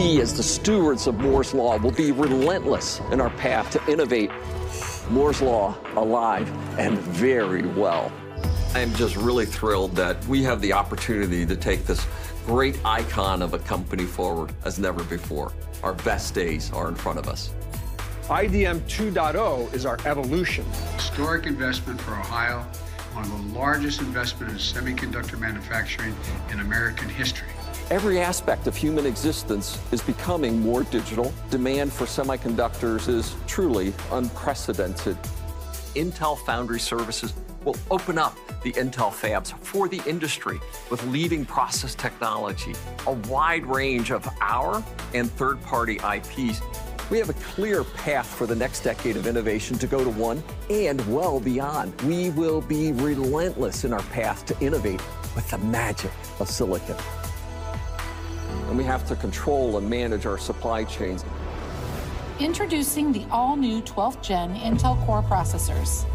We, as the stewards of Moore's Law, will be relentless in our path to innovate. Moore's Law is alive and very well. I am just really thrilled that we have the opportunity to take this great icon of a company forward as never before. Our best days are in front of us. IDM 2.0 is our evolution. Historic investment for Ohio, one of the largest investments in semiconductor manufacturing in American history. Every aspect of human existence is becoming more digital. Demand for semiconductors is truly unprecedented. Intel Foundry Services will open up the Intel fabs for the industry with leading process technology, a wide range of our own and third-party IPs. We have a clear path for the next decade of innovation to go to one nm and well beyond. We will be relentless in our path to innovate with the magic of silicon. We have to control and manage our supply chains. Introducing the all-new 12th Gen Intel Core processors.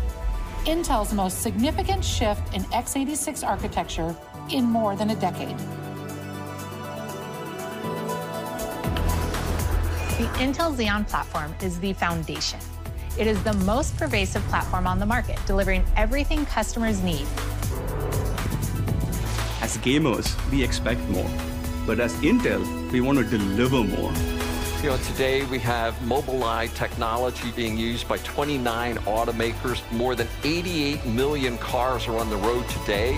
Intel's most significant shift in x86 architecture in more than a decade. The Intel Xeon platform is the foundation. It is the most pervasive platform on the market, delivering everything customers need. As gamers, we expect more. As Intel, we want to deliver more. You know, today we have Mobileye technology being used by 29 automakers. More than 88 million cars are on the road today.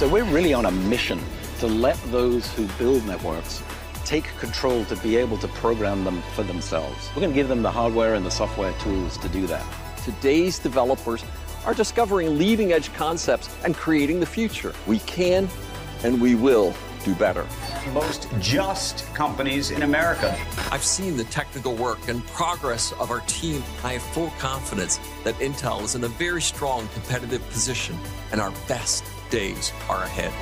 We're really on a mission to let those who build networks take control to be able to program them for themselves. We're gonna give them the hardware and the software tools to do that. Today's developers are discovering leading-edge concepts and creating the future. We can, and we will do better. Most trusted companies in America. I've seen the technical work and progress of our team. I have full confidence that Intel is in a very strong competitive position, and our best days are ahead.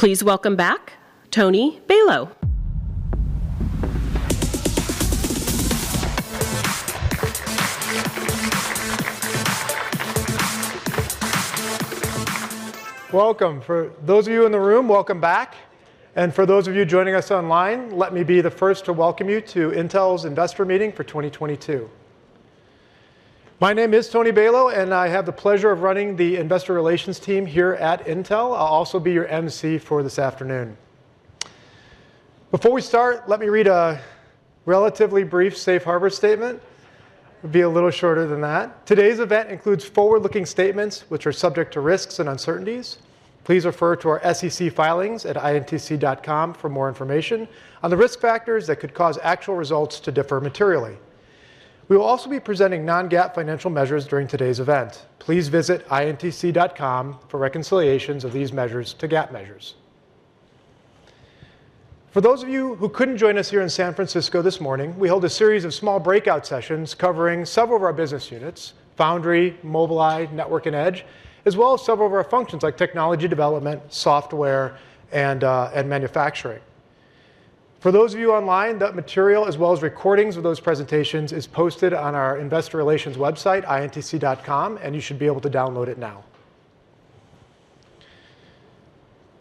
Welcome. For those of you in the room, welcome back. For those of you joining us online, let me be the first to welcome you to Intel's Investor Meeting for 2022. My name is Tony Balow, and I have the pleasure of running the investor relations team here at Intel. I'll also be your emcee for this afternoon. Before we start, let me read a relatively brief safe harbor statement. It'll be a little shorter than that. Today's event includes forward-looking statements which are subject to risks and uncertainties. Please refer to our SEC filings at intc.com for more information on the risk factors that could cause actual results to differ materially. We will also be presenting non-GAAP financial measures during today's event. Please visit intc.com for reconciliations of these measures to GAAP measures. For those of you who couldn't join us here in San Francisco this morning, we held a series of small breakout sessions covering several of our business units, Foundry, Mobileye, Network and Edge, as well as several of our functions like technology development, software, and manufacturing. For those of you online, that material, as well as recordings of those presentations, is posted on our investor relations website, intc.com, and you should be able to download it now.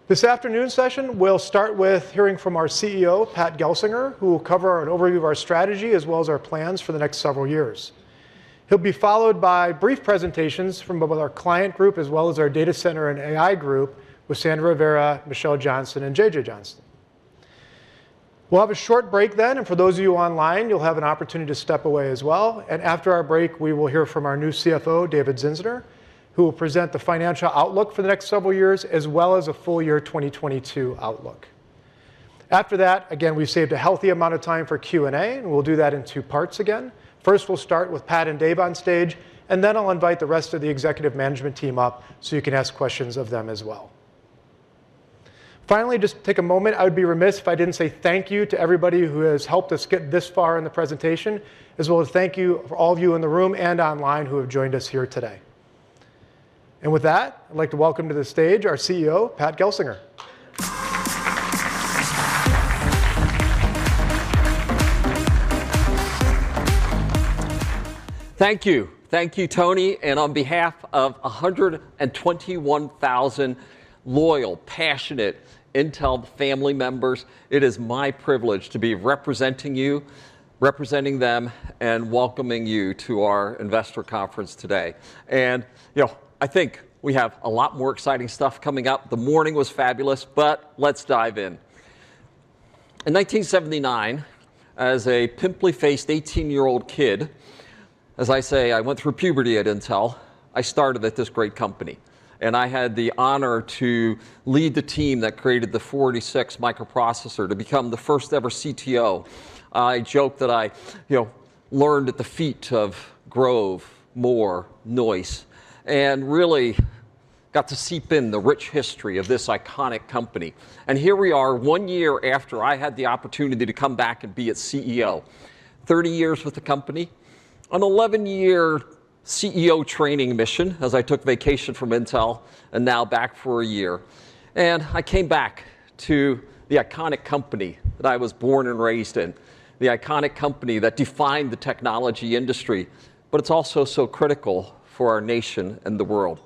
This afternoon's session will start with hearing from our CEO, Pat Gelsinger, who will cover an overview of our strategy as well as our plans for the next several years. He'll be followed by brief presentations from both our client group as well as our data center and AI group with Sandra Rivera, Michelle Johnston, and JJ Johnson. We'll have a short break then, and for those of you online, you'll have an opportunity to step away as well. After our break, we will hear from our new CFO, David Zinsner, who will present the financial outlook for the next several years as well as a full year 2022 outlook. After that, again, we've saved a healthy amount of time for Q&A, and we'll do that in two parts again. First, we'll start with Pat and Dave on stage, and then I'll invite the rest of the executive management team up so you can ask questions of them as well. Finally, just take a moment. I would be remiss if I didn't say thank you to everybody who has helped us get this far in the presentation, as well as thank you for all of you in the room and online who have joined us here today. With that, I'd like to welcome to the stage our CEO, Pat Gelsinger. Thank you. Thank you, Tony. On behalf of 121,000 loyal, passionate Intel family members, it is my privilege to be representing you, representing them, and welcoming you to our investor conference today. You know, I think we have a lot more exciting stuff coming up. The morning was fabulous, but let's dive in. In 1979, as a pimply-faced 18-year-old kid, as I say, I went through puberty at Intel. I started at this great company, and I had the honor to lead the team that created the 4006 microprocessor to become the first ever CTO. I joke that I, you know, learned at the feet of Grove, Moore, Noyce, and really got to seep in the rich history of this iconic company. Here we are one year after I had the opportunity to come back and be its CEO. 30 years with the company, an 11-year CEO training mission as I took vacation from Intel, and now back for a year. I came back to the iconic company that I was born and raised in, the iconic company that defined the technology industry, but it's also so critical for our nation and the world.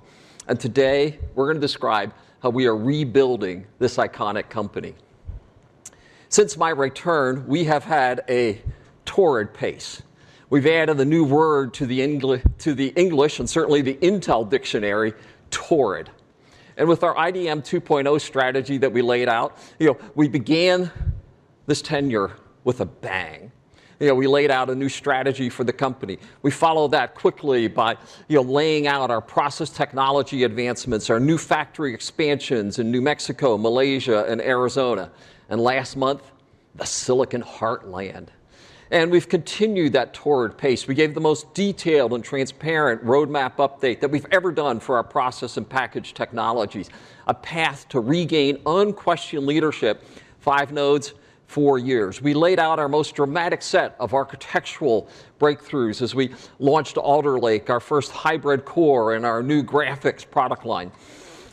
Today, we're gonna describe how we are rebuilding this iconic company. Since my return, we have had a torrid pace. We've added a new word to the English, and certainly the Intel dictionary, torrid. With our IDM 2.0 strategy that we laid out, you know, we began this tenure with a bang. You know, we laid out a new strategy for the company. We followed that quickly by, you know, laying out our process technology advancements, our new factory expansions in New Mexico, Malaysia and Arizona, and last month, the Silicon Heartland. We've continued that torrid pace. We gave the most detailed and transparent roadmap update that we've ever done for our process and package technologies, a path to regain unquestioned leadership, five nodes, four years. We laid out our most dramatic set of architectural breakthroughs as we launched Alder Lake, our first hybrid core, and our new graphics product line.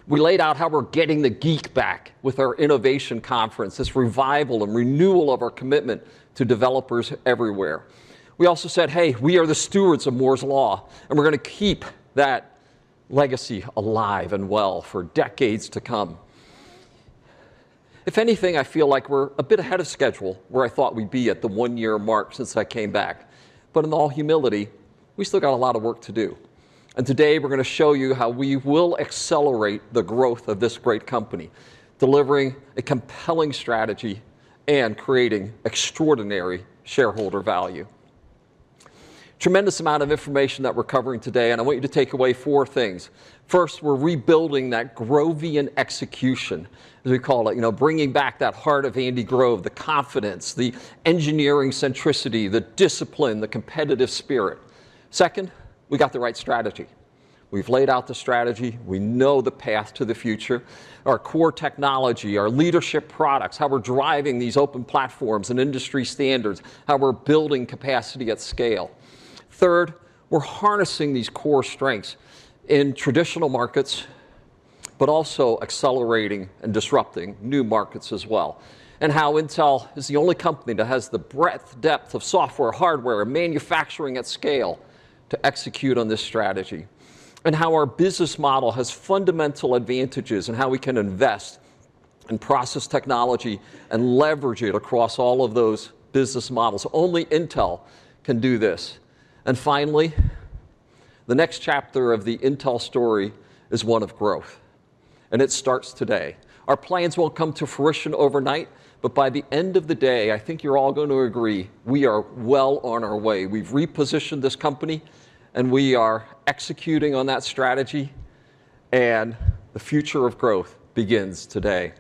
We laid out how we're getting the geek back with our innovation conference, this revival and renewal of our commitment to developers everywhere. We also said, "Hey, we are the stewards of Moore's Law, and we're gonna keep that legacy alive and well for decades to come." If anything, I feel like we're a bit ahead of schedule where I thought we'd be at the one-year mark since I came back. In all humility, we still got a lot of work to do. Today we're gonna show you how we will accelerate the growth of this great company, delivering a compelling strategy and creating extraordinary shareholder value. Tremendous amount of information that we're covering today, and I want you to take away four things. First, we're rebuilding that Grovian execution, as we call it, you know, bringing back that heart of Andy Grove, the confidence, the engineering centricity, the discipline, the competitive spirit. Second, we got the right strategy. We've laid out the strategy. We know the path to the future. Our core technology, our leadership products, how we're driving these open platforms and industry standards, how we're building capacity at scale. Third, we're harnessing these core strengths in traditional markets, but also accelerating and disrupting new markets as well, and how Intel is the only company that has the breadth, depth of software, hardware, manufacturing at scale to execute on this strategy, and how our business model has fundamental advantages in how we can invest in process technology and leverage it across all of those business models. Only Intel can do this. Finally, the next chapter of the Intel story is one of growth, and it starts today. Our plans won't come to fruition overnight, but by the end of the day, I think you're all going to agree we are well on our way. We've repositioned this company, and we are executing on that strategy, and the future of growth begins today.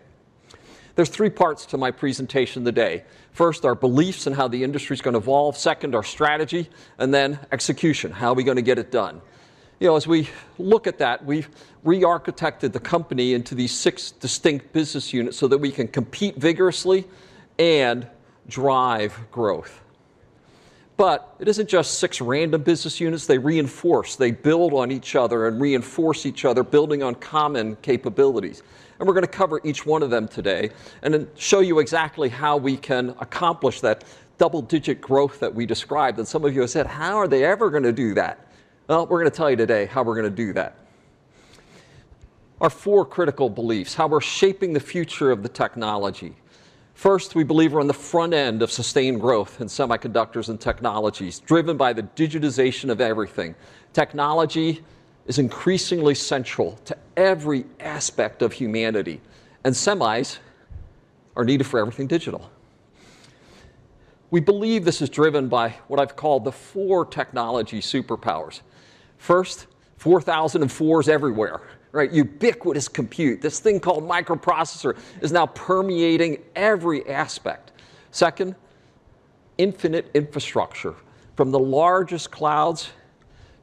There's three parts to my presentation today. First, our beliefs in how the industry's gonna evolve. Second, our strategy. Execution, how are we gonna get it done? You know, as we look at that, we've rearchitected the company into these six distinct business units so that we can compete vigorously and drive growth. It isn't just six random business units. They reinforce. They build on each other and reinforce each other, building on common capabilities. We're gonna cover each one of them today and then show you exactly how we can accomplish that double-digit growth that we described. Some of you have said, "How are they ever gonna do that?" Well, we're gonna tell you today how we're gonna do that. Our four critical beliefs, how we're shaping the future of the technology. First, we believe we're on the front end of sustained growth in semiconductors and technologies, driven by the digitization of everything. Technology is increasingly central to every aspect of humanity, and semis are needed for everything digital. We believe this is driven by what I've called the four technology superpowers. First, 4004s everywhere, right? Ubiquitous compute. This thing called microprocessor is now permeating every aspect. Second, infinite infrastructure, from the largest clouds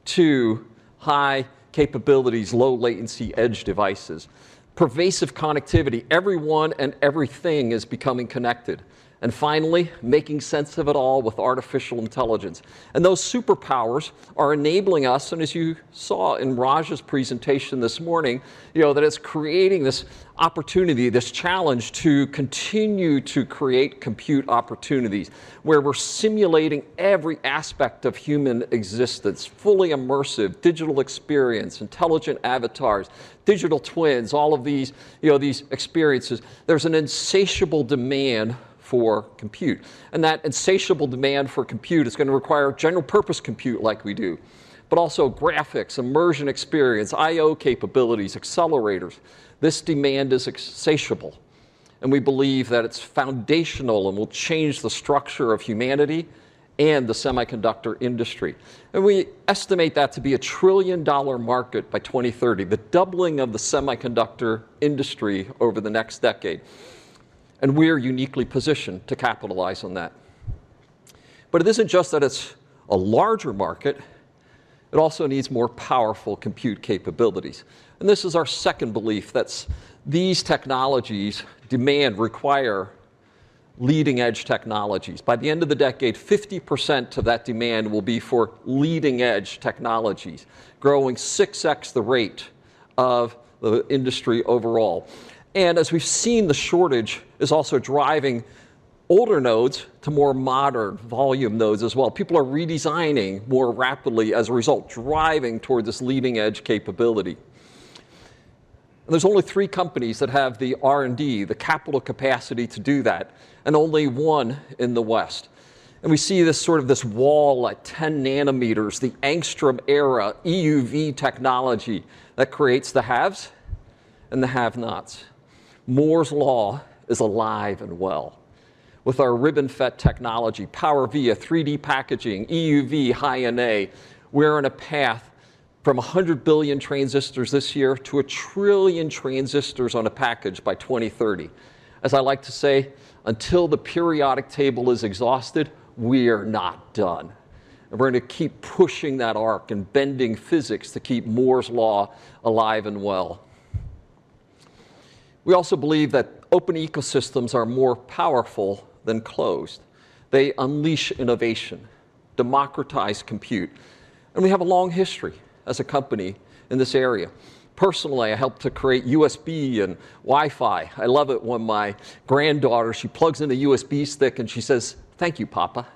to high capabilities, low latency edge devices. Pervasive connectivity. Everyone and everything is becoming connected. Finally, making sense of it all with artificial intelligence. Those superpowers are enabling us, and as you saw in Raja's presentation this morning, you know, that it's creating this opportunity, this challenge to continue to create compute opportunities where we're simulating every aspect of human existence, fully immersive, digital experience, intelligent avatars, digital twins, all of these, you know, these experiences. There's an insatiable demand for compute, and that insatiable demand for compute is gonna require general purpose compute like we do, but also graphics, immersion experience, I/O capabilities, accelerators. This demand is insatiable, and we believe that it's foundational and will change the structure of humanity and the semiconductor industry. We estimate that to be a $1 trillion market by 2030, the doubling of the semiconductor industry over the next decade. We are uniquely positioned to capitalize on that. It isn't just that it's a larger market, it also needs more powerful compute capabilities. This is our second belief, that these technologies demand, require leading-edge technologies. By the end of the decade, 50% of that demand will be for leading-edge technologies, growing 6x the rate of the industry overall. As we've seen, the shortage is also driving older nodes to more modern volume nodes as well. People are redesigning more rapidly as a result, driving towards this leading-edge capability. There's only three companies that have the R&D, the capital capacity to do that, and only one in the West. We see this wall at 10 nanometers, the Angstrom era, EUV technology that creates the haves and the have-nots. Moore's Law is alive and well. With our RibbonFET technology, PowerVia, 3D packaging, EUV, High-NA, we're on a path from 100 billion transistors this year to 1 trillion transistors on a package by 2030. As I like to say, until the periodic table is exhausted, we are not done. We're going to keep pushing that arc and bending physics to keep Moore's Law alive and well. We also believe that open ecosystems are more powerful than closed. They unleash innovation, democratize compute, and we have a long history as a company in this area. Personally, I helped to create USB and Wi-Fi. I love it when my granddaughter, she plugs in a USB stick, and she says, "Thank you, Papa."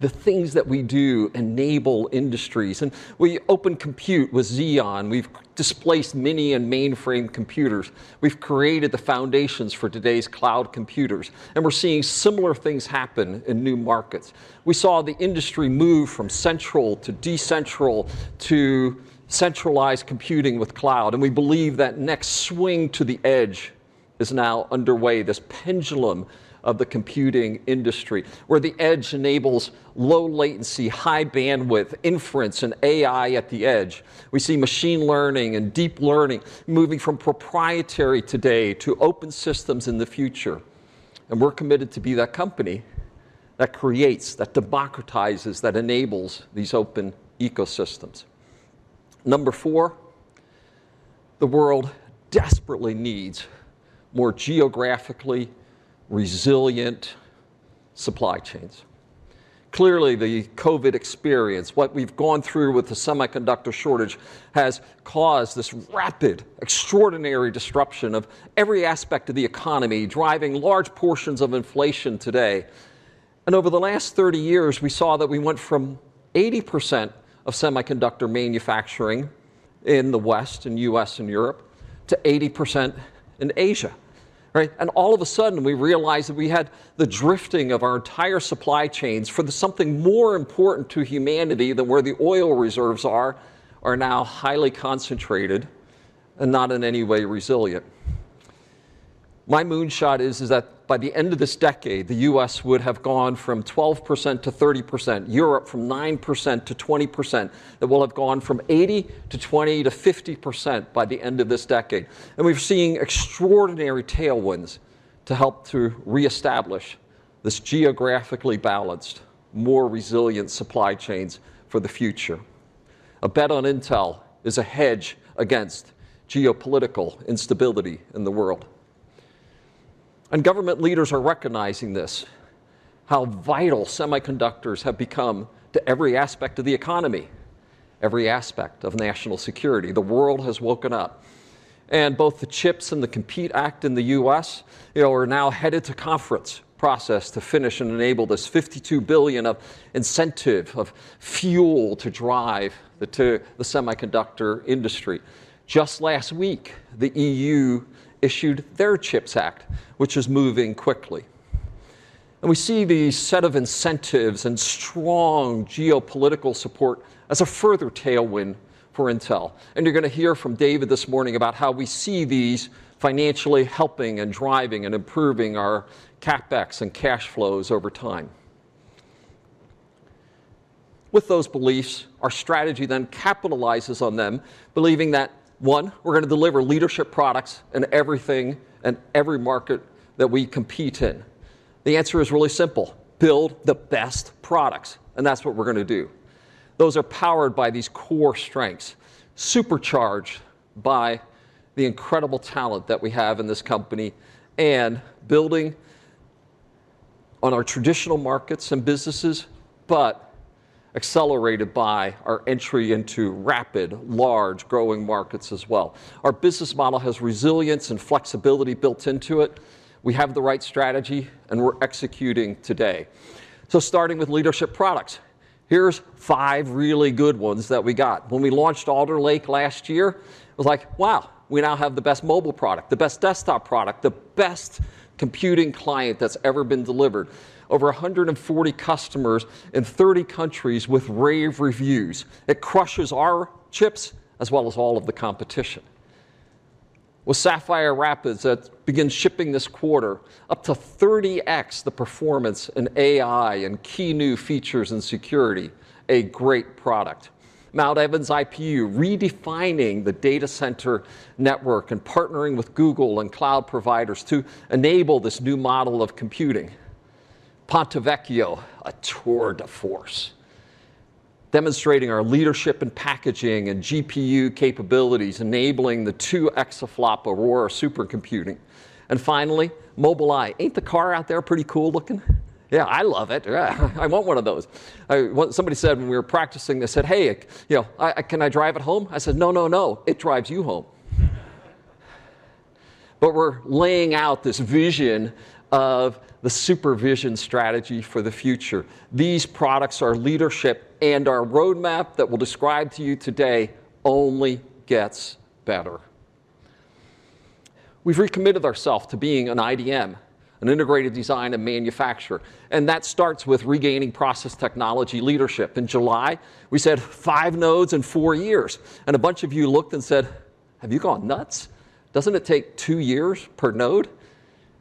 The things that we do enable industries. We open compute with Xeon. We've displaced mini and mainframe computers. We've created the foundations for today's cloud computers. We're seeing similar things happen in new markets. We saw the industry move from centralized to decentralized to centralized computing with cloud. We believe that next swing to the edge is now underway, this pendulum of the computing industry, where the edge enables low latency, high bandwidth, inference, and AI at the edge. We see machine learning and deep learning moving from proprietary today to open systems in the future. We're committed to be that company that creates, that democratizes, that enables these open ecosystems. Number four, the world desperately needs more geographically resilient supply chains. Clearly, the COVID experience, what we've gone through with the semiconductor shortage, has caused this rapid, extraordinary disruption of every aspect of the economy, driving large portions of inflation today. Over the last 30 years, we saw that we went from 80% of semiconductor manufacturing in the West, in U.S. and Europe, to 80% in Asia, right? All of a sudden, we realized that we had the drifting of our entire supply chains for something more important to humanity than where the oil reserves are now highly concentrated and not in any way resilient. My moonshot is that by the end of this decade, the US would have gone from 12%-30%, Europe from 9%-20%, that we'll have gone from 80%-20% to 50% by the end of this decade. We've seen extraordinary tailwinds to help to reestablish this geographically balanced, more resilient supply chains for the future. A bet on Intel is a hedge against geopolitical instability in the world. Government leaders are recognizing this, how vital semiconductors have become to every aspect of the economy, every aspect of national security. The world has woken up. Both the CHIPS Act and the America COMPETES Act in the U.S., you know, are now headed to conference process to finish and enable this $52 billion in incentives to fuel the semiconductor industry. Just last week, the EU issued their European Chips Act, which is moving quickly. We see the set of incentives and strong geopolitical support as a further tailwind for Intel. You're gonna hear from David this morning about how we see these financially helping and driving and improving our CapEx and cash flows over time. With those beliefs, our strategy then capitalizes on them, believing that, one, we're gonna deliver leadership products in everything and every market that we compete in. The answer is really simple. Build the best products, and that's what we're gonna do. Those are powered by these core strengths, supercharged by the incredible talent that we have in this company, and building on our traditional markets and businesses, but accelerated by our entry into rapid, large growing markets as well. Our business model has resilience and flexibility built into it. We have the right strategy, and we're executing today. Starting with leadership products, here's five really good ones that we got. When we launched Alder Lake last year, it was like, wow, we now have the best mobile product, the best desktop product, the best computing client that's ever been delivered. Over 140 customers in 30 countries with rave reviews. It crushes our chips as well as all of the competition. With Sapphire Rapids that begins shipping this quarter, up to 30x the performance in AI and key new features and security, a great product. Mount Evans IPU redefining the data center network and partnering with Google and cloud providers to enable this new model of computing. Ponte Vecchio, a tour de force demonstrating our leadership in packaging and GPU capabilities, enabling the two-exaflop Aurora supercomputing. Finally, Mobileye. Ain't the car out there pretty cool looking? Yeah, I love it. Yeah, I want one of those. I want. Somebody said when we were practicing, they said, "Hey, you know, can I drive it home?" I said, "No, no, it drives you home." We're laying out this vision of the supervision strategy for the future. These products are leadership, and our roadmap that we'll describe to you today only gets better. We've recommitted ourselves to being an IDM, an integrated device manufacturer, and that starts with regaining process technology leadership. In July, we said five nodes in four years, and a bunch of you looked and said, "Have you gone nuts? Doesn't it take two years per node?"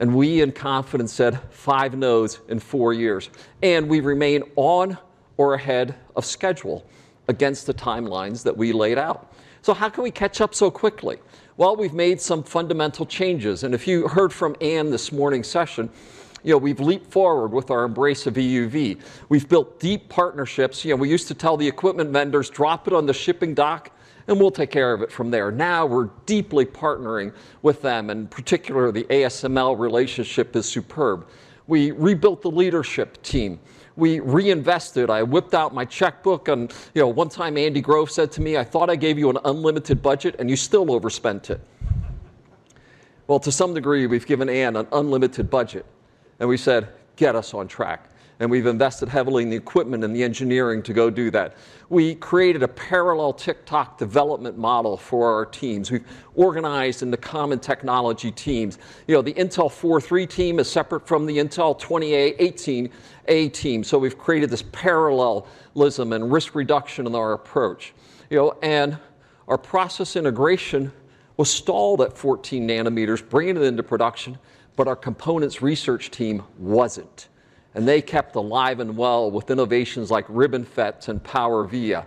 We in confidence said, "five nodes in four years." We remain on or ahead of schedule against the timelines that we laid out. How can we catch up so quickly? Well, we've made some fundamental changes, and if you heard from Ann this morning's session, you know, we've leaped forward with our embrace of EUV. We've built deep partnerships. You know, we used to tell the equipment vendors, "Drop it on the shipping dock, and we'll take care of it from there." Now we're deeply partnering with them, and particularly, the ASML relationship is superb. We rebuilt the leadership team. We reinvested. I whipped out my checkbook, and, you know, one time Andy Grove said to me, "I thought I gave you an unlimited budget, and you still overspent it." Well, to some degree, we've given Ann an unlimited budget, and we said, "Get us on track." We've invested heavily in the equipment and the engineering to go do that. We created a parallel tick-tock development model for our teams. We've organized into common technology teams. You know, the Intel 4-three team is separate from the Intel 20A, 18A team, so we've created this parallelism and risk reduction in our approach. You know, our process integration was stalled at 14 nm bringing it into production, but our components research team wasn't, and they kept alive and well with innovations like RibbonFET and PowerVia.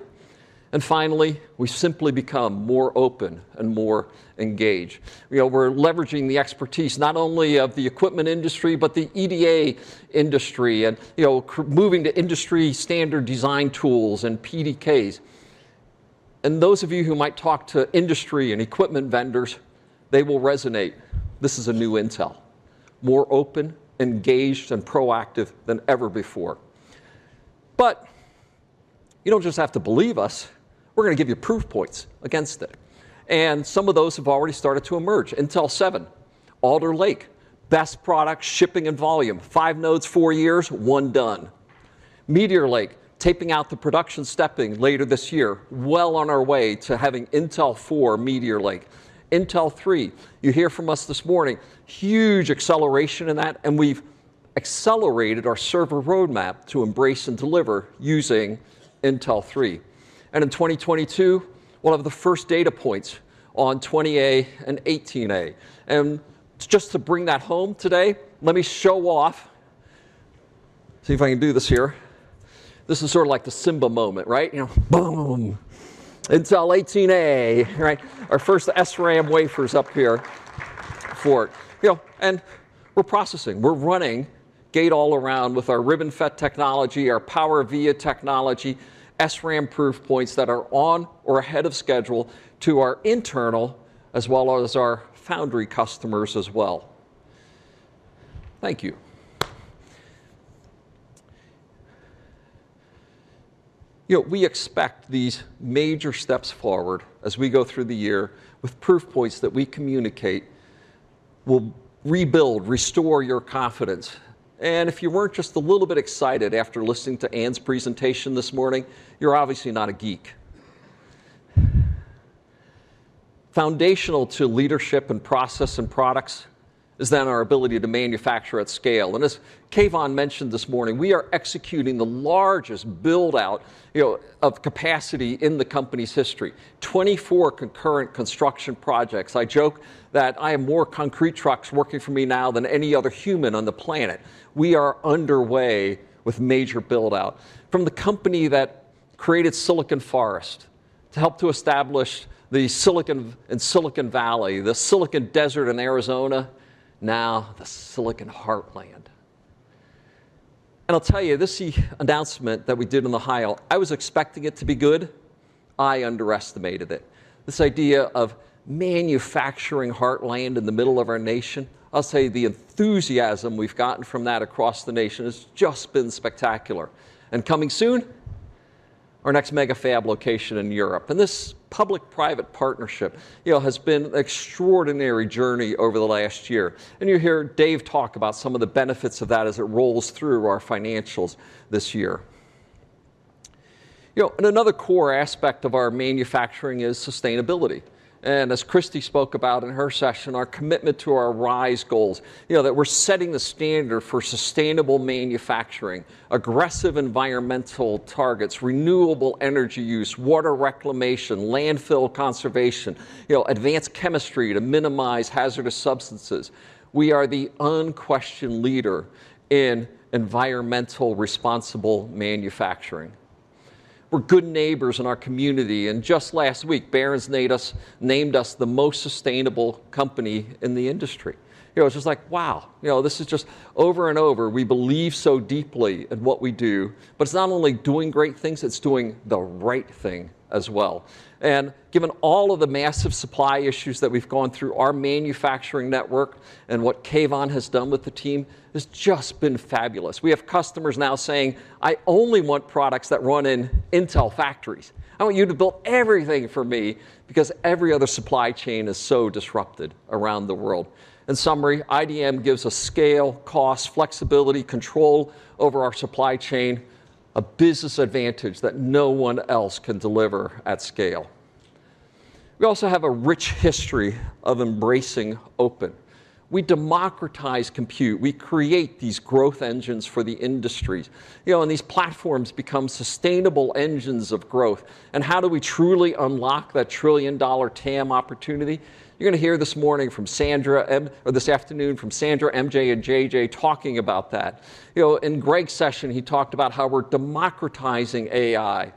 Finally, we've simply become more open and more engaged. You know, we're leveraging the expertise not only of the equipment industry but the EDA industry and, you know, moving to industry standard design tools and PDKs. Those of you who might talk to industry and equipment vendors, they will resonate. This is a new Intel, more open, engaged, and proactive than ever before. You don't just have to believe us. We're gonna give you proof points against it, and some of those have already started to emerge. Intel seven, Alder Lake, best product shipping in volume. five nodes, four years, one done. Meteor Lake, taping out the production stepping later this year, well on our way to having Intel 4 Meteor Lake. Intel 3, you hear from us this morning, huge acceleration in that, and we've accelerated our server roadmap to embrace and deliver using Intel 3. In 2022, we'll have the first data points on 20A and 18A. To just bring that home today, let me show off. See if I can do this here. This is sort of like the Simba moment, right? You know, boom. Intel 18A, right? Our first SRAM wafer's up here for it. You know, we're processing. We're running gate all around with our RibbonFET technology, our PowerVia technology, SRAM proof points that are on or ahead of schedule to our internal as well as our foundry customers as well. Thank you. You know, we expect these major steps forward as we go through the year with proof points that we communicate will rebuild, restore your confidence. If you weren't just a little bit excited after listening to Ann's presentation this morning, you're obviously not a geek. Foundational to leadership and process and products is our ability to manufacture at scale. As Keyvan mentioned this morning, we are executing the largest build-out, you know, of capacity in the company's history. 24 concurrent construction projects. I joke that I have more concrete trucks working for me now than any other human on the planet. We are underway with major build-out. From the company that created Silicon Forest to help to establish the silicon in Silicon Valley, the Silicon Desert in Arizona, now the Silicon Heartland. I'll tell you, this announcement that we did in Ohio, I was expecting it to be good. I underestimated it. This idea of manufacturing heartland in the middle of our nation, I'll say the enthusiasm we've gotten from that across the nation has just been spectacular. Coming soon, our next mega fab location in Europe, and this public-private partnership, you know, has been an extraordinary journey over the last year, and you'll hear Dave talk about some of the benefits of that as it rolls through our financials this year. You know, another core aspect of our manufacturing is sustainability. As Christy spoke about in her session, our commitment to our RISE goals, you know, that we're setting the standard for sustainable manufacturing, aggressive environmental targets, renewable energy use, water reclamation, landfill conservation, you know, advanced chemistry to minimize hazardous substances. We are the unquestioned leader in environmentally responsible manufacturing. We're good neighbors in our community, and just last week, Barron's named us the most sustainable company in the industry. You know, it's just like, wow. You know, this is just over and over, we believe so deeply in what we do, but it's not only doing great things, it's doing the right thing as well. Given all of the massive supply issues that we've gone through, our manufacturing network and what Keyvan has done with the team has just been fabulous. We have customers now saying, "I only want products that run in Intel factories. I want you to build everything for me," because every other supply chain is so disrupted around the world. In summary, IDM gives us scale, cost, flexibility, control over our supply chain, a business advantage that no one else can deliver at scale. We also have a rich history of embracing open. We democratize compute. We create these growth engines for the industries. You know, these platforms become sustainable engines of growth. How do we truly unlock that trillion-dollar TAM opportunity? You're gonna hear this morning from Sandra or this afternoon from Sandra, MJ, and JJ talking about that. You know, in Greg's session, he talked about how we're democratizing AI.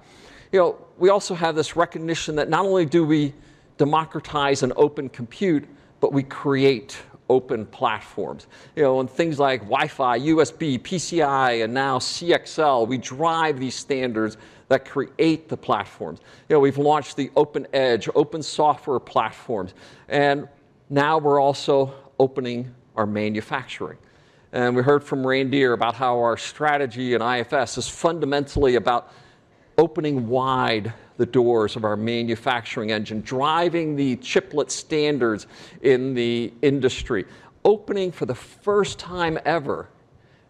You know, we also have this recognition that not only do we democratize and open compute, but we create open platforms. You know, and things like Wi-Fi, USB, PCI, and now CXL, we drive these standards that create the platforms. You know, we've launched the Open Edge, open software platforms, and now we're also opening our manufacturing. We heard from Randhir about how our strategy in IFS is fundamentally about opening wide the doors of our manufacturing engine, driving the chiplet standards in the industry, opening for the first time ever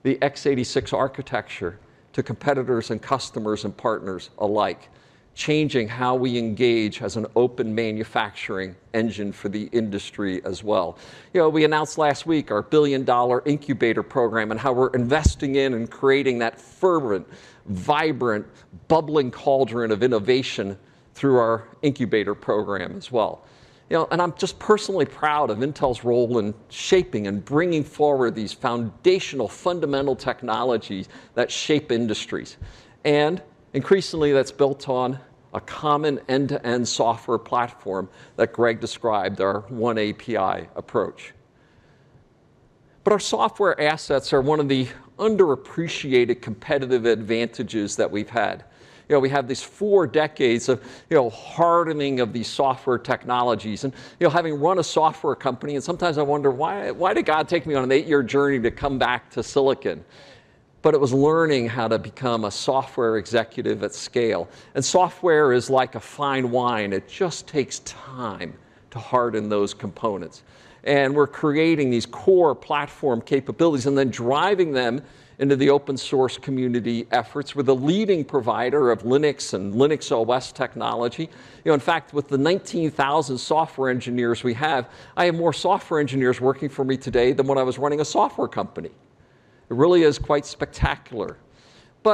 the x86 architecture to competitors and customers and partners alike, changing how we engage as an open manufacturing engine for the industry as well. You know, we announced last week our billion-dollar incubator program and how we're investing in and creating that fervent, vibrant, bubbling cauldron of innovation through our incubator program as well. You know, and I'm just personally proud of Intel's role in shaping and bringing forward these foundational, fundamental technologies that shape industries, and increasingly that's built on a common end-to-end software platform that Greg described, our oneAPI approach. Our software assets are one of the underappreciated competitive advantages that we've had. You know, we have these four decades of, you know, hardening of these software technologies and, you know, having run a software company, and sometimes I wonder why did God take me on an eight-year journey to come back to Silicon? It was learning how to become a software executive at scale. Software is like a fine wine, it just takes time to harden those components. We're creating these core platform capabilities and then driving them into the open source community efforts. We're the leading provider of Linux and Linux OS technology. You know, in fact, with the 19,000 software engineers we have, I have more software engineers working for me today than when I was running a software company. It really is quite spectacular.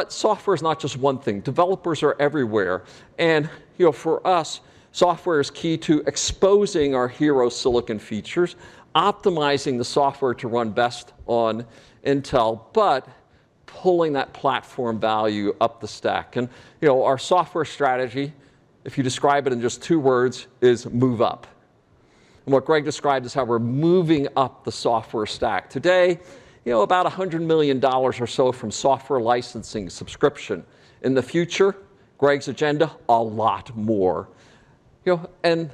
Software is not just one thing. Developers are everywhere. You know, for us, software is key to exposing our hero silicon features, optimizing the software to run best on Intel, but pulling that platform value up the stack. You know, our software strategy, if you describe it in just two words, is move up. What Greg described is how we're moving up the software stack. Today, you know, about $100 million or so from software licensing subscription. In the future, Greg's agenda, a lot more. You know,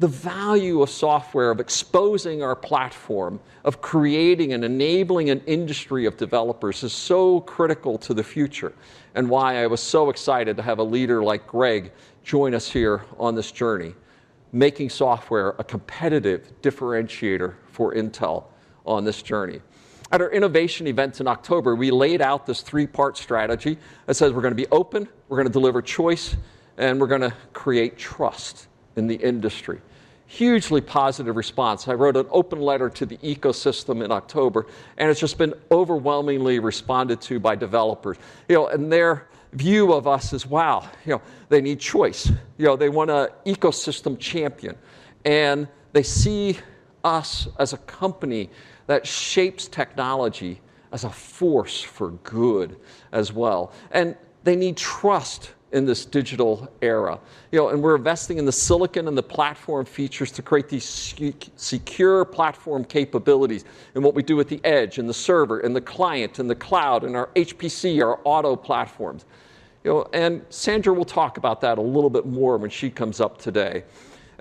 the value of software, of exposing our platform, of creating and enabling an industry of developers is so critical to the future, and why I was so excited to have a leader like Greg join us here on this journey, making software a competitive differentiator for Intel on this journey. At our innovation event in October, we laid out this three-part strategy that says we're gonna be open, we're gonna deliver choice, and we're gonna create trust in the industry. Hugely positive response. I wrote an open letter to the ecosystem in October, and it's just been overwhelmingly responded to by developers. You know, their view of us is, wow, you know, they need choice. You know, they want an ecosystem champion. They see us as a company that shapes technology as a force for good as well. They need trust in this digital era. You know, we're investing in the silicon and the platform features to create these secure platform capabilities in what we do with the edge, and the server, and the client, and the cloud, and our HPC, our auto platforms. You know, Sandra will talk about that a little bit more when she comes up today.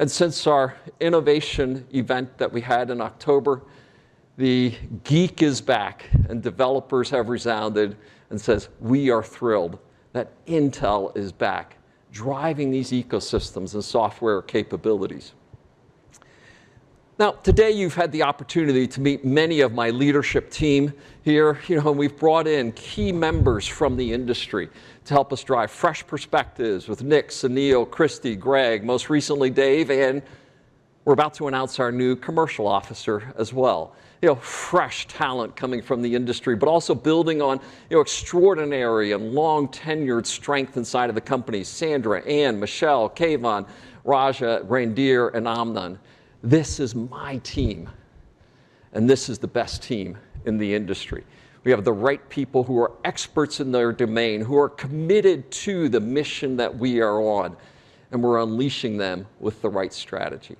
Since our innovation event that we had in October, the geek is back and developers have responded and say, "We are thrilled that Intel is back driving these ecosystems and software capabilities." Now, today you've had the opportunity to meet many of my leadership team here. You know, we've brought in key members from the industry to help us drive fresh perspectives with Nick, Sunil, Christy, Greg, most recently David, and we're about to announce our new commercial officer as well. You know, fresh talent coming from the industry, but also building on, you know, extraordinary and long-tenured strength inside of the company, Sandra, Anne, Michelle, Keyvan, Raja, Randhir, and Amnon. This is my team. This is the best team in the industry. We have the right people who are experts in their domain, who are committed to the mission that we are on, and we're unleashing them with the right strategy.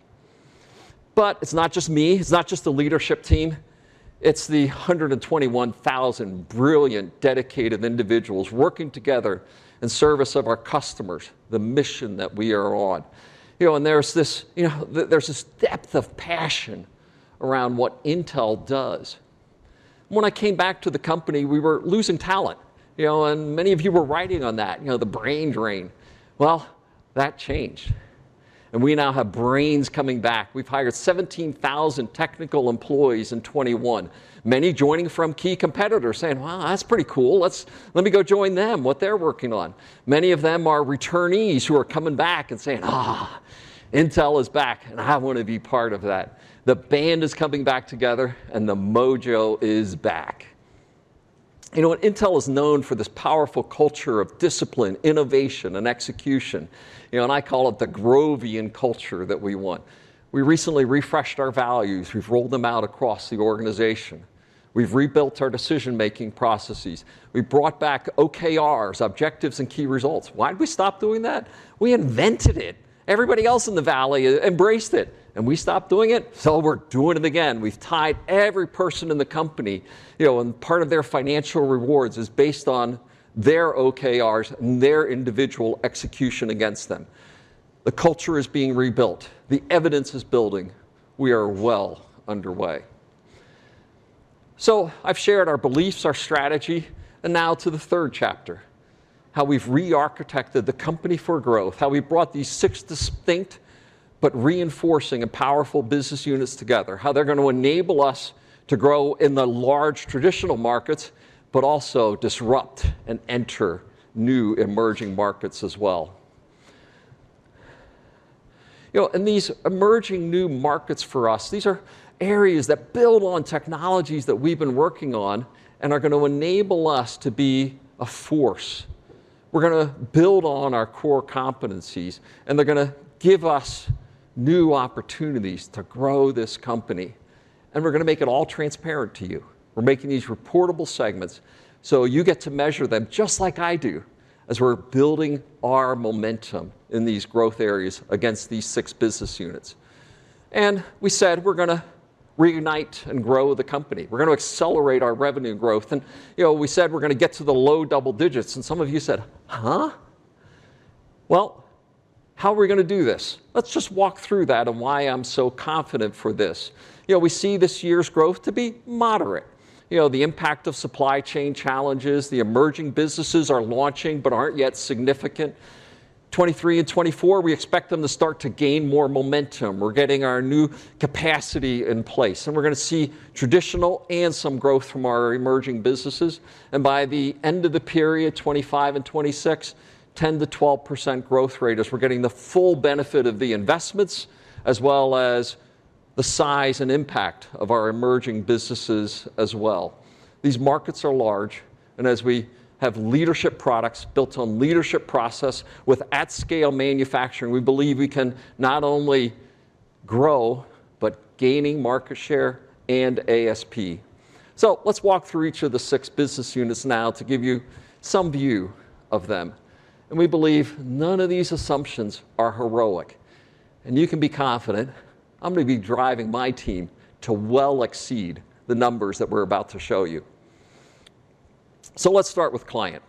It's not just me, it's not just the leadership team. It's the 121,000 brilliant, dedicated individuals working together in service of our customers, the mission that we are on. You know, there's this, you know, there's this depth of passion around what Intel does. When I came back to the company, we were losing talent, you know, and many of you were writing on that, you know, the brain drain. Well, that changed, and we now have brains coming back. We've hired 17,000 technical employees in 2021, many joining from key competitors saying, "Wow, that's pretty cool. Let me go join them, what they're working on. Many of them are returnees who are coming back and saying, "Ah, Intel is back, and I wanna be part of that." The band is coming back together and the mojo is back. You know what? Intel is known for this powerful culture of discipline, innovation, and execution. You know, and I call it the Grovian culture that we want. We recently refreshed our values. We've rolled them out across the organization. We've rebuilt our decision-making processes. We brought back OKRs, objectives and key results. Why'd we stop doing that? We invented it. Everybody else in the valley embraced it, and we stopped doing it, so we're doing it again. We've tied every person in the company, you know, and part of their financial rewards is based on their OKRs and their individual execution against them. The culture is being rebuilt. The evidence is building. We are well underway. I've shared our beliefs, our strategy, and now to the third chapter. How we've re-architected the company for growth, how we brought these six distinct but reinforcing and powerful business units together, how they're gonna enable us to grow in the large traditional markets, but also disrupt and enter new emerging markets as well. You know, and these emerging new markets for us, these are areas that build on technologies that we've been working on and are gonna enable us to be a force. We're gonna build on our core competencies, and they're gonna give us new opportunities to grow this company, and we're gonna make it all transparent to you. We're making these reportable segments, so you get to measure them just like I do as we're building our momentum in these growth areas against these six business units. We said we're gonna reunite and grow the company. We're gonna accelerate our revenue growth. You know, we said we're gonna get to the low double digits, and some of you said, "Huh?" Well, how are we gonna do this? Let's just walk through that and why I'm so confident for this. You know, we see this year's growth to be moderate. You know, the impact of supply chain challenges, the emerging businesses are launching but aren't yet significant. 2023 and 2024, we expect them to start to gain more momentum. We're getting our new capacity in place, and we're gonna see traditional and some growth from our emerging businesses. By the end of the period, 2025 and 2026, 10%-12% growth rate as we're getting the full benefit of the investments, as well as the size and impact of our emerging businesses as well. These markets are large, and as we have leadership products built on leadership process with at scale manufacturing, we believe we can not only grow, but gaining market share and ASP. Let's walk through each of the six business units now to give you some view of them. We believe none of these assumptions are heroic. You can be confident I'm gonna be driving my team to well exceed the numbers that we're about to show you. Let's start with Client.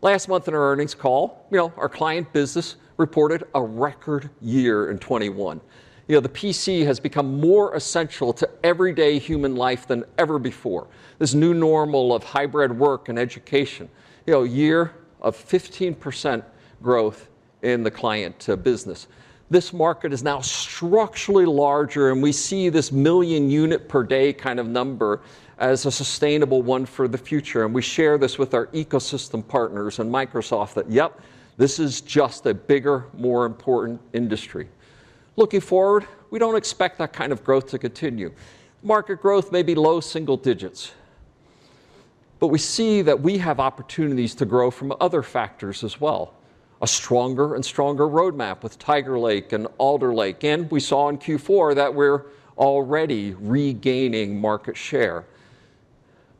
Last month in our earnings call, you know, our Client business reported a record year in 2021. You know, the PC has become more essential to everyday human life than ever before. This new normal of hybrid work and education. You know, year of 15% growth in the client business. This market is now structurally larger, and we see this 1 million units per day kind of number as a sustainable one for the future. We share this with our ecosystem partners and Microsoft that, yep, this is just a bigger, more important industry. Looking forward, we don't expect that kind of growth to continue. Market growth may be low single digits, but we see that we have opportunities to grow from other factors as well. A stronger and stronger roadmap with Tiger Lake and Alder Lake. We saw in Q4 that we're already regaining market share.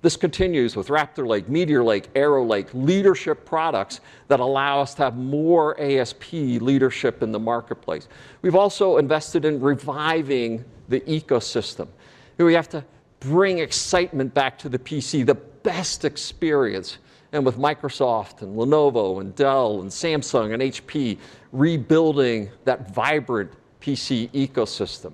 This continues with Raptor Lake, Meteor Lake, Arrow Lake, leadership products that allow us to have more ASP leadership in the marketplace. We've also invested in reviving the ecosystem. You know, we have to bring excitement back to the PC, the best experience, and with Microsoft and Lenovo and Dell and Samsung and HP rebuilding that vibrant PC ecosystem.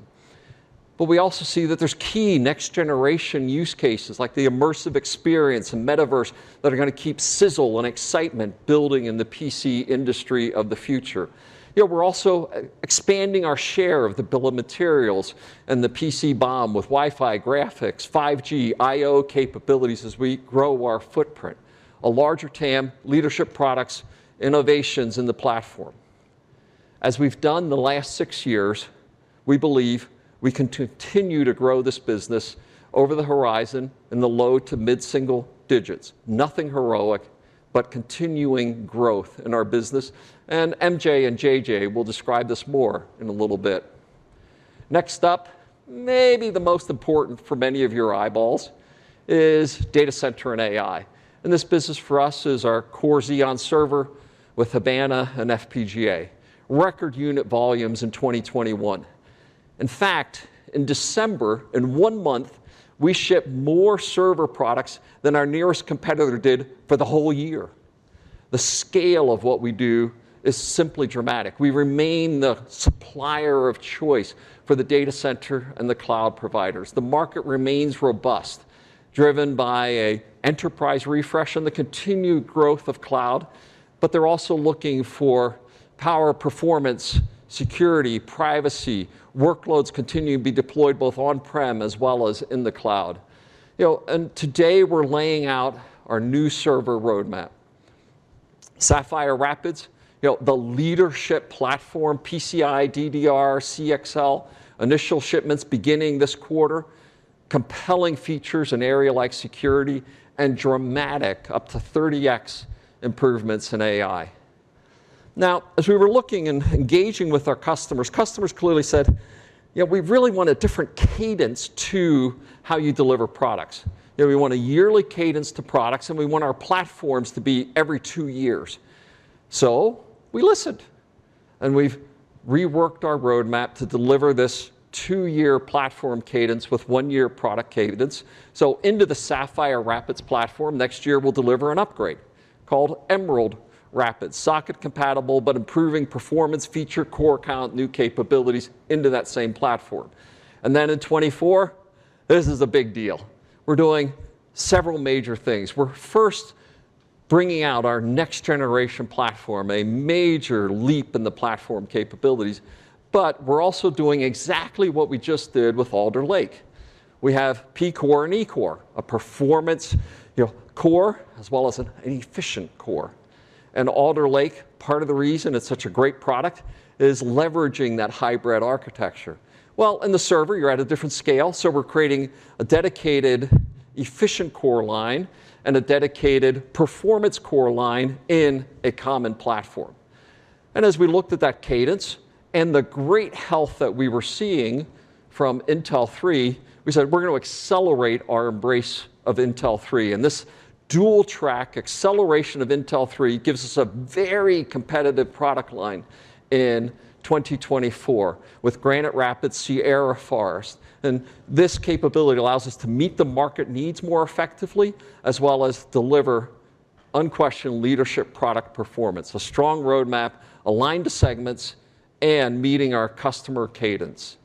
We also see that there's key next generation use cases like the immersive experience and metaverse that are gonna keep sizzle and excitement building in the PC industry of the future. You know, we're also expanding our share of the bill of materials and the PC BOM with Wi-Fi, graphics, 5G, I/O capabilities as we grow our footprint. A larger TAM, leadership products, innovations in the platform. As we've done the last six years, we believe we can continue to grow this business over the horizon in the low to mid-single digits. Nothing heroic. Continuing growth in our business, and MJ and JJ will describe this more in a little bit. Next up, maybe the most important for many of your eyeballs is data center and AI. This business for us is our core Xeon server with Habana and FPGA. Record unit volumes in 2021. In fact, in December, in one month, we shipped more server products than our nearest competitor did for the whole year. The scale of what we do is simply dramatic. We remain the supplier of choice for the data center and the cloud providers. The market remains robust, driven by an enterprise refresh and the continued growth of cloud, but they're also looking for power, performance, security, privacy. Workloads continue to be deployed both on-prem as well as in the cloud. You know, today we're laying out our new server roadmap. Sapphire Rapids, you know, the leadership platform, PCIe, DDR, CXL. Initial shipments beginning this quarter. Compelling features in areas like security and dramatic, up to 30x improvements in AI. Now, as we were looking and engaging with our customers clearly said, "You know, we really want a different cadence to how you deliver products. You know, we want a yearly cadence to products, and we want our platforms to be every two years." We listened, and we've reworked our roadmap to deliver this two-year platform cadence with one-year product cadence. Into the Sapphire Rapids platform. Next year we'll deliver an upgrade called Emerald Rapids. Socket compatible, but improving performance, features, core count, new capabilities into that same platform. Then in 2024, this is the big deal. We're doing several major things. We're first bringing out our next generation platform, a major leap in the platform capabilities, but we're also doing exactly what we just did with Alder Lake. We have P-core and E-core, a performance, you know, core, as well as an efficient core. Alder Lake, part of the reason it's such a great product is leveraging that hybrid architecture. Well, in the server, you're at a different scale, so we're creating a dedicated efficient core line and a dedicated performance core line in a common platform. As we looked at that cadence and the great health that we were seeing from Intel 3, we said we're gonna accelerate our embrace of Intel 3. This dual track acceleration of Intel 3 gives us a very competitive product line in 2024 with Granite Rapids, Sierra Forest. This capability allows us to meet the market needs more effectively as well as deliver unquestioned leadership product performance. A strong roadmap aligned to segments and meeting our customer cadence.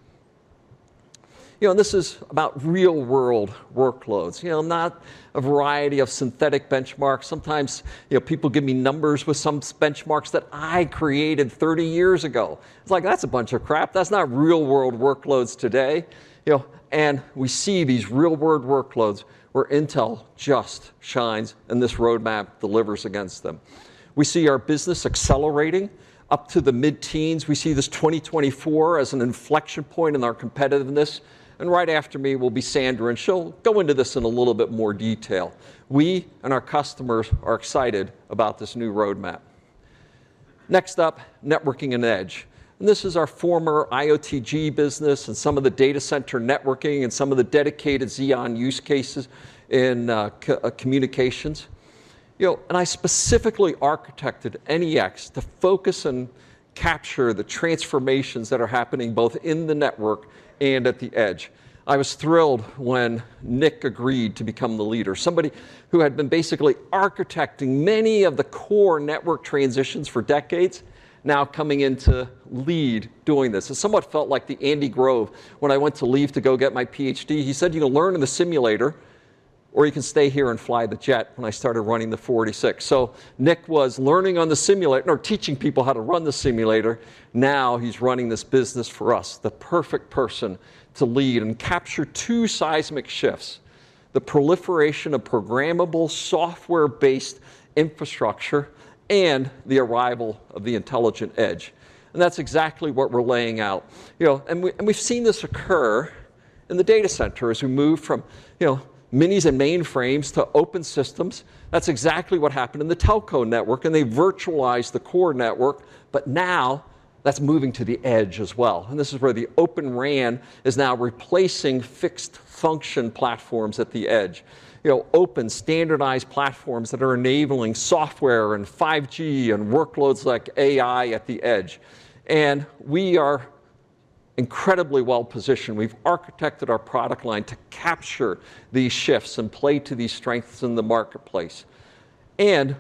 You know, this is about real-world workloads. You know, not a variety of synthetic benchmarks. Sometimes, you know, people give me numbers with some benchmarks that I created 30 years ago. It's like, that's a bunch of crap. That's not real-world workloads today, you know? We see these real-world workloads where Intel just shines, and this roadmap delivers against them. We see our business accelerating up to the mid-teens%. We see this 2024 as an inflection point in our competitiveness. Right after me will be Sandra, and she'll go into this in a little bit more detail. We and our customers are excited about this new roadmap. Next up, networking and edge. This is our former IOTG business and some of the data center networking and some of the dedicated Xeon use cases in communications. You know, I specifically architected NEX to focus and capture the transformations that are happening both in the network and at the edge. I was thrilled when Nick agreed to become the leader. Somebody who had been basically architecting many of the core network transitions for decades, now coming in to lead doing this. It somewhat felt like the Andy Grove when I went to leave to go get my PhD. He said, "You can learn in the simulator or you can stay here and fly the jet," when I started running the 4G. Nick was learning on the simulator or teaching people how to run the simulator. Now he's running this business for us. The perfect person to lead and capture two seismic shifts, the proliferation of programmable software-based infrastructure and the arrival of the intelligent edge. That's exactly what we're laying out. You know, we've seen this occur in the data center as we move from, you know, minis and mainframes to open systems. That's exactly what happened in the telco network, and they virtualized the core network. Now that's moving to the edge as well. This is where the Open RAN is now replacing fixed function platforms at the edge. You know, open standardized platforms that are enabling software and 5G and workloads like AI at the edge. We are incredibly well positioned. We've architected our product line to capture these shifts and play to these strengths in the marketplace. We're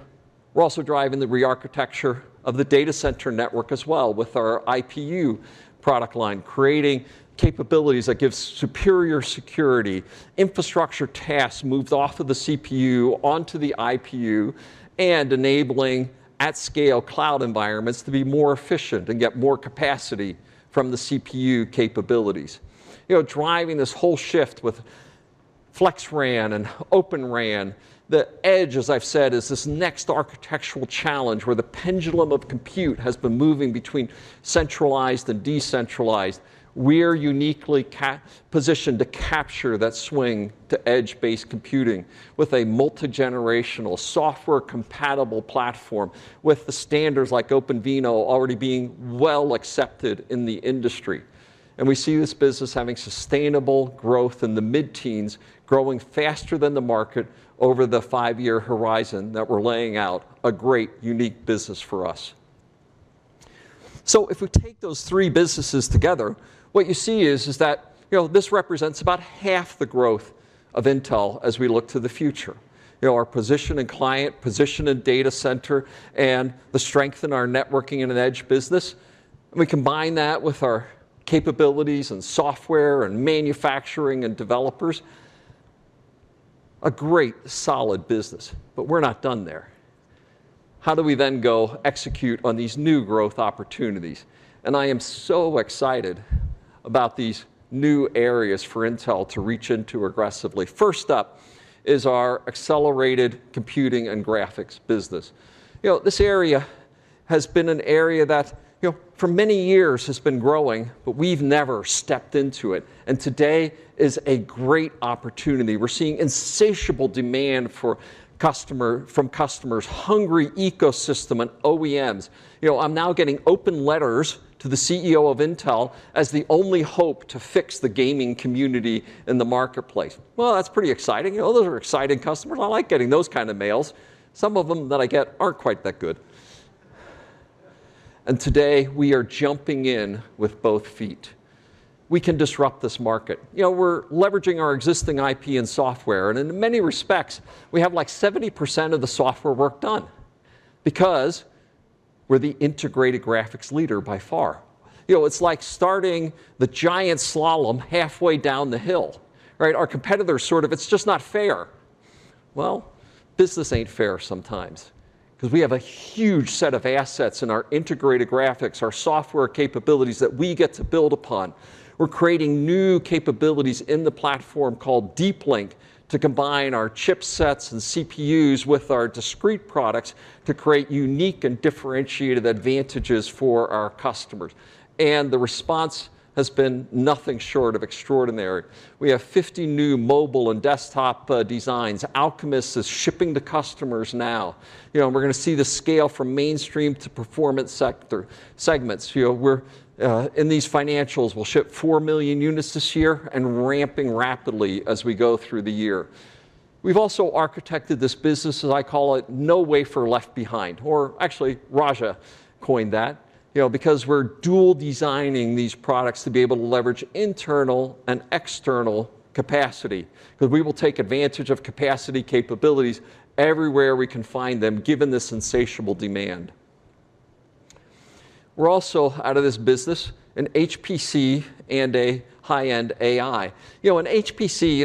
also driving the rearchitecture of the data center network as well with our IPU product line, creating capabilities that gives superior security, infrastructure tasks moves off of the CPU onto the IPU and enabling at scale cloud environments to be more efficient and get more capacity from the CPU capabilities, you know, driving this whole shift with FlexRAN and Open RAN. The edge, as I've said, is this next architectural challenge where the pendulum of compute has been moving between centralized and decentralized. We're uniquely positioned to capture that swing to edge-based computing with a multigenerational software-compatible platform with the standards like OpenVINO already being well accepted in the industry. We see this business having sustainable growth in the mid-teens%, growing faster than the market over the five-year horizon that we're laying out. A great unique business for us. If we take those three businesses together, what you see is that, you know, this represents about half the growth of Intel as we look to the future. You know, our position in client, position in data center, and the strength in our networking and in Edge business. We combine that with our capabilities in software and manufacturing and developers, a great solid business. We're not done there. How do we then go execute on these new growth opportunities? I am so excited about these new areas for Intel to reach into aggressively. First up is our accelerated computing and graphics business. You know, this area has been an area that, you know, for many years has been growing, but we've never stepped into it, and today is a great opportunity. We're seeing insatiable demand from customers, hungry ecosystem and OEMs. You know, I'm now getting open letters to the CEO of Intel as the only hope to fix the gaming community in the marketplace. Well, that's pretty exciting. You know, those are exciting customers. I like getting those kind of mails. Some of them that I get aren't quite that good. Today, we are jumping in with both feet. We can disrupt this market. You know, we're leveraging our existing IP and software, and in many respects we have like 70% of the software work done because we're the integrated graphics leader by far. You know, it's like starting the giant slalom halfway down the hill, right? Our competitors. It's just not fair. Well, business ain't fair sometimes, 'cause we have a huge set of assets in our integrated graphics, our software capabilities that we get to build upon. We're creating new capabilities in the platform called Deep Link to combine our chipsets and CPUs with our discrete products to create unique and differentiated advantages for our customers, and the response has been nothing short of extraordinary. We have 50 new mobile and desktop designs. Alchemist is shipping to customers now. You know, and we're gonna see the scale from mainstream to performance sector segments. You know, we're in these financials, we'll ship 4 million units this year and ramping rapidly as we go through the year. We've also architected this business, as I call it, no wafer left behind, or actually Raja coined that, you know, because we're dual designing these products to be able to leverage internal and external capacity, 'cause we will take advantage of capacity capabilities everywhere we can find them, given this insatiable demand. We're also out of this business in HPC and a high-end AI. You know, in HPC,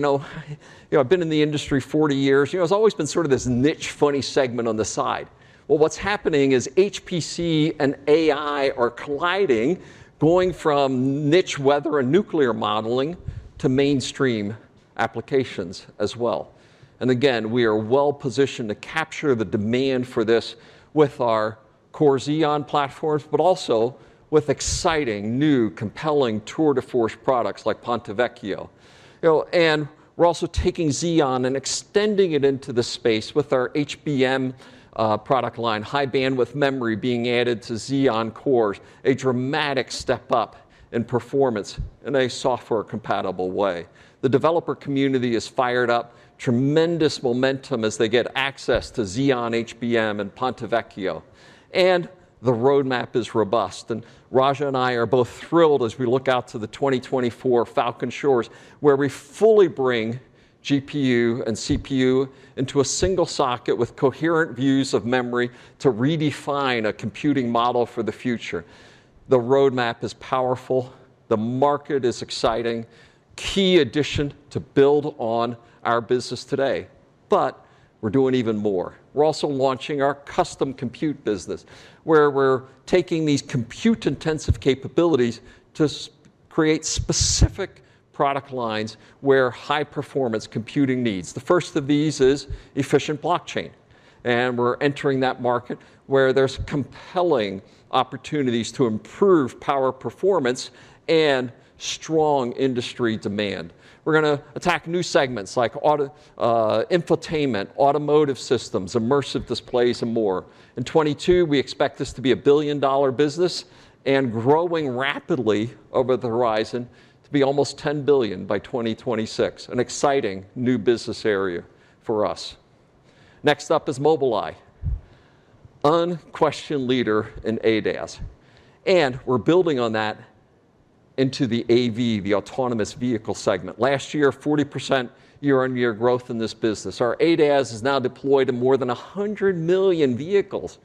you know, I've been in the industry 40 years. You know, it's always been sort of this niche, funny segment on the side. Well, what's happening is HPC and AI are colliding, going from niche weather and nuclear modeling to mainstream applications as well. Again, we are well positioned to capture the demand for this with our Core Xeon platforms, but also with exciting, new, compelling tour de force products like Ponte Vecchio. You know, we're also taking Xeon and extending it into the space with our HBM product line, high bandwidth memory being added to Xeon cores, a dramatic step up in performance in a software-compatible way. The developer community is fired up, tremendous momentum as they get access to Xeon HBM and Ponte Vecchio. The roadmap is robust, and Raja and I are both thrilled as we look out to the 2024 Falcon Shores, where we fully bring GPU and CPU into a single socket with coherent views of memory to redefine a computing model for the future. The roadmap is powerful. The market is exciting. Key addition to build on our business today. We're doing even more. We're also launching our custom compute business, where we're taking these compute-intensive capabilities to create specific product lines where high-performance computing needs. The first of these is efficient blockchain, and we're entering that market where there's compelling opportunities to improve power performance and strong industry demand. We're gonna attack new segments like auto infotainment, automotive systems, immersive displays and more. In 2022, we expect this to be a billion-dollar business and growing rapidly over the horizon to be almost $10 billion by 2026. An exciting new business area for us. Next up is Mobileye, unquestioned leader in ADAS, and we're building on that into the AV, the autonomous vehicle segment. Last year, 40% year-over-year growth in this business. Our ADAS is now deployed in more than 100 million vehicles.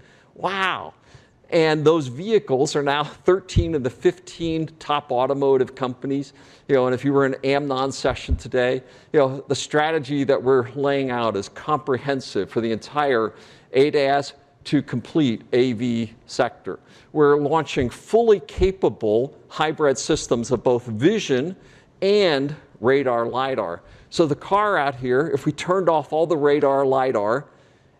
Those vehicles are now 13 of the 15 top automotive companies. You know, if you were in Amnon's session today, you know, the strategy that we're laying out is comprehensive for the entire ADAS to complete AV sector. We're launching fully capable hybrid systems of both vision and radar LiDAR. The car out here, if we turned off all the radar LiDAR,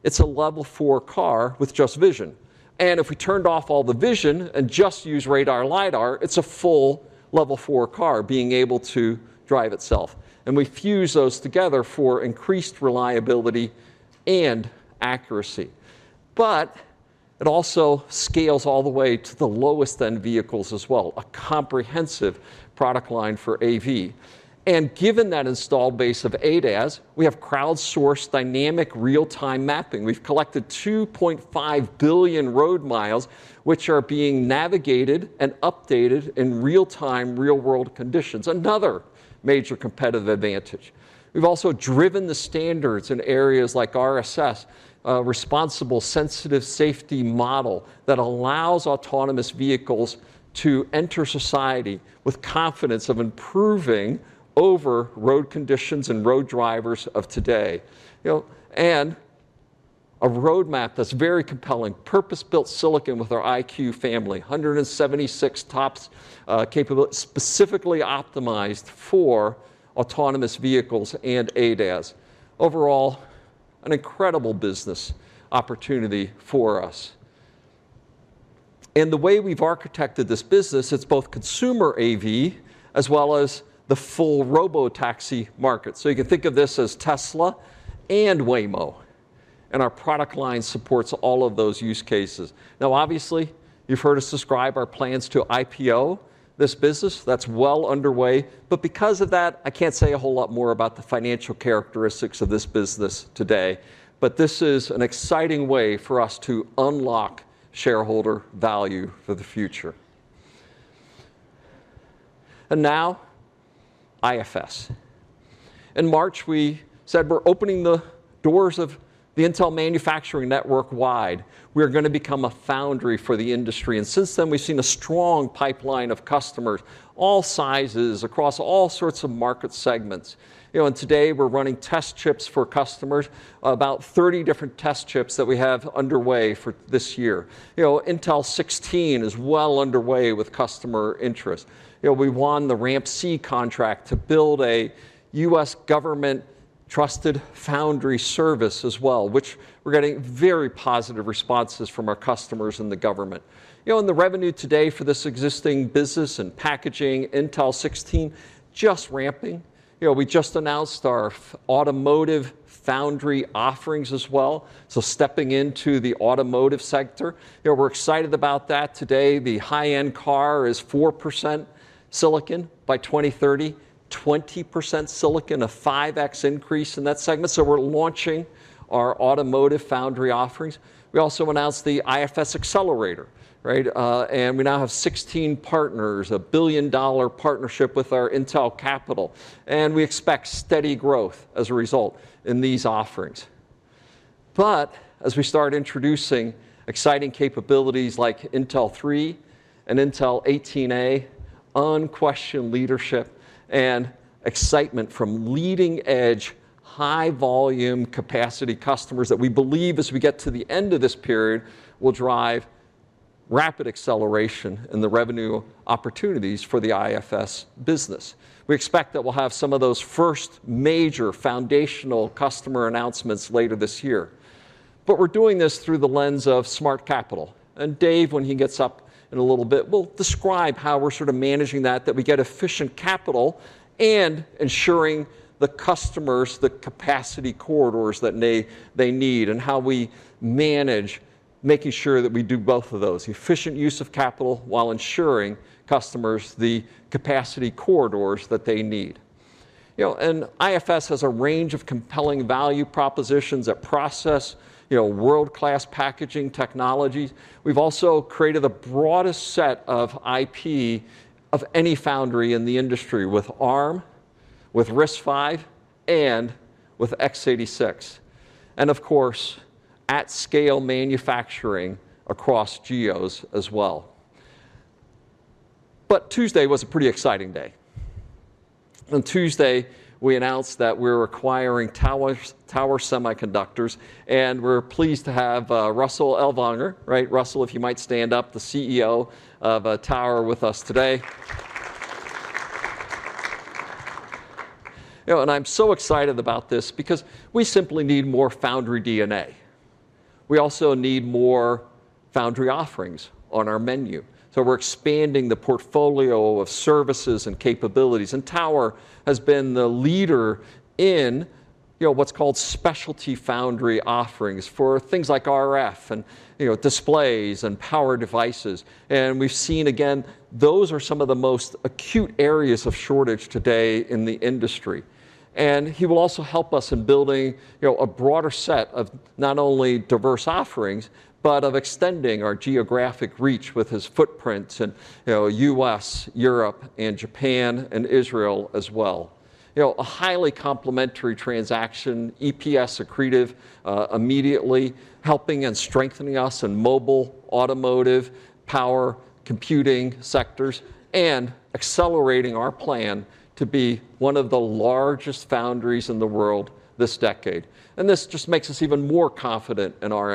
it's a level four car with just vision. If we turned off all the vision and just used radar LiDAR, it's a full level four car being able to drive itself. We fuse those together for increased reliability and accuracy. It also scales all the way to the lowest end vehicles as well, a comprehensive product line for AV. Given that installed base of ADAS, we have crowdsourced dynamic real-time mapping. We've collected 2.5 billion road miles, which are being navigated and updated in real-time, real-world conditions, another major competitive advantage. We've also driven the standards in areas like RSS, Responsibility-Sensitive Safety model that allows autonomous vehicles to enter society with confidence of improving over road conditions and road drivers of today. You know, a roadmap that's very compelling, purpose-built silicon with our EyeQ family, 176 TOPS, specifically optimized for autonomous vehicles and ADAS. Overall, an incredible business opportunity for us. The way we've architected this business, it's both consumer AV as well as the full robotaxi market. You can think of this as Tesla and Waymo, and our product line supports all of those use cases. Now, obviously, you've heard us describe our plans to IPO this business. That's well underway. Because of that, I can't say a whole lot more about the financial characteristics of this business today. This is an exciting way for us to unlock shareholder value for the future. Now, IFS. In March, we said we're opening the doors of the Intel manufacturing network wide. We're gonna become a foundry for the industry. Since then, we've seen a strong pipeline of customers, all sizes across all sorts of market segments. You know, today, we're running test chips for customers, about 30 different test chips that we have underway for this year. You know, Intel 16 is well underway with customer interest. You know, we won the RAMP-C contract to build a U.S. government-trusted foundry service as well, which we're getting very positive responses from our customers in the government. You know, the revenue today for this existing business and packaging Intel 16 just ramping. You know, we just announced our automotive foundry offerings as well. Stepping into the automotive sector. You know, we're excited about that today. The high-end car is 4% silicon. By 2030, 20% silicon, a 5x increase in that segment. We're launching our automotive foundry offerings. We also announced the IFS Accelerator, right? And we now have 16 partners, a billion-dollar partnership with our Intel Capital, and we expect steady growth as a result in these offerings. As we start introducing exciting capabilities like Intel 3 and Intel 18A, unquestioned leadership and excitement from leading-edge, high-volume capacity customers that we believe as we get to the end of this period will drive rapid acceleration in the revenue opportunities for the IFS business. We expect that we'll have some of those first major foundational customer announcements later this year. We're doing this through the lens of smart capital. Dave, when he gets up in a little bit, will describe how we're sort of managing that we get efficient capital and ensuring the customers the capacity corridors that they need, and how we manage making sure that we do both of those, efficient use of capital while ensuring customers the capacity corridors that they need. You know, IFS has a range of compelling value propositions that process, you know, world-class packaging technologies. We've also created the broadest set of IP of any foundry in the industry with Arm, with RISC-V, and with x86. Of course, at scale manufacturing across geos as well. Tuesday was a pretty exciting day. On Tuesday, we announced that we're acquiring Tower Semiconductor, and we're pleased to have Russell Ellwanger. Right. Russell, if you might stand up, the CEO of Tower Semiconductor with us today. You know, I'm so excited about this because we simply need more foundry DNA. We also need more foundry offerings on our menu. We're expanding the portfolio of services and capabilities. Tower Semiconductor has been the leader in, you know, what's called specialty foundry offerings for things like RF and, you know, displays and power devices. We've seen again, those are some of the most acute areas of shortage today in the industry. He will also help us in building, you know, a broader set of not only diverse offerings, but of extending our geographic reach with his footprints in, you know, U.S., Europe, and Japan, and Israel as well. You know, a highly complementary transaction, EPS accretive, immediately helping and strengthening us in mobile, automotive, power, computing sectors, and accelerating our plan to be one of the largest foundries in the world this decade. This just makes us even more confident in our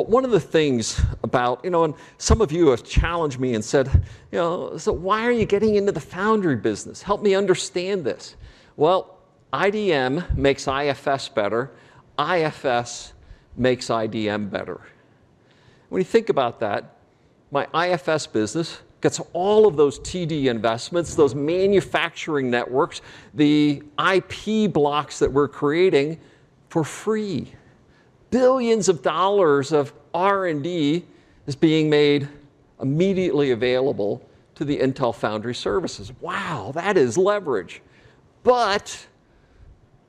ambition. One of the things about, you know, and some of you have challenged me and said, you know, "So why are you getting into the foundry business? Help me understand this." Well, IDM makes IFS better. IFS makes IDM better. When you think about that, my IFS business gets all of those TD investments, those manufacturing networks, the IP blocks that we're creating for free. $Billions of R&D is being made immediately available to the Intel Foundry Services. Wow, that is leverage.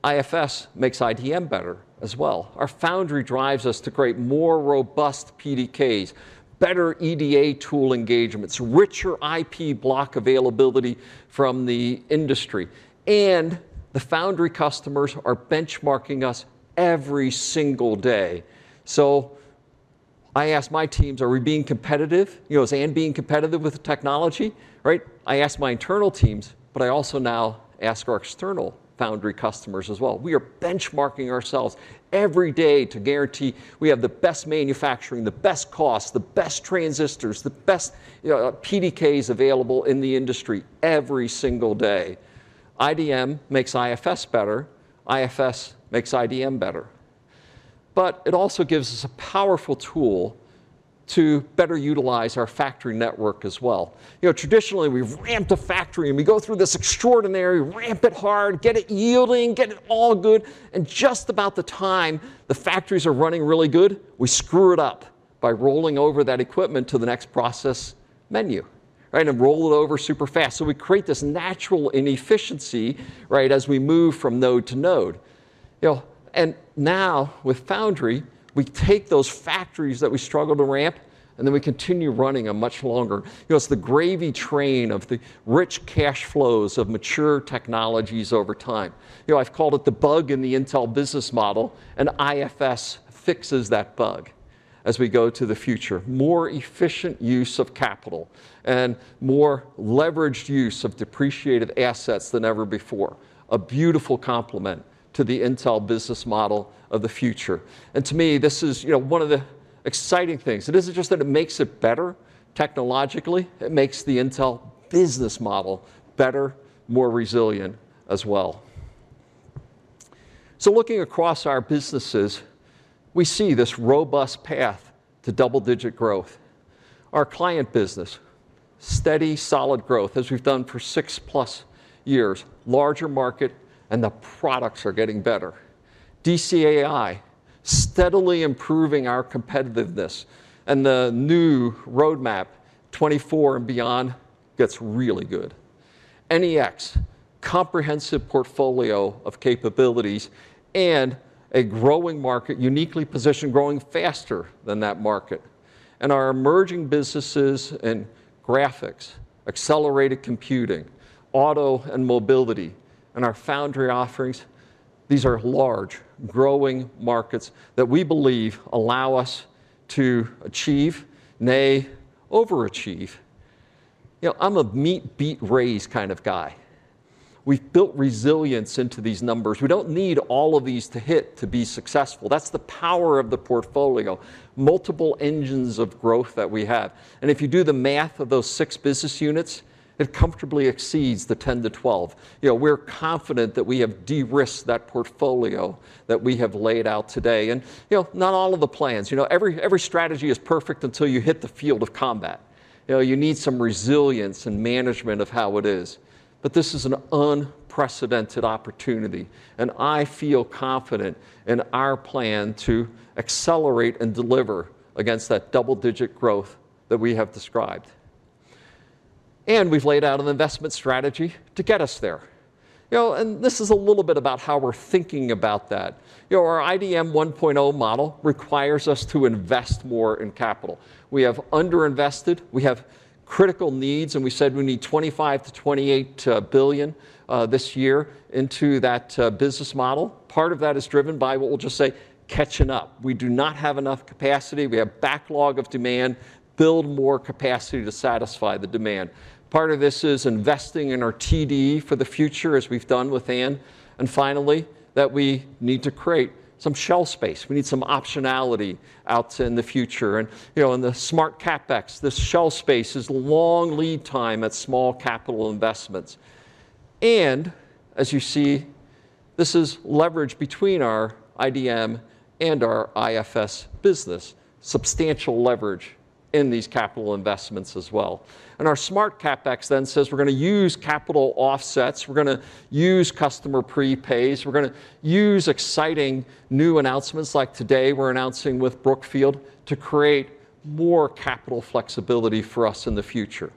IFS makes IDM better as well. Our foundry drives us to create more robust PDKs, better EDA tool engagements, richer IP block availability from the industry, and the foundry customers are benchmarking us every single day. I ask my teams, "Are we being competitive?" You know, is Intel being competitive with the technology? Right. I ask my internal teams, but I also now ask our external foundry customers as well. We are benchmarking ourselves every day to guarantee we have the best manufacturing, the best cost, the best transistors, the best, you know, PDKs available in the industry every single day. IDM makes IFS better. IFS makes IDM better. It also gives us a powerful tool to better utilize our factory network as well. You know, traditionally, we've ramped a factory, and we go through this extraordinary ramp it hard, get it yielding, get it all good, and just about the time the factories are running really good, we screw it up by rolling over that equipment to the next process node, right? Roll it over super fast. We create this natural inefficiency, right, as we move from node to node. You know, now with Foundry, we take those factories that we struggle to ramp, and then we continue running them much longer. You know, it's the gravy train of the rich cash flows of mature technologies over time. You know, I've called it the bug in the Intel business model, and IFS fixes that bug as we go to the future. More efficient use of capital and more leveraged use of depreciated assets than ever before. A beautiful complement to the Intel business model of the future. To me, this is, you know, one of the exciting things. It isn't just that it makes it better technologically, it makes the Intel business model better, more resilient as well. Looking across our businesses, we see this robust path to double-digit growth. Our client business, steady, solid growth as we've done for six-plus years, larger market, and the products are getting better. DCAI, steadily improving our competitiveness, and the new roadmap, 2024 and beyond, gets really good. NEX, comprehensive portfolio of capabilities and a growing market uniquely positioned growing faster than that market. Our emerging businesses in graphics, accelerated computing, auto and mobility, and our foundry offerings, these are large, growing markets that we believe allow us to achieve, nay, overachieve. You know, I'm a meet, beat, raise kind of guy. We've built resilience into these numbers. We don't need all of these to hit to be successful. That's the power of the portfolio, multiple engines of growth that we have. If you do the math of those six business units, it comfortably exceeds the 10%-12%. You know, we're confident that we have de-risked that portfolio that we have laid out today. You know, not all of the plans. You know, every strategy is perfect until you hit the field of combat. You know, you need some resilience and management of how it is. This is an unprecedented opportunity, and I feel confident in our plan to accelerate and deliver against that double-digit growth that we have described. We've laid out an investment strategy to get us there. You know, this is a little bit about how we're thinking about that. You know, our IDM 1.0 model requires us to invest more in capital. We have underinvested, we have critical needs, and we said we need $25billion-$28 billion this year into that business model. Part of that is driven by what we'll just say catching up. We do not have enough capacity. We have backlog of demand. Build more capacity to satisfy the demand. Part of this is investing in our TD for the future as we've done with angstrom. Finally, that we need to create some shell space. We need some optionality out in the future. You know, in the smart CapEx, this shell space is long lead time at small capital investments. As you see, this is leverage between our IDM and our IFS business, substantial leve.age in these capital investments as well. Our smart CapEx then says we're gonna use capital offsets, we're gonna use customer prepays, we're gonna use exciting new announcements like today we're announcing with Brookfield to create more capital flexibility for us in the future.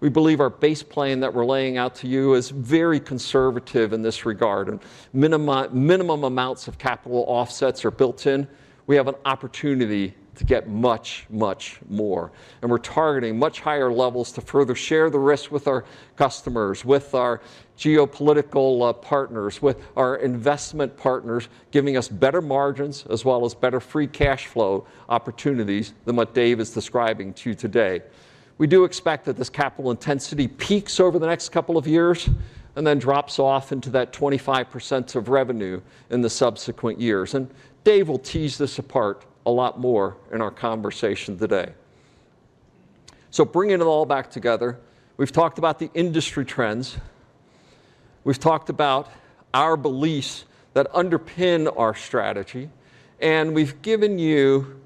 We believe our base plan that we're laying out to you is very conservative in this regard, and minimum amounts of capital offsets are built in. We have an opportunity to get much, much more, and we're targeting much higher levels to further share the risk with our customers, with our geopolitical, partners, with our investment partners, giving us better margins as well as better free cash flow opportunities than what Dave is describing to you today. We do expect that this capital intensity peaks over the next couple of years and then drops off into that 25% of revenue in the subsequent years. David Zinsner will tease this apart a lot more in our conversation today. Bringing it all back together, we've talked about the industry trends, we've talked about our beliefs that underpin our strategy, and we've given you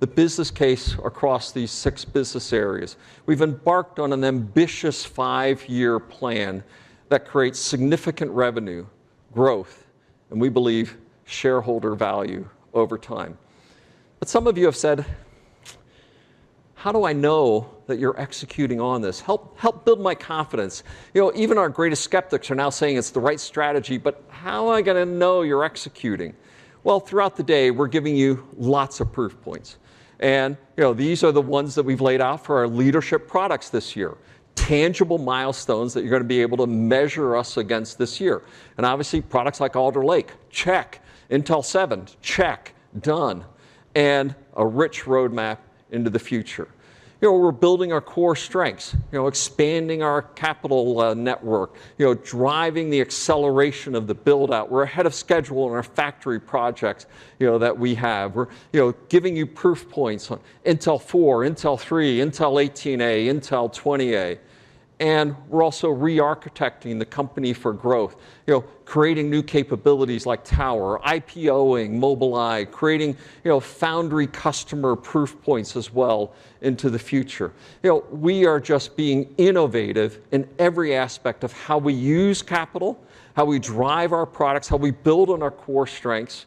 the business case across these six business areas. We've embarked on an ambitious five-year plan that creates significant revenue growth and, we believe, shareholder value over time. Some of you have said, "How do I know that you're executing on this? Help, help build my confidence." You know, even our greatest skeptics are now saying it's the right strategy, but how am I gonna know you're executing? Well, throughout the day, we're giving you lots of proof points. You know, these are the ones that we've laid out for our leadership products this year, tangible milestones that you're gonna be able to measure us against this year, and obviously products like Alder Lake, check, Intel seven, check, done, and a rich roadmap into the future. You know, we're building our core strengths, you know, expanding our capital network, you know, driving the acceleration of the build-out. We're ahead of schedule on our factory projects, you know, that we have. We're, you know, giving you proof points on Intel 4, Intel 3, Intel 18A, Intel 20A, and we're also re-architecting the company for growth. You know, creating new capabilities like Tower, IPO-ing Mobileye, creating, you know, foundry customer proof points as well into the future. You know, we are just being innovative in every aspect of how we use capital, how we drive our products, how we build on our core strengths,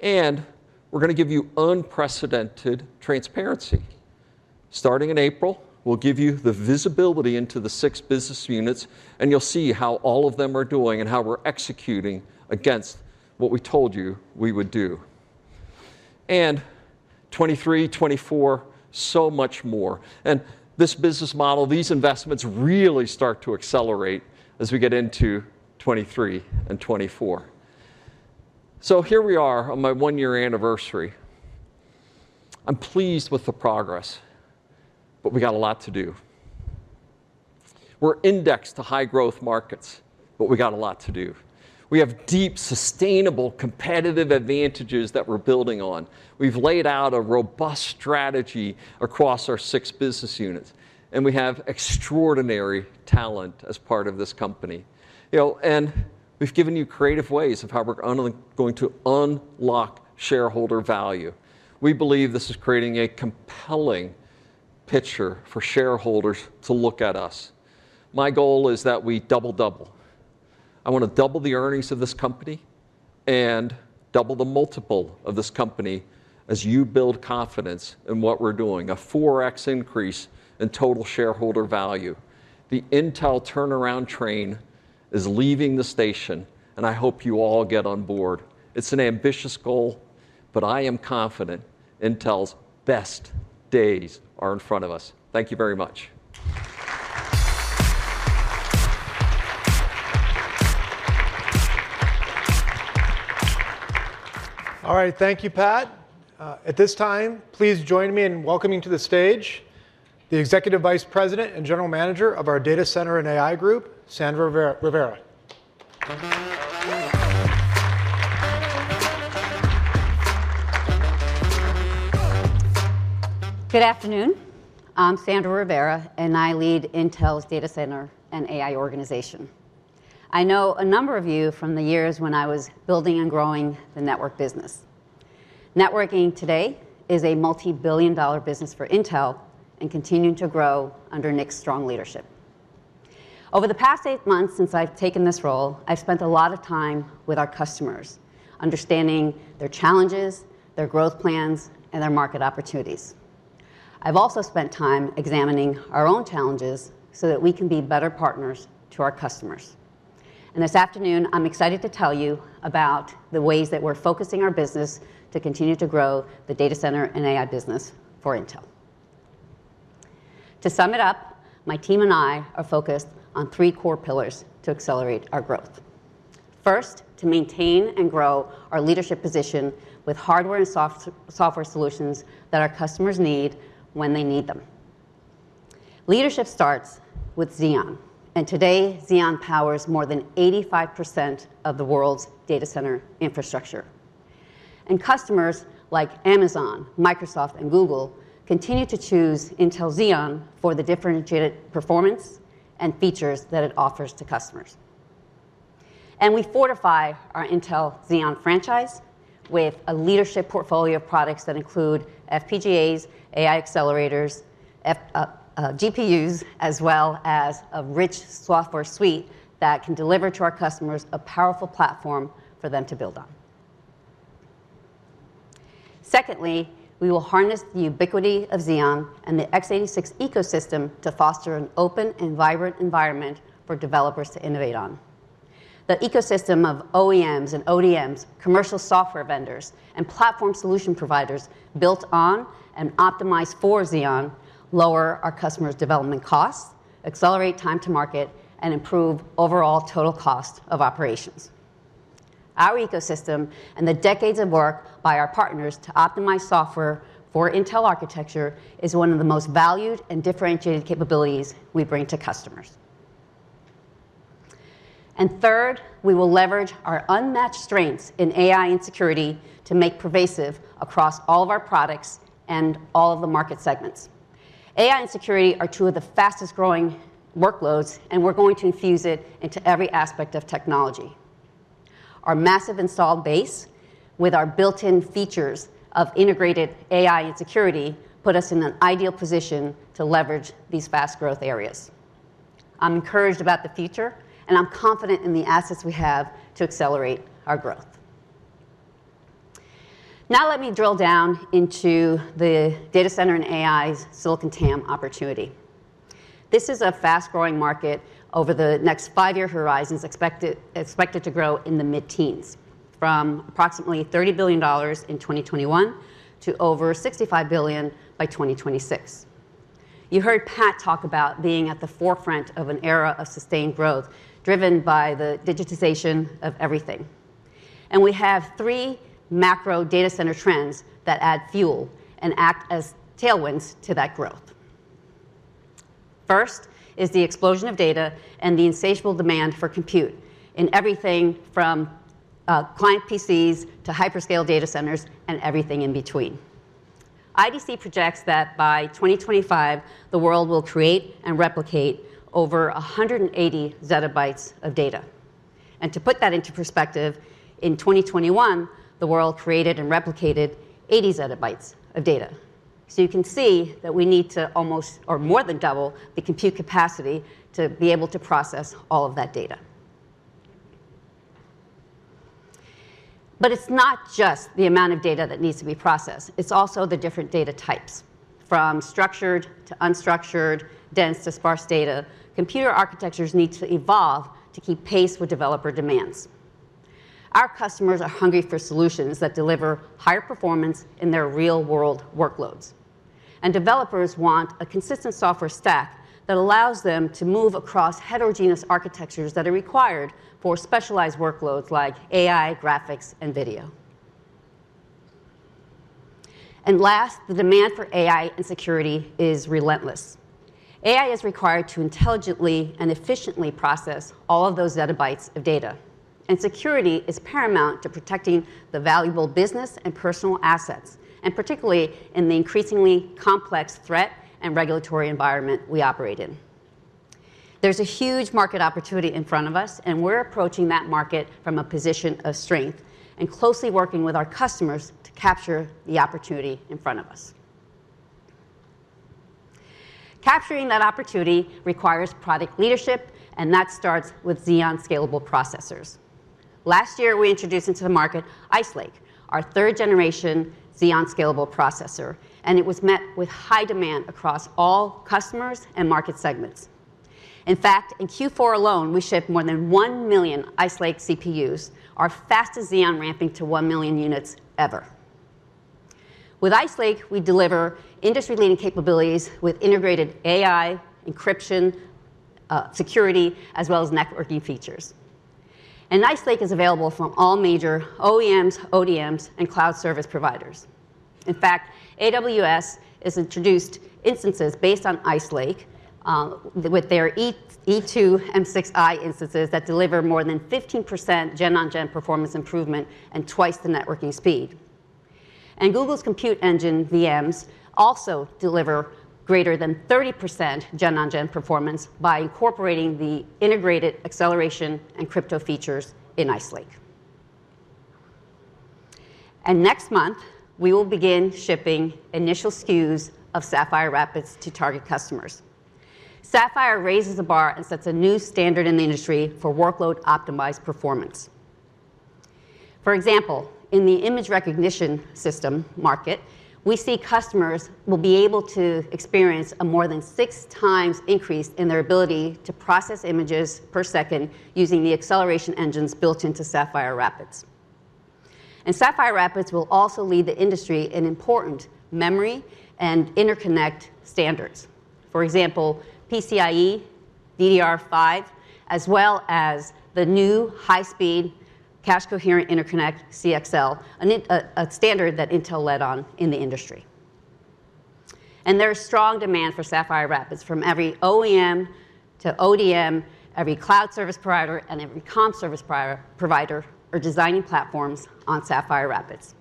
and we're gonna give you unprecedented transparency. Starting in April, we'll give you the visibility into the six business units, and you'll see how all of them are doing and how we're executing against what we told you we would do. 2023, 2024, so much more. This business model, these investments really start to accelerate as we get into 2023 and 2024. Here we are on my one-year anniversary. I'm pleased with the progress, but we got a lot to do. We're indexed to high-growth markets, but we got a lot to do. We have deep, sustainable competitive advantages that we're building on. We've laid out a robust strategy across our six business units, and we have extraordinary talent as part of this company. You know, we've given you creative ways of how we're going to unlock shareholder value. We believe this is creating a compelling picture for shareholders to look at us. My goal is that we double. I wanna double the earnings of this company and double the multiple of this company as you build confidence in what we're doing, a 4x increase in total shareholder value. The Intel turnaround train is leaving the station, and I hope you all get on board. It's an ambitious goal, but I am confident Intel's best days are in front of us. Thank you very much. All right. Thank you, Pat. At this time, please join me in welcoming to the stage the Executive Vice President and General Manager of our Data Center and AI Group, Sandra Rivera. Good afternoon. I'm Sandra Rivera, and I lead Intel's Data Center and AI organization. I know a number of you from the years when I was building and growing the network business. Networking today is a multi-billion dollar business for Intel and continuing to grow under Nick's strong leadership. Over the past eight months since I've taken this role, I've spent a lot of time with our customers, understanding their challenges, their growth plans, and their market opportunities. I've also spent time examining our own challenges so that we can be better partners to our customers. This afternoon, I'm excited to tell you about the ways that we're focusing our business to continue to grow the data center and AI business for Intel. To sum it up, my team and I are focused on three core pillars to accelerate our growth. First, to maintain and grow our leadership position with hardware and software solutions that our customers need when they need them. Leadership starts with Xeon, and today, Xeon powers more than 85% of the world's data center infrastructure. Customers like Amazon, Microsoft, and Google continue to choose Intel Xeon for the differentiated performance and features that it offers to customers. We fortify our Intel Xeon franchise with a leadership portfolio of products that include FPGAs, AI accelerators, GPUs, as well as a rich software suite that can deliver to our customers a powerful platform for them to build on. Secondly, we will harness the ubiquity of Xeon and the x86 ecosystem to foster an open and vibrant environment for developers to innovate on. The ecosystem of OEMs and ODMs, commercial software vendors, and platform solution providers built on and optimized for Xeon lower our customers' development costs, accelerate time to market, and improve overall total cost of operations. Our ecosystem and the decades of work by our partners to optimize software for Intel architecture is one of the most valued and differentiated capabilities we bring to customers. Third, we will leverage our unmatched strengths in AI and security to make pervasive across all of our products and all of the market segments. AI and security are two of the fastest-growing workloads, and we're going to infuse it into every aspect of technology. Our massive installed base with our built-in features of integrated AI and security put us in an ideal position to leverage these fast growth areas. I'm encouraged about the future, and I'm confident in the assets we have to accelerate our growth. Now let me drill down into the data center and AI's silicon TAM opportunity. This is a fast-growing market over the next five-year horizons expected to grow in the mid-teens from approximately $30 billion in 2021 to over $65 billion by 2026. You heard Pat talk about being at the forefront of an era of sustained growth driven by the digitization of everything. We have three macro data center trends that add fuel and act as tailwinds to that growth. First is the explosion of data and the insatiable demand for compute in everything from client PCs to hyperscale data centers and everything in between. IDC projects that by 2025, the world will create and replicate over 180 zettabytes of data. To put that into perspective, in 2021, the world created and replicated 80 zettabytes of data. You can see that we need to almost or more than double the compute capacity to be able to process all of that data. It's not just the amount of data that needs to be processed. It's also the different data types. From structured to unstructured, dense to sparse data, computer architectures need to evolve to keep pace with developer demands. Our customers are hungry for solutions that deliver higher performance in their real-world workloads. Developers want a consistent software stack that allows them to move across heterogeneous architectures that are required for specialized workloads like AI, graphics, and video. Last, the demand for AI and security is relentless. AI is required to intelligently and efficiently process all of those zettabytes of data. Security is paramount to protecting the valuable business and personal assets, and particularly in the increasingly complex threat and regulatory environment we operate in. There's a huge market opportunity in front of us, and we're approaching that market from a position of strength and closely working with our customers to capture the opportunity in front of us. Capturing that opportunity requires product leadership, and that starts with Xeon Scalable processors. Last year, we introduced into the market Ice Lake, our third-generation Xeon Scalable processor, and it was met with high demand across all customers and market segments. In fact, in Q4 alone, we shipped more than 1 million Ice Lake CPUs, our fastest Xeon ramping to 1 million units ever. With Ice Lake, we deliver industry-leading capabilities with integrated AI, encryption, security, as well as networking features. Ice Lake is available from all major OEMs, ODMs, and cloud service providers. In fact, AWS has introduced instances based on Ice Lake with their C6i and M6i instances that deliver more than 15% gen on gen performance improvement and twice the networking speed. Google's Compute Engine VMs also deliver greater than 30% gen on gen performance by incorporating the integrated acceleration and crypto features in Ice Lake. Next month, we will begin shipping initial SKUs of Sapphire Rapids to target customers. Sapphire raises the bar and sets a new standard in the industry for workload-optimized performance. For example, in the image recognition system market, we see customers will be able to experience a more than 6x increase in their ability to process images per second using the acceleration engines built into Sapphire Rapids. Sapphire Rapids will also lead the industry in important memory and interconnect standards. For example, PCIe, DDR5, as well as the new high-speed cache coherent interconnect CXL, a standard that Intel led on in the industry. There's strong demand for Sapphire Rapids from every OEM to ODM, every cloud service provider, and every communications service provider are designing platforms on Sapphire Rapids.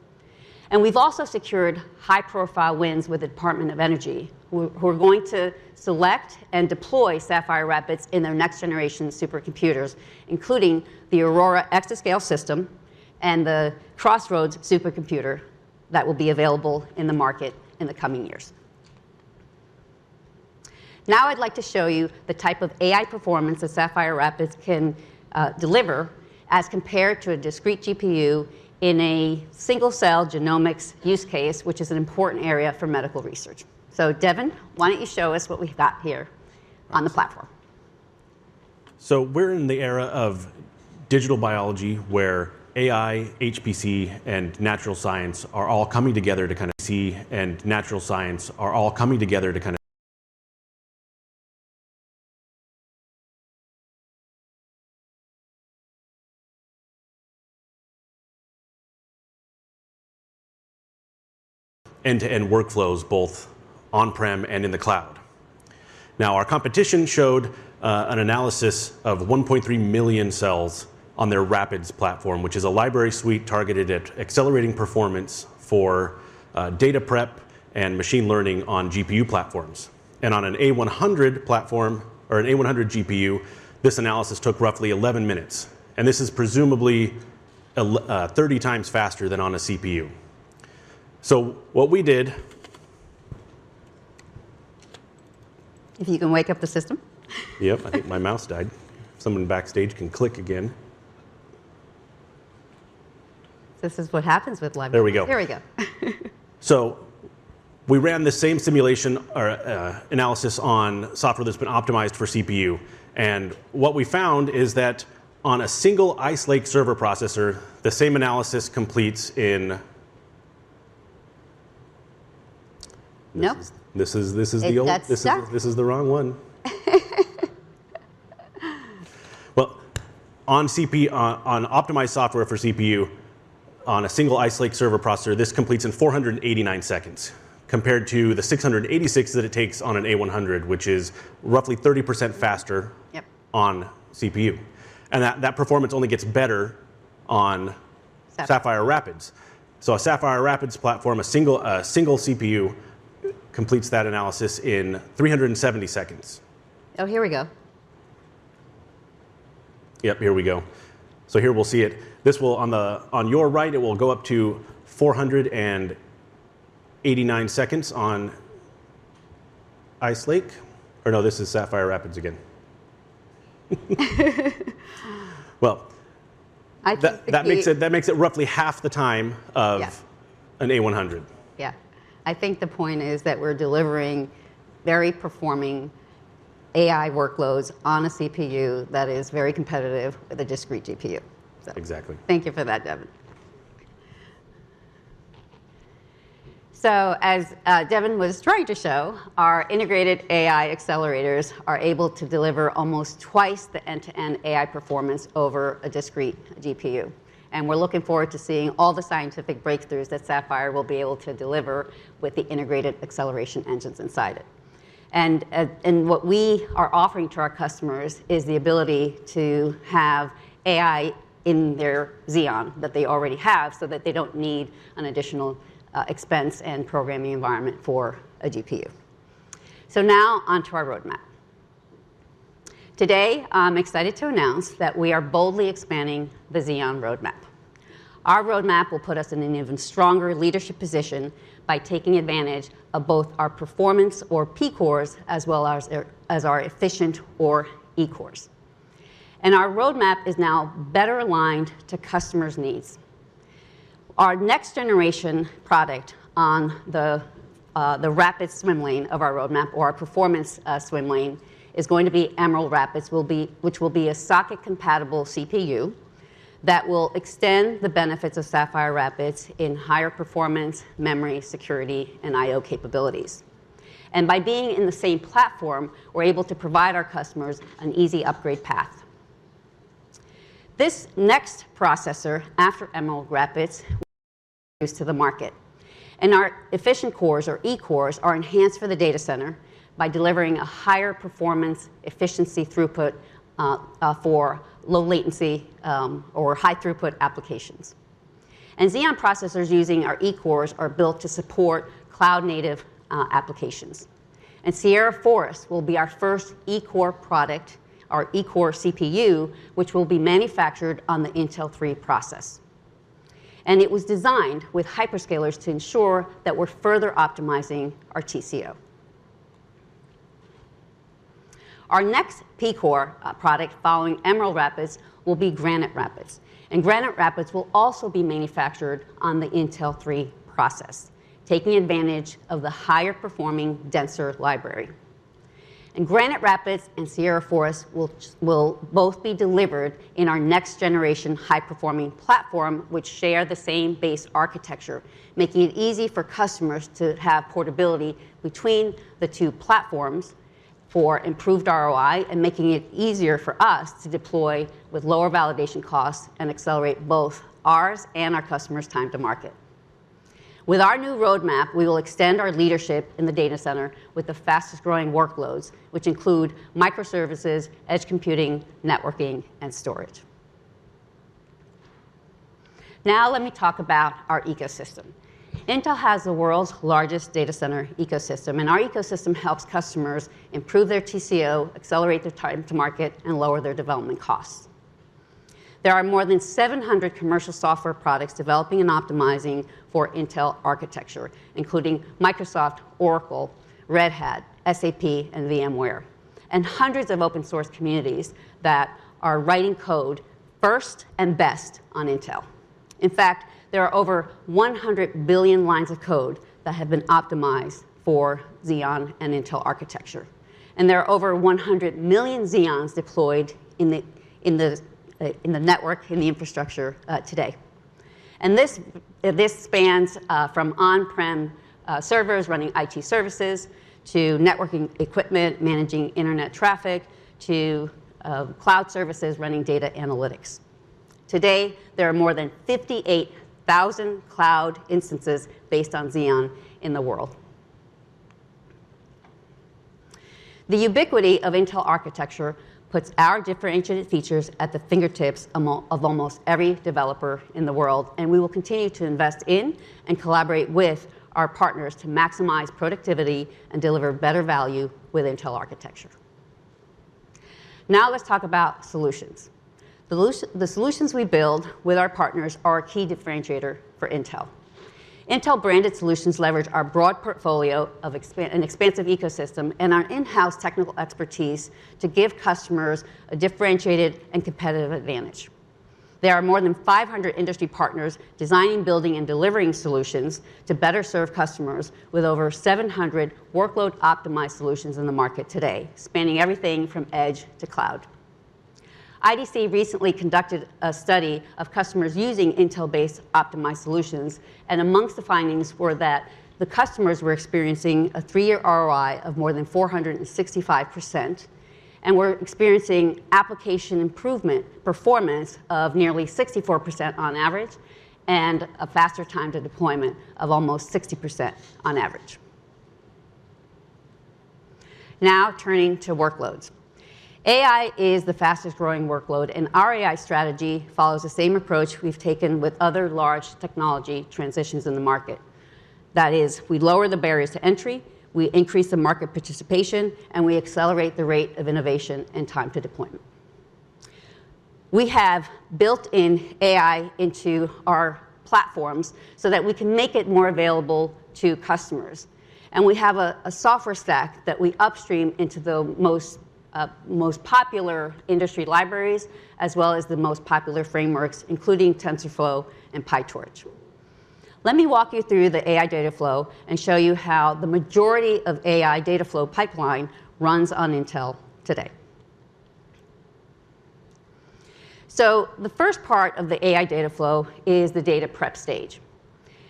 We've also secured high-profile wins with the Department of Energy, who are going to select and deploy Sapphire Rapids in their next-generation supercomputers, including the Aurora exascale system and the Crossroads supercomputer that will be available in the market in the coming years. Now I'd like to show you the type of AI performance that Sapphire Rapids can deliver as compared to a discrete GPU in a single-cell genomics use case, which is an important area for medical research. Devon, why don't you show us what we've got here on the platform? We're in the era of digital biology, where AI, HPC, and natural science are all coming together to kind of see end-to-end workflows, both on-prem and in the cloud. Our competition showed an analysis of 1.3 million cells on their RAPIDS platform, which is a library suite targeted at accelerating performance for data prep and machine learning on GPU platforms. On an A100 platform or an A100 GPU, this analysis took roughly 11 minutes, and this is presumably thirty times faster than on a CPU. What we did- If you can wake up the system. Yep, I think my mouse died. If someone backstage can click again. This is what happens with live demo. There we go. There we go. We ran the same simulation or analysis on software that's been optimized for CPU, and what we found is that on a single Ice Lake server processor, the same analysis completes in... Nope. This is the old one. It got stuck. Well, on CPU-optimized software for CPU on a single Ice Lake server processor, this completes in 489 seconds compared to the 686 that it takes on an A100, which is roughly 30% faster. Yep... on CPU. That performance only gets better on- Sapphire Sapphire Rapids. A Sapphire Rapids platform, a single CPU completes that analysis in 370 seconds. Oh, here we go. Yep, here we go. Here we'll see it. This will, on your right, go up to 489 seconds on Ice Lake. Or no, this is Sapphire Rapids again. Well, that makes it- I think That makes it roughly half the time of. Yeah an A100. Yeah. I think the point is that we're delivering very performing AI workloads on a CPU that is very competitive with a discrete GPU. So. Exactly. Thank you for that, Devon. As Devon was trying to show, our integrated AI accelerators are able to deliver almost twice the end-to-end AI performance over a discrete GPU. We're looking forward to seeing all the scientific breakthroughs that Sapphire will be able to deliver with the integrated acceleration engines inside it. What we are offering to our customers is the ability to have AI in their Xeon that they already have, so that they don't need an additional expense and programming environment for a GPU. Now on to our roadmap. Today, I'm excited to announce that we are boldly expanding the Xeon roadmap. Our roadmap will put us in an even stronger leadership position by taking advantage of both our performance or P-cores as well as our efficient or E-cores. Our roadmap is now better aligned to customers' needs. Our next generation product on the Rapids swim lane of our roadmap or our performance swim lane is going to be Emerald Rapids, which will be a socket-compatible CPU that will extend the benefits of Sapphire Rapids in higher performance, memory, security, and I/O capabilities. By being in the same platform, we're able to provide our customers an easy upgrade path. This next processor after Emerald Rapids to the market. Our efficient cores or E-cores are enhanced for the data center by delivering a higher performance efficiency throughput for low latency or high throughput applications. Xeon processors using our E-cores are built to support cloud-native applications. Sierra Forest will be our first E-core product or E-core CPU, which will be manufactured on the Intel 3 process. It was designed with hyperscalers to ensure that we're further optimizing our TCO. Our next P-core product following Emerald Rapids will be Granite Rapids. Granite Rapids will also be manufactured on the Intel 3 process, taking advantage of the higher performing denser library. Granite Rapids and Sierra Forest will both be delivered in our next generation high-performing platform which share the same base architecture, making it easy for customers to have portability between the two platforms for improved ROI and making it easier for us to deploy with lower validation costs and accelerate both ours and our customers' time to market. With our new roadmap, we will extend our leadership in the data center with the fastest growing workloads, which include microservices, edge computing, networking, and storage. Now let me talk about our ecosystem. Intel has the world's largest data center ecosystem, and our ecosystem helps customers improve their TCO, accelerate their time to market, and lower their development costs. There are more than 700 commercial software products developing and optimizing for Intel architecture, including Microsoft, Oracle, Red Hat, SAP, and VMware, and hundreds of open source communities that are writing code first and best on Intel. In fact, there are over 100 billion lines of code that have been optimized for Xeon and Intel architecture. There are over 100 million Xeons deployed in the network, in the infrastructure, today. This spans from on-prem servers running IT services to networking equipment managing internet traffic to cloud services running data analytics. Today, there are more than 58,000 cloud instances based on Xeon in the world. The ubiquity of Intel architecture puts our differentiated features at the fingertips of almost every developer in the world, and we will continue to invest in and collaborate with our partners to maximize productivity and deliver better value with Intel architecture. Now let's talk about solutions. The solutions we build with our partners are a key differentiator for Intel. Intel-branded solutions leverage our broad portfolio of an expansive ecosystem and our in-house technical expertise to give customers a differentiated and competitive advantage. There are more than 500 industry partners designing, building, and delivering solutions to better serve customers with over 700 workload-optimized solutions in the market today, spanning everything from edge to cloud. IDC recently conducted a study of customers using Intel-based optimized solutions, and among the findings were that the customers were experiencing a three-year ROI of more than 465%, and were experiencing application performance improvement of nearly 64% on average, and a faster time to deployment of almost 60% on average. Now turning to workloads. AI is the fastest-growing workload, and our AI strategy follows the same approach we've taken with other large technology transitions in the market. That is, we lower the barriers to entry, we increase the market participation, and we accelerate the rate of innovation and time to deployment. We have built-in AI into our platforms so that we can make it more available to customers. We have a software stack that we upstream into the most popular industry libraries as well as the most popular frameworks, including TensorFlow and PyTorch. Let me walk you through the AI data flow and show you how the majority of AI data flow pipeline runs on Intel today. The first part of the AI data flow is the data prep stage,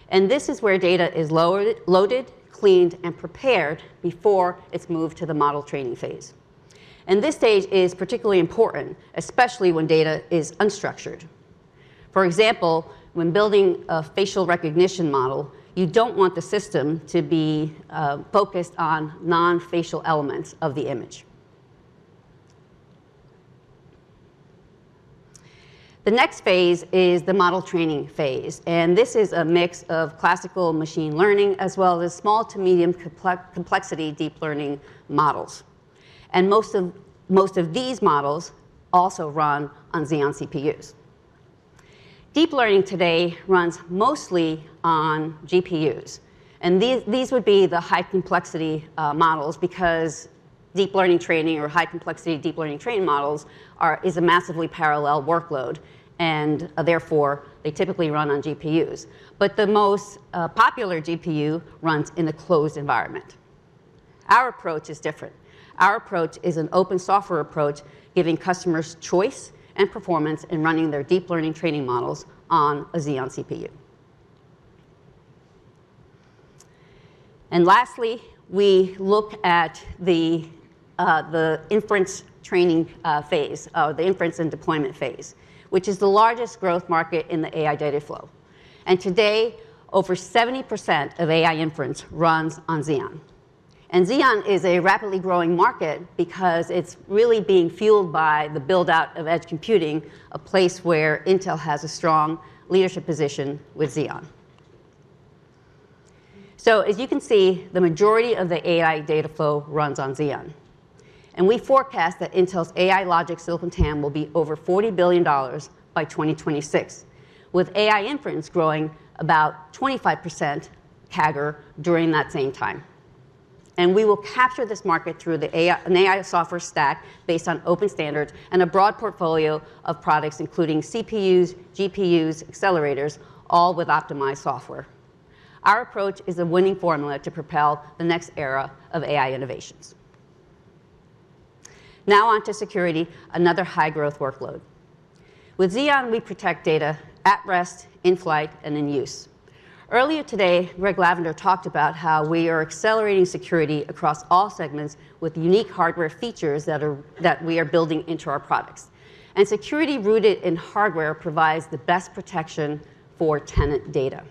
and this is where data is loaded, cleaned, and prepared before it's moved to the model training phase. This stage is particularly important, especially when data is unstructured. For example, when building a facial recognition model, you don't want the system to be focused on non-facial elements of the image. The next phase is the model training phase, and this is a mix of classical machine learning as well as small to medium complexity deep learning models. Most of these models also run on Xeon CPUs. Deep learning today runs mostly on GPUs, and these would be the high-complexity models because deep learning training or high-complexity deep learning training models is a massively parallel workload, and therefore, they typically run on GPUs. But the most popular GPU runs in a closed environment. Our approach is different. Our approach is an open software approach, giving customers choice and performance in running their deep learning training models on a Xeon CPU. Lastly, we look at the inference and deployment phase, which is the largest growth market in the AI data flow. Today, over 70% of AI inference runs on Xeon. Xeon is a rapidly growing market because it's really being fueled by the build-out of edge computing, a place where Intel has a strong leadership position with Xeon. As you can see, the majority of the AI data flow runs on Xeon, and we forecast that Intel's AI logic silicon TAM will be over $40 billion by 2026, with AI inference growing about 25% CAGR during that same time. We will capture this market through the AI, an AI software stack based on open standards and a broad portfolio of products, including CPUs, GPUs, accelerators, all with optimized software. Our approach is a winning formula to propel the next era of AI innovations. Now on to security, another high-growth workload. With Xeon, we protect data at rest, in flight, and in use. Earlier today, Rick Echevarria talked about how we are accelerating security across all segments with unique hardware features that we are building into our products. Security rooted in hardware provides the best protection for tenant data.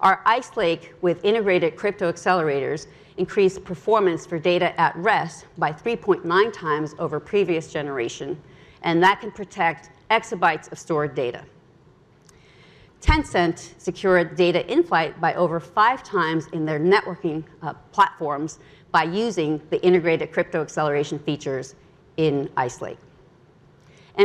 Our Ice Lake with integrated crypto accelerators increase performance for data at rest by 3.9x over previous generation, and that can protect exabytes of stored data. Tencent secured data in flight by over 5x in their networking platforms by using the integrated crypto acceleration features in Ice Lake.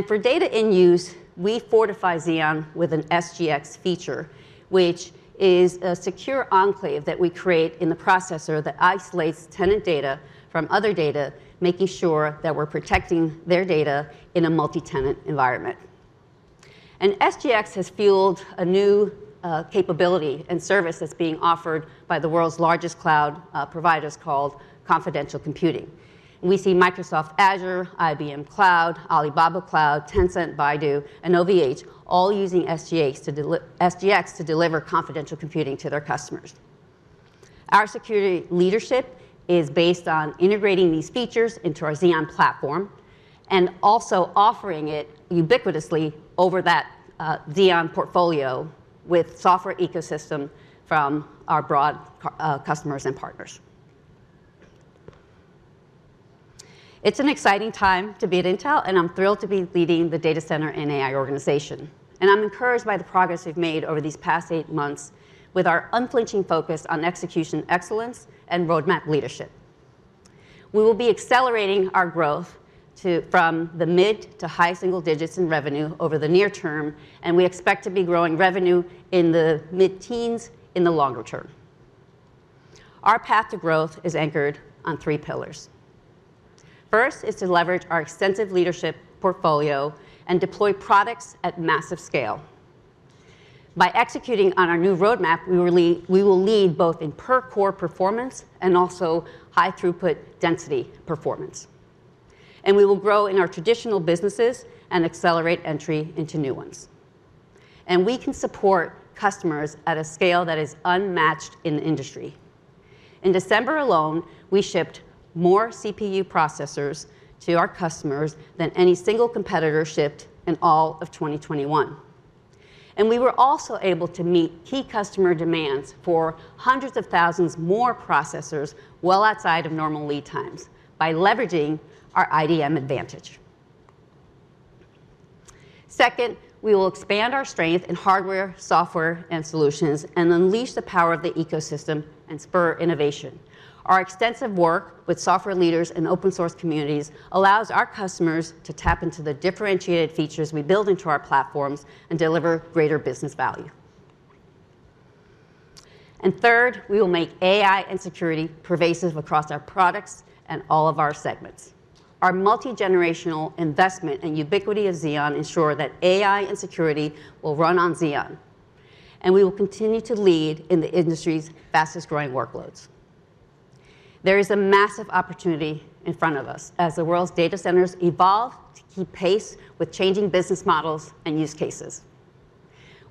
For data in use, we fortify Xeon with an SGX feature, which is a secure enclave that we create in the processor that isolates tenant data from other data, making sure that we're protecting their data in a multi-tenant environment. SGX has fueled a new capability and service that's being offered by the world's largest cloud providers called confidential computing. We see Microsoft Azure, IBM Cloud, Alibaba Cloud, Tencent, Baidu, and OVHcloud all using SGX to deliver confidential computing to their customers. Our security leadership is based on integrating these features into our Xeon platform and also offering it ubiquitously over that Xeon portfolio with software ecosystem from our broad customers and partners. It's an exciting time to be at Intel, and I'm thrilled to be leading the data center and AI organization. I'm encouraged by the progress we've made over these past eight months with our unflinching focus on execution excellence and roadmap leadership. We will be accelerating our growth from the mid- to high-single digits in revenue over the near term, and we expect to be growing revenue in the mid-teens in the longer term. Our path to growth is anchored on three pillars. First is to leverage our extensive leadership portfolio and deploy products at massive scale. By executing on our new roadmap, we will lead both in per core performance and also high throughput density performance. We will grow in our traditional businesses and accelerate entry into new ones. We can support customers at a scale that is unmatched in the industry. In December alone, we shipped more CPU processors to our customers than any single competitor shipped in all of 2021. We were also able to meet key customer demands for hundreds of thousands more processors well outside of normal lead times by leveraging our IDM advantage. Second, we will expand our strength in hardware, software, and solutions and unleash the power of the ecosystem and spur innovation. Our extensive work with software leaders and open source communities allows our customers to tap into the differentiated features we build into our platforms and deliver greater business value. Third, we will make AI and security pervasive across our products and all of our segments. Our multi-generational investment and ubiquity of Xeon ensure that AI and security will run on Xeon, and we will continue to lead in the industry's fastest growing workloads. There is a massive opportunity in front of us as the world's data centers evolve to keep pace with changing business models and use cases.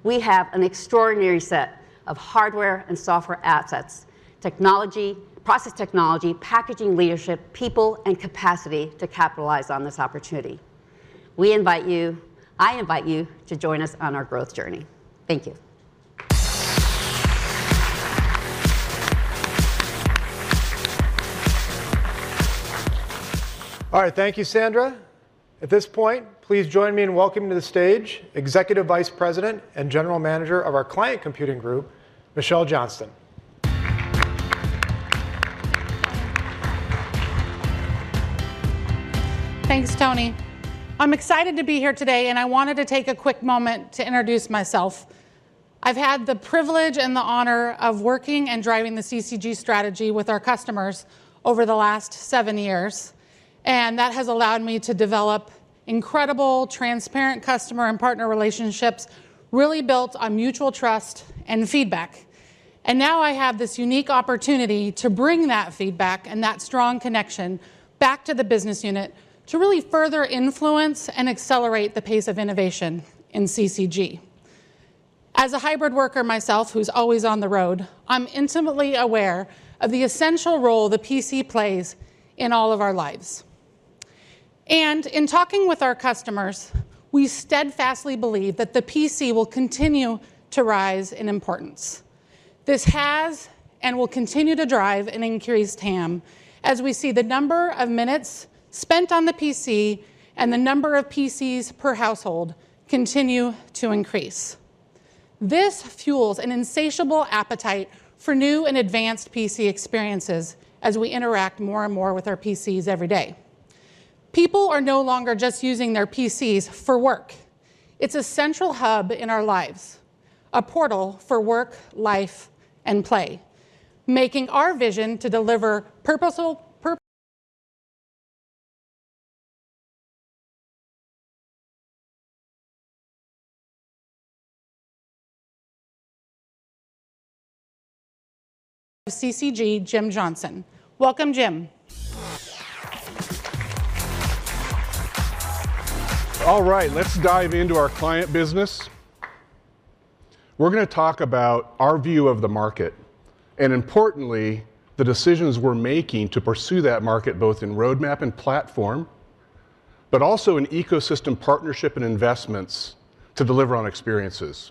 We have an extraordinary set of hardware and software assets, technology, process technology, packaging leadership, people, and capacity to capitalize on this opportunity. We invite you, I invite you to join us on our growth journey. Thank you. All right. Thank you, Sandra. At this point, please join me in welcoming to the stage Executive Vice President and General Manager of our Client Computing Group, Michelle Johnston. Thanks, Tony. I'm excited to be here today, and I wanted to take a quick moment to introduce myself. I've had the privilege and the honor of working and driving the CCG strategy with our customers over the last seven years, and that has allowed me to develop incredible, transparent customer and partner relationships really built on mutual trust and feedback. Now I have this unique opportunity to bring that feedback and that strong connection back to the business unit to really further influence and accelerate the pace of innovation in CCG. As a hybrid worker myself who's always on the road, I'm intimately aware of the essential role the PC plays in all of our lives. In talking with our customers, we steadfastly believe that the PC will continue to rise in importance. This has and will continue to drive an increased TAM as we see the number of minutes spent on the PC and the number of PCs per household continue to increase. This fuels an insatiable appetite for new and advanced PC experiences as we interact more and more with our PCs every day. People are no longer just using their PCs for work. It's a central hub in our lives, a portal for work, life, and play, making our vision to deliver purposeful of CCG, Jim Johnson. Welcome, Jim. All right, let's dive into our client business. We're gonna talk about our view of the market and importantly, the decisions we're making to pursue that market, both in roadmap and platform, but also in ecosystem partnership and investments to deliver on experiences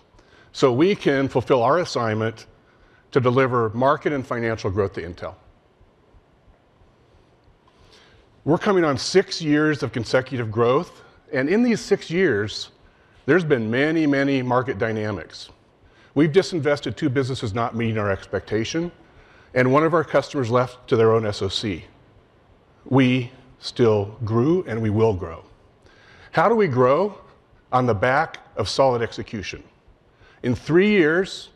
so we can fulfill our assignment to deliver market and financial growth to Intel. We're coming on six years of consecutive growth, and in these six years there's been many, many market dynamics. We've disinvested two businesses not meeting our expectation, and one of our customers left to their own SoC. We still grew, and we will grow. How do we grow? On the back of solid execution. In three years,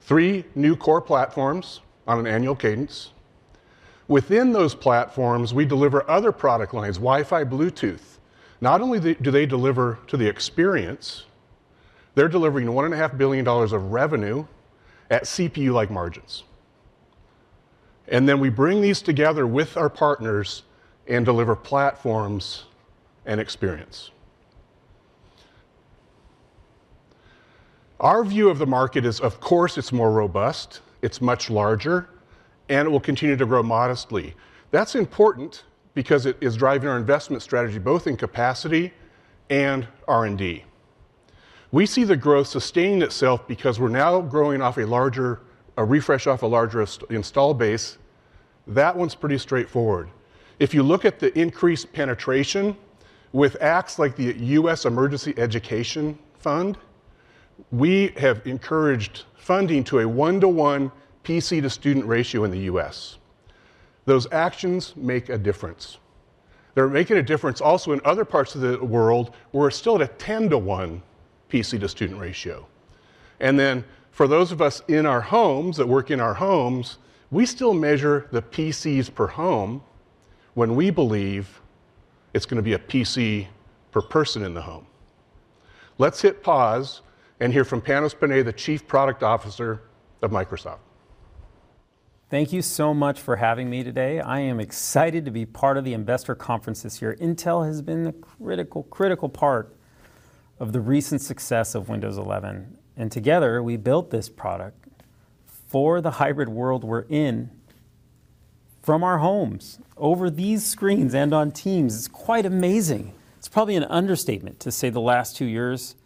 three new core platforms on an annual cadence. Within those platforms, we deliver other product lines, Wi-Fi, Bluetooth. Not only do they deliver the experience, they're delivering $1.5 billion of revenue at CPU-like margins. Then we bring these together with our partners and deliver platforms and experience. Our view of the market is, of course, it's more robust, it's much larger, and it will continue to grow modestly. That's important because it is driving our investment strategy, both in capacity and R&D. We see the growth sustaining itself because we're now growing off a larger installed base. That one's pretty straightforward. If you look at the increased penetration with acts like the U.S. Emergency Connectivity Fund, we have encouraged funding to a one-to-one PC-to-student ratio in the U.S. Those actions make a difference. They're making a difference also in other parts of the world where we're still at a 10-to-one PC-to-student ratio. For those of us in our homes, that work in our homes, we still measure the PCs per home, when we believe it's gonna be a PC per person in the home. Let's hit pause and hear from Panos Panay, the Chief Product Officer of Microsoft. Thank you so much for having me today. I am excited to be part of the investor conference this year. Intel has been the critical part of the recent success of Windows 11. Together, we built this product for the hybrid world we're in from our homes over these screens and on Teams. It's quite amazing. It's probably an understatement to say the last two years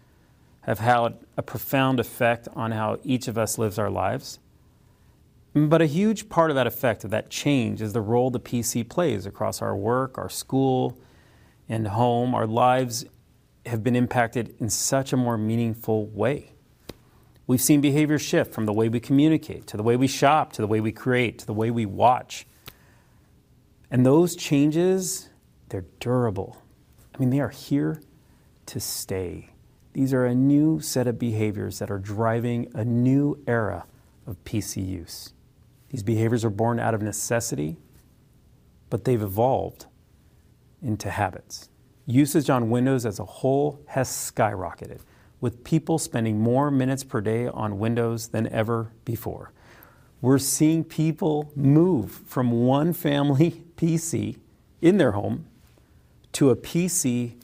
have had a profound effect on how each of us lives our lives. A huge part of that effect, of that change, is the role the PC plays across our work, our school, and home. Our lives have been impacted in such a more meaningful way. We've seen behavior shift from the way we communicate, to the way we shop, to the way we create, to the way we watch. Those changes, they're durable. I mean, they are here to stay. These are a new set of behaviors that are driving a new era of PC use. These behaviors are born out of necessity, but they've evolved into habits. Usage on Windows as a whole has skyrocketed, with people spending more minutes per day on Windows than ever before. We're seeing people move from one family PC in their home to a PC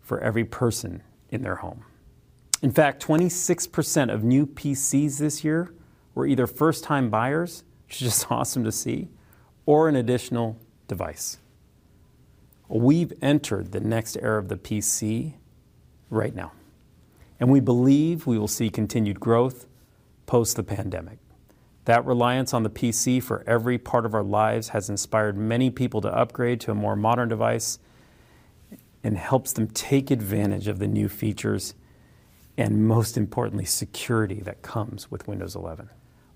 for every person in their home. In fact, 26% of new PCs this year were either first-time buyers, which is just awesome to see, or an additional device. We've entered the next era of the PC right now, and we believe we will see continued growth post the pandemic. That reliance on the PC for every part of our lives has inspired many people to upgrade to a more modern device and helps them take advantage of the new features and, most importantly, security that comes with Windows 11.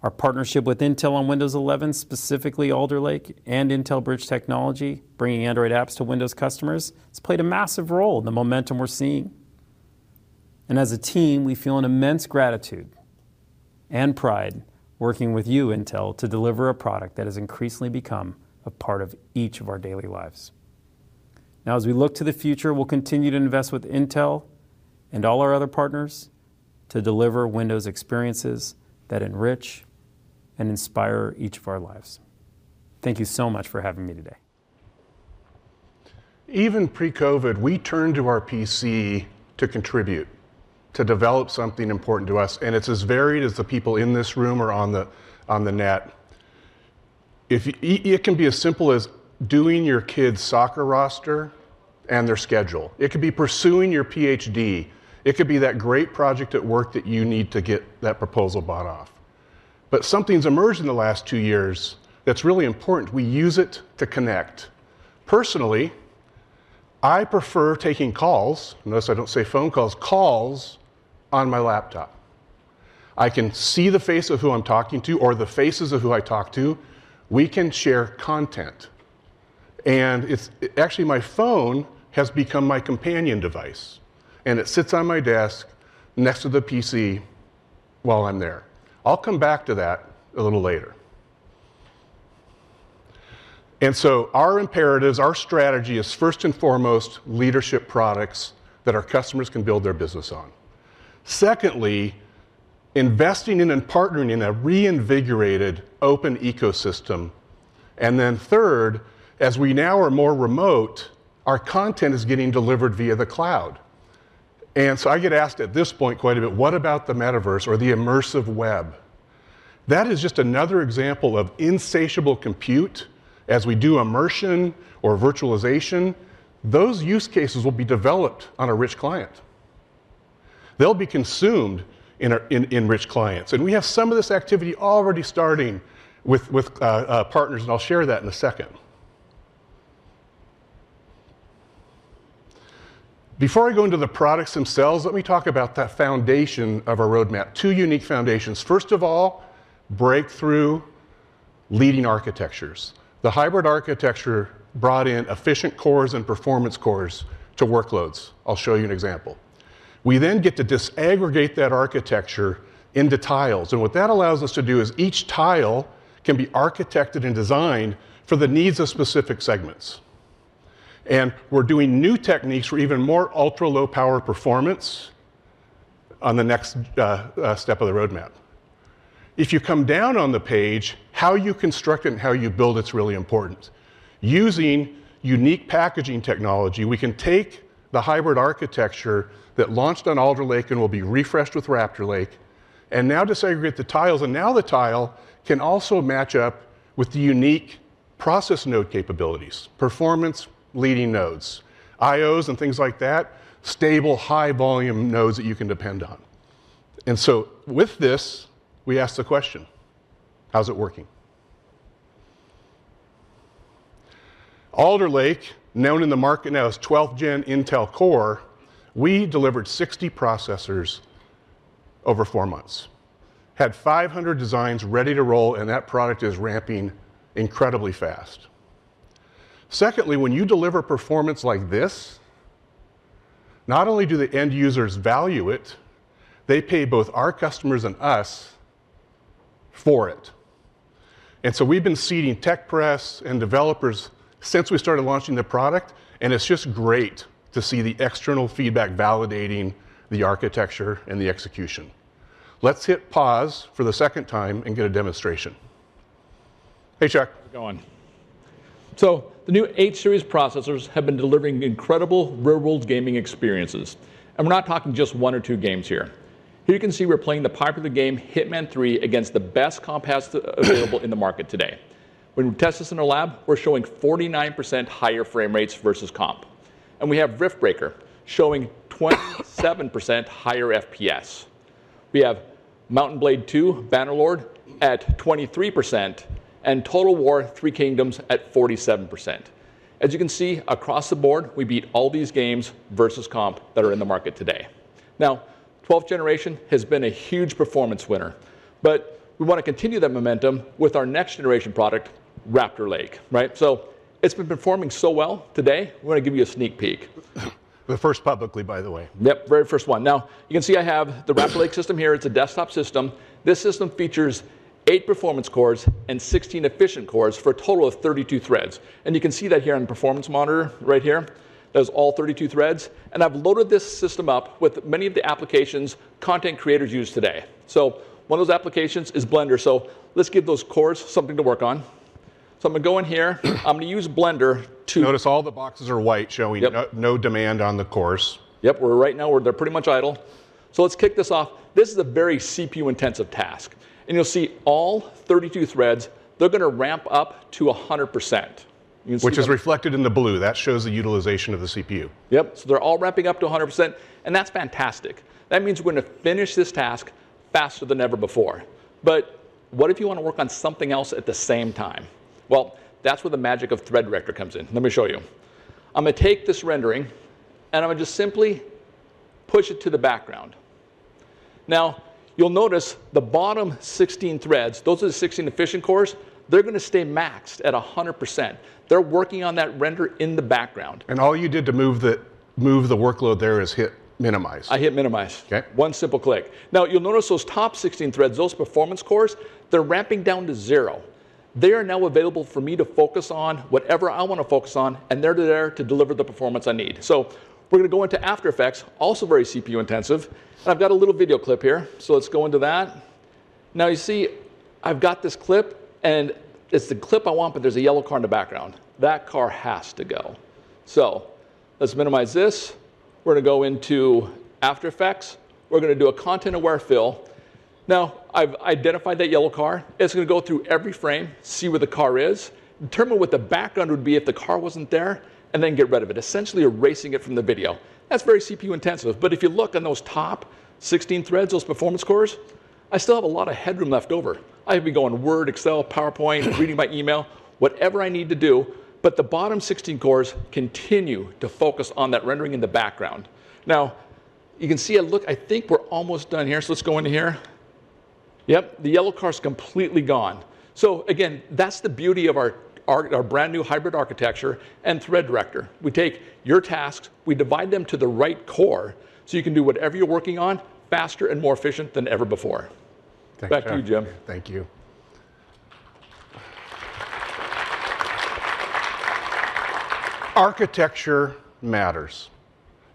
Our partnership with Intel on Windows 11, specifically Alder Lake and Intel Bridge Technology, bringing Android apps to Windows customers, has played a massive role in the momentum we're seeing. As a team, we feel an immense gratitude and pride working with you, Intel, to deliver a product that has increasingly become a part of each of our daily lives. Now, as we look to the future, we'll continue to invest with Intel and all our other partners to deliver Windows experiences that enrich and inspire each of our lives. Thank you so much for having me today. Even pre-COVID, we turned to our PC to contribute, to develop something important to us, and it's as varied as the people in this room or on the net. If it can be as simple as doing your kid's soccer roster and their schedule. It could be pursuing your PhD. It could be that great project at work that you need to get that proposal buy-off. But something's emerged in the last two years that's really important. We use it to connect. Personally, I prefer taking calls, notice I don't say phone calls on my laptop. I can see the face of who I'm talking to or the faces of who I talk to. We can share content. It's actually my phone has become my companion device, and it sits on my desk next to the PC while I'm there. I'll come back to that a little later. Our imperatives, our strategy is, first and foremost, leadership products that our customers can build their business on. Secondly, investing in and partnering in a reinvigorated open ecosystem. Third, as we now are more remote, our content is getting delivered via the cloud. I get asked at this point quite a bit, what about the metaverse or the immersive web? That is just another example of insatiable compute as we do immersion or virtualization. Those use cases will be developed on a rich client. They'll be consumed in rich clients. We have some of this activity already starting with partners, and I'll share that in a second. Before I go into the products themselves, let me talk about the foundation of our roadmap. Two unique foundations. First of all, breakthrough leading architectures. The hybrid architecture brought in efficient cores and performance cores to workloads. I'll show you an example. We then get to disaggregate that architecture into tiles, and what that allows us to do is each tile can be architected and designed for the needs of specific segments. We're doing new techniques for even more ultra-low power performance on the next step of the roadmap. If you come down on the page, how you construct it and how you build it is really important. Using unique packaging technology, we can take the hybrid architecture that launched on Alder Lake and will be refreshed with Raptor Lake and now disaggregate the tiles, and now the tile can also match up with the unique process node capabilities, performance leading nodes, I/Os and things like that, stable high volume nodes that you can depend on. With this, we ask the question: how's it working? Alder Lake, known in the market now as 12th Gen Intel Core, we delivered 60 processors over four months, had 500 designs ready to roll, and that product is ramping incredibly fast. Secondly, when you deliver performance like this, not only do the end users value it, they pay both our customers and us for it. We've been seeing tech press and developers since we started launching the product, and it's just great to see the external feedback validating the architecture and the execution. Let's hit pause for the second time and get a demonstration. Hey, Chuck. How's it going? The new H series processors have been delivering incredible real world gaming experiences, and we're not talking just one or two games here. Here you can see we're playing the popular game Hitman 3 against the best comp has to available in the market today. When we test this in our lab, we're showing 49% higher frame rates versus comp. We have Riftbreaker showing 27% higher FPS. We have Mount & Blade II: Bannerlord at 23%, and Total War: Three Kingdoms at 47%. As you can see, across the board, we beat all these games versus comp that are in the market today. Now, 12th generation has been a huge performance winner, but we wanna continue that momentum with our next generation product, Raptor Lake, right? It's been performing so well today. We wanna give you a sneak peek. The first publicly, by the way. Yep. Very first one. Now, you can see I have the Raptor Lake system here. It's a desktop system. This system features eight performance cores and 16 efficient cores for a total of 32 threads. You can see that here on performance monitor right here. That is all 32 threads. I've loaded this system up with many of the applications content creators use today. One of those applications is Blender. Let's give those cores something to work on. I'm gonna go in here. I'm gonna use Blender to- Notice all the boxes are white, showing. Yep No demand on the cores. Yep. We're right now, they're pretty much idle. Let's kick this off. This is a very CPU intensive task. You'll see all 32 threads, they're gonna ramp up to 100%. You can see the Which is reflected in the blue. That shows the utilization of the CPU. Yep. They're all ramping up to 100%, and that's fantastic. That means we're gonna finish this task faster than ever before. What if you wanna work on something else at the same time? Well, that's where the magic of Intel Thread Director comes in. Let me show you. I'm gonna take this rendering, and I'm gonna just simply push it to the background. Now, you'll notice the bottom 16 threads, those are the 16 efficient cores, they're gonna stay maxed at 100%. They're working on that render in the background. All you did to move the workload there is hit minimize. I hit minimize. Okay. One simple click. Now, you'll notice those top 16 threads, those performance cores, they're ramping down to zero. They are now available for me to focus on whatever I wanna focus on, and they're there to deliver the performance I need. We're gonna go into After Effects, also very CPU intensive, and I've got a little video clip here, so let's go into that. Now, you see I've got this clip, and it's the clip I want, but there's a yellow car in the background. That car has to go. Let's minimize this. We're gonna go into After Effects. We're gonna do a content aware fill. Now, I've identified that yellow car. It's gonna go through every frame, see where the car is, determine what the background would be if the car wasn't there, and then get rid of it, essentially erasing it from the video. That's very CPU intensive. If you look on those top 16 threads, those performance cores, I still have a lot of headroom left over. I could be going Word, Excel, PowerPoint, reading my email, whatever I need to do, but the bottom 16 cores continue to focus on that rendering in the background. Now, you can see it look. I think we're almost done here, so let's go into here. Yep, the yellow car's completely gone. Again, that's the beauty of our brand new hybrid architecture and Thread Director. We take your tasks, we divide them to the right core so you can do whatever you're working on faster and more efficient than ever before. Thanks, Chuck. Back to you, Jim. Thank you. Architecture matters.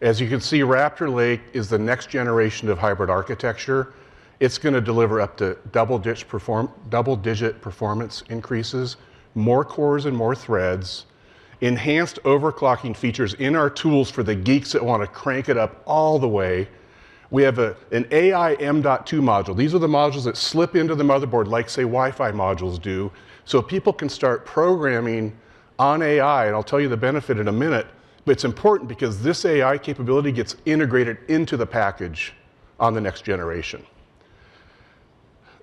As you can see, Raptor Lake is the next generation of hybrid architecture. It's gonna deliver up to double digit performance increases, more cores and more threads, enhanced overclocking features in our tools for the geeks that wanna crank it up all the way. We have an AI M.2 module. These are the modules that slip into the motherboard, like, say, Wi-Fi modules do, so people can start programming on AI, and I'll tell you the benefit in a minute. But it's important because this AI capability gets integrated into the package on the next generation.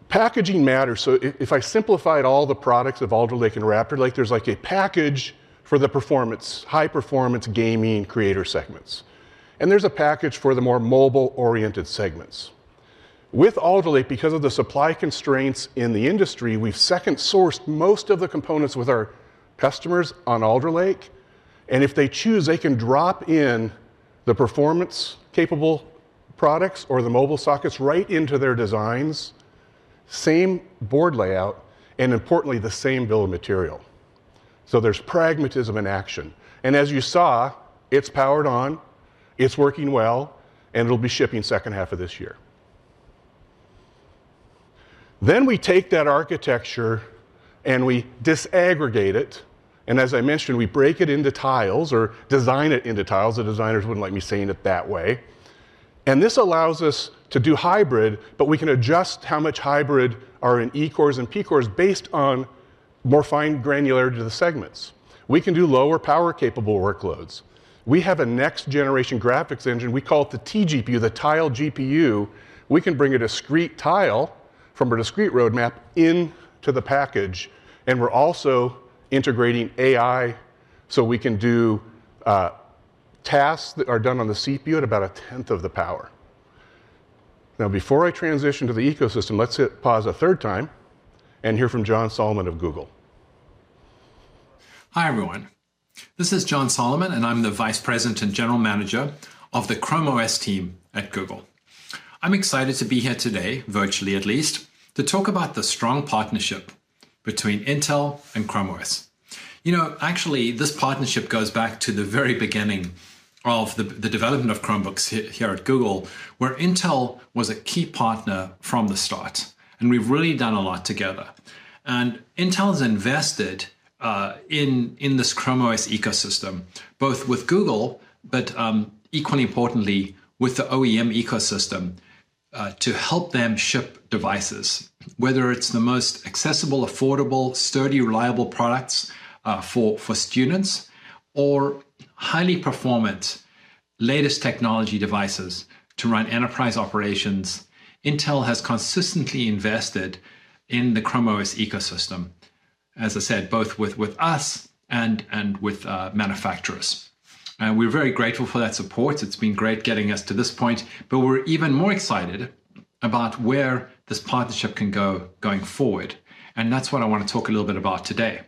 Packaging matters. If I simplified all the products of Alder Lake and Raptor Lake, there's like a package for the performance, high performance, gaming, creator segments, and there's a package for the more mobile oriented segments. With Alder Lake, because of the supply constraints in the industry, we've second sourced most of the components with our customers on Alder Lake, and if they choose, they can drop in the performance capable products or the mobile sockets right into their designs, same board layout, and importantly, the same bill of material. There's pragmatism in action, and as you saw, it's powered on, it's working well, and it'll be shipping second half of this year. We take that architecture and we disaggregate it, and as I mentioned, we break it into tiles or design it into tiles. The designers wouldn't like me saying it that way. This allows us to do hybrid, but we can adjust how much hybrid are in E-cores and P-cores based on more fine granularity to the segments. We can do lower power capable workloads. We have a next-generation graphics engine. We call it the tGPU, the tile GPU. We can bring a discrete tile from a discrete roadmap into the package, and we're also integrating AI so we can do tasks that are done on the CPU at about a tenth of the power. Now before I transition to the ecosystem, let's hit pause a third time and hear from John Solomon of Google. Hi, everyone. This is John Solomon, and I'm the vice president and general manager of the ChromeOS team at Google. I'm excited to be here today, virtually at least, to talk about the strong partnership between Intel and ChromeOS. You know, actually this partnership goes back to the very beginning of the development of Chromebooks here at Google, where Intel was a key partner from the start, and we've really done a lot together. Intel's invested in this ChromeOS ecosystem, both with Google but equally importantly with the OEM ecosystem to help them ship devices, whether it's the most accessible, affordable, sturdy, reliable products for students or highly performant, latest technology devices to run enterprise operations. Intel has consistently invested in the ChromeOS ecosystem, as I said, both with us and with manufacturers. We're very grateful for that support. It's been great getting us to this point, but we're even more excited about where this partnership can go going forward, and that's what I wanna talk a little bit about today.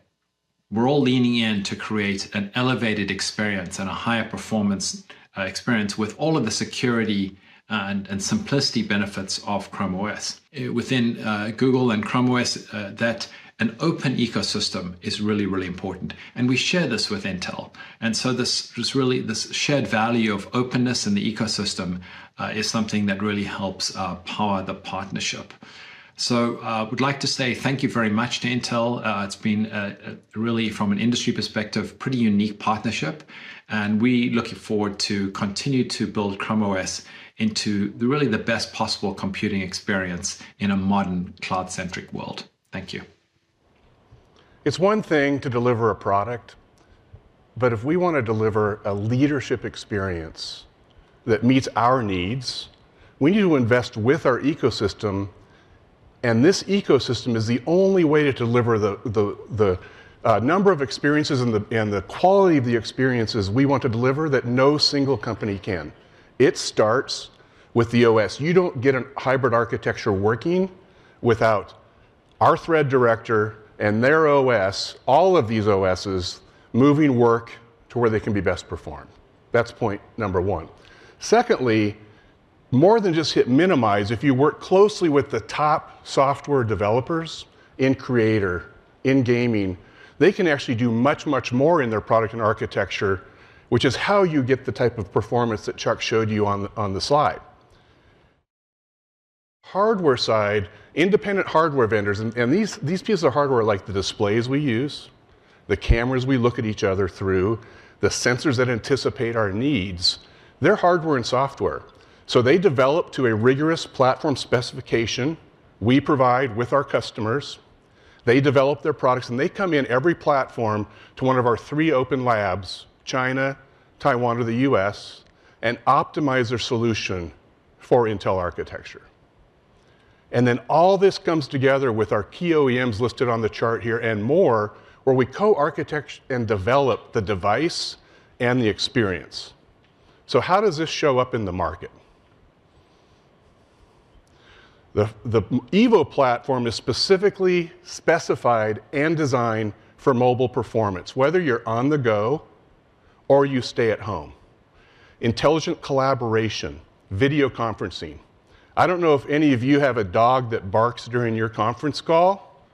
We're all leaning in to create an elevated experience and a higher performance experience with all of the security and simplicity benefits of ChromeOS. Within Google and ChromeOS, that an open ecosystem is really important, and we share this with Intel. This is really this shared value of openness in the ecosystem is something that really helps power the partnership. I would like to say thank you very much to Intel. It's been really from an industry perspective, pretty unique partnership, and we're looking forward to continue to build ChromeOS into really the best possible computing experience in a modern cloud-centric world. Thank you. It's one thing to deliver a product, but if we wanna deliver a leadership experience that meets our needs, we need to invest with our ecosystem, and this ecosystem is the only way to deliver the number of experiences and the quality of the experiences we want to deliver that no single company can. It starts with the OS. You don't get a hybrid architecture working without our Thread Director and their OS, all of these OSes, moving work to where they can be best performed. That's point number one. Secondly, more than just hit minimize, if you work closely with the top software developers in creator, in gaming, they can actually do much, much more in their product and architecture, which is how you get the type of performance that Chuck showed you on the slide. Hardware side, independent hardware vendors, and these pieces of hardware, like the displays we use, the cameras we look at each other through, the sensors that anticipate our needs, they're hardware and software, so they develop to a rigorous platform specification we provide with our customers. They develop their products, and they come in every platform to one of our three open labs, China, Taiwan, or the U.S., and optimize their solution for Intel architecture. Then all this comes together with our key OEMs listed on the chart here and more, where we co-architect and develop the device and the experience. How does this show up in the market? The Evo platform is specifically specified and designed for mobile performance, whether you're on the go or you stay at home. Intelligent collaboration, video conferencing. I don't know if any of you have a dog that barks during your conference call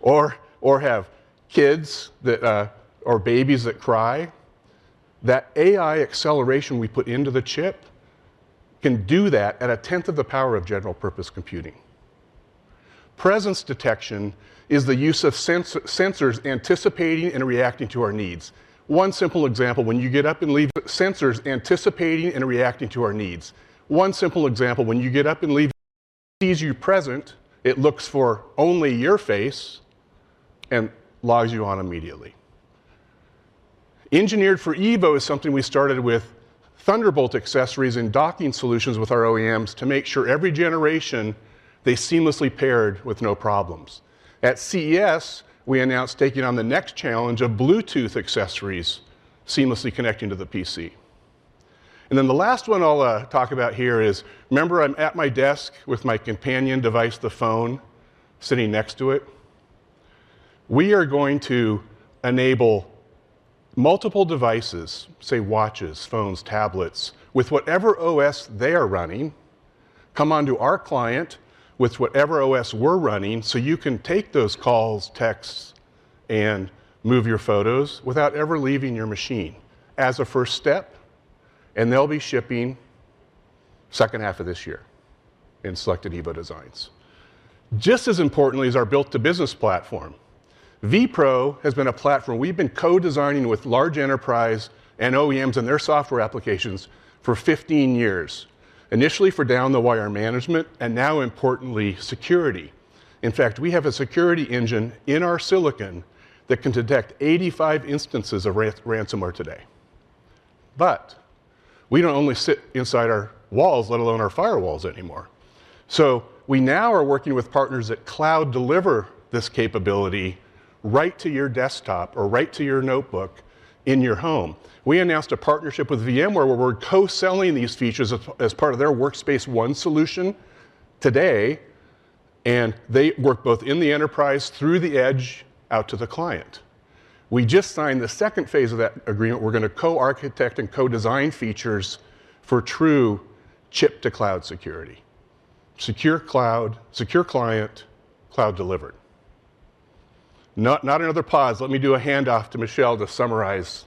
or have kids that or babies that cry. That AI acceleration we put into the chip can do that at a tenth of the power of general purpose computing. Presence detection is the use of sensors anticipating and reacting to our needs. One simple example, when you get up and leave, sees you present, it looks for only your face and logs you on immediately. Engineered for Evo is something we started with Thunderbolt accessories and docking solutions with our OEMs to make sure every generation they seamlessly paired with no problems. At CES, we announced taking on the next challenge of Bluetooth accessories seamlessly connecting to the PC. The last one I'll talk about here is, remember I'm at my desk with my companion device, the phone sitting next to it? We are going to enable multiple devices, say watches, phones, tablets, with whatever OS they are running, come onto our client with whatever OS we're running, so you can take those calls, texts, and move your photos without ever leaving your machine as a first step, and they'll be shipping second half of this year in selected Evo designs. Just as importantly as our built-for-business platform, vPro has been a platform we've been co-designing with large enterprise and OEMs and their software applications for 15 years, initially for down-the-wire management, and now importantly, security. In fact, we have a security engine in our silicon that can detect 85 instances of ransomware today. We don't only sit inside our walls, let alone our firewalls anymore. We now are working with partners in the cloud to deliver this capability right to your desktop or right to your notebook in your home. We announced a partnership with VMware, where we're co-selling these features as part of their Workspace ONE solution today, and they work both in the enterprise through the edge out to the client. We just signed the second phase of that agreement. We're gonna co-architect and co-design features for true chip to cloud security. Secure client, cloud delivered. Not another pause. Let me do a handoff to Michelle to summarize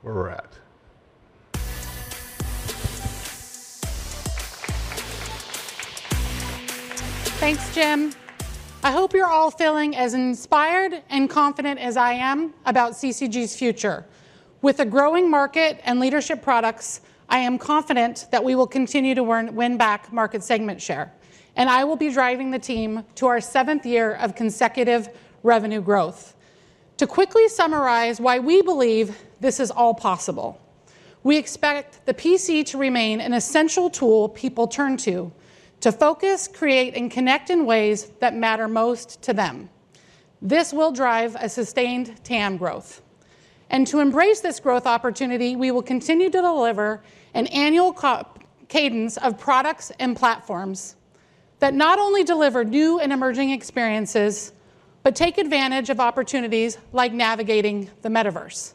where we're at. Thanks, Jim. I hope you're all feeling as inspired and confident as I am about CCG's future. With a growing market and leadership products, I am confident that we will continue to win back market segment share, and I will be driving the team to our seventh year of consecutive revenue growth. To quickly summarize why we believe this is all possible, we expect the PC to remain an essential tool people turn to to focus, create, and connect in ways that matter most to them. This will drive a sustained TAM growth. To embrace this growth opportunity, we will continue to deliver an annual cadence of products and platforms that not only deliver new and emerging experiences but take advantage of opportunities like navigating the metaverse.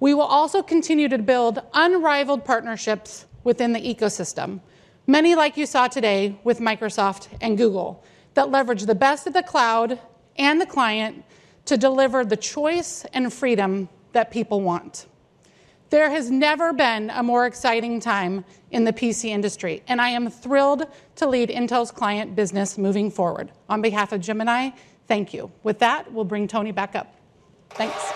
We will also continue to build unrivaled partnerships within the ecosystem, many like you saw today with Microsoft and Google, that leverage the best of the cloud and the client to deliver the choice and freedom that people want. There has never been a more exciting time in the PC industry, and I am thrilled to lead Intel's client business moving forward. On behalf of Jim and I, thank you. With that, we'll bring Tony back up. Thanks.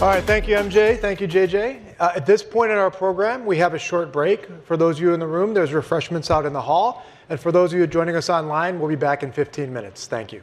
All right. Thank you, MJ. Thank you, JJ. At this point in our program, we have a short break. For those of you in the room, there's refreshments out in the hall. For those of you joining us online, we'll be back in 15 minutes. Thank you.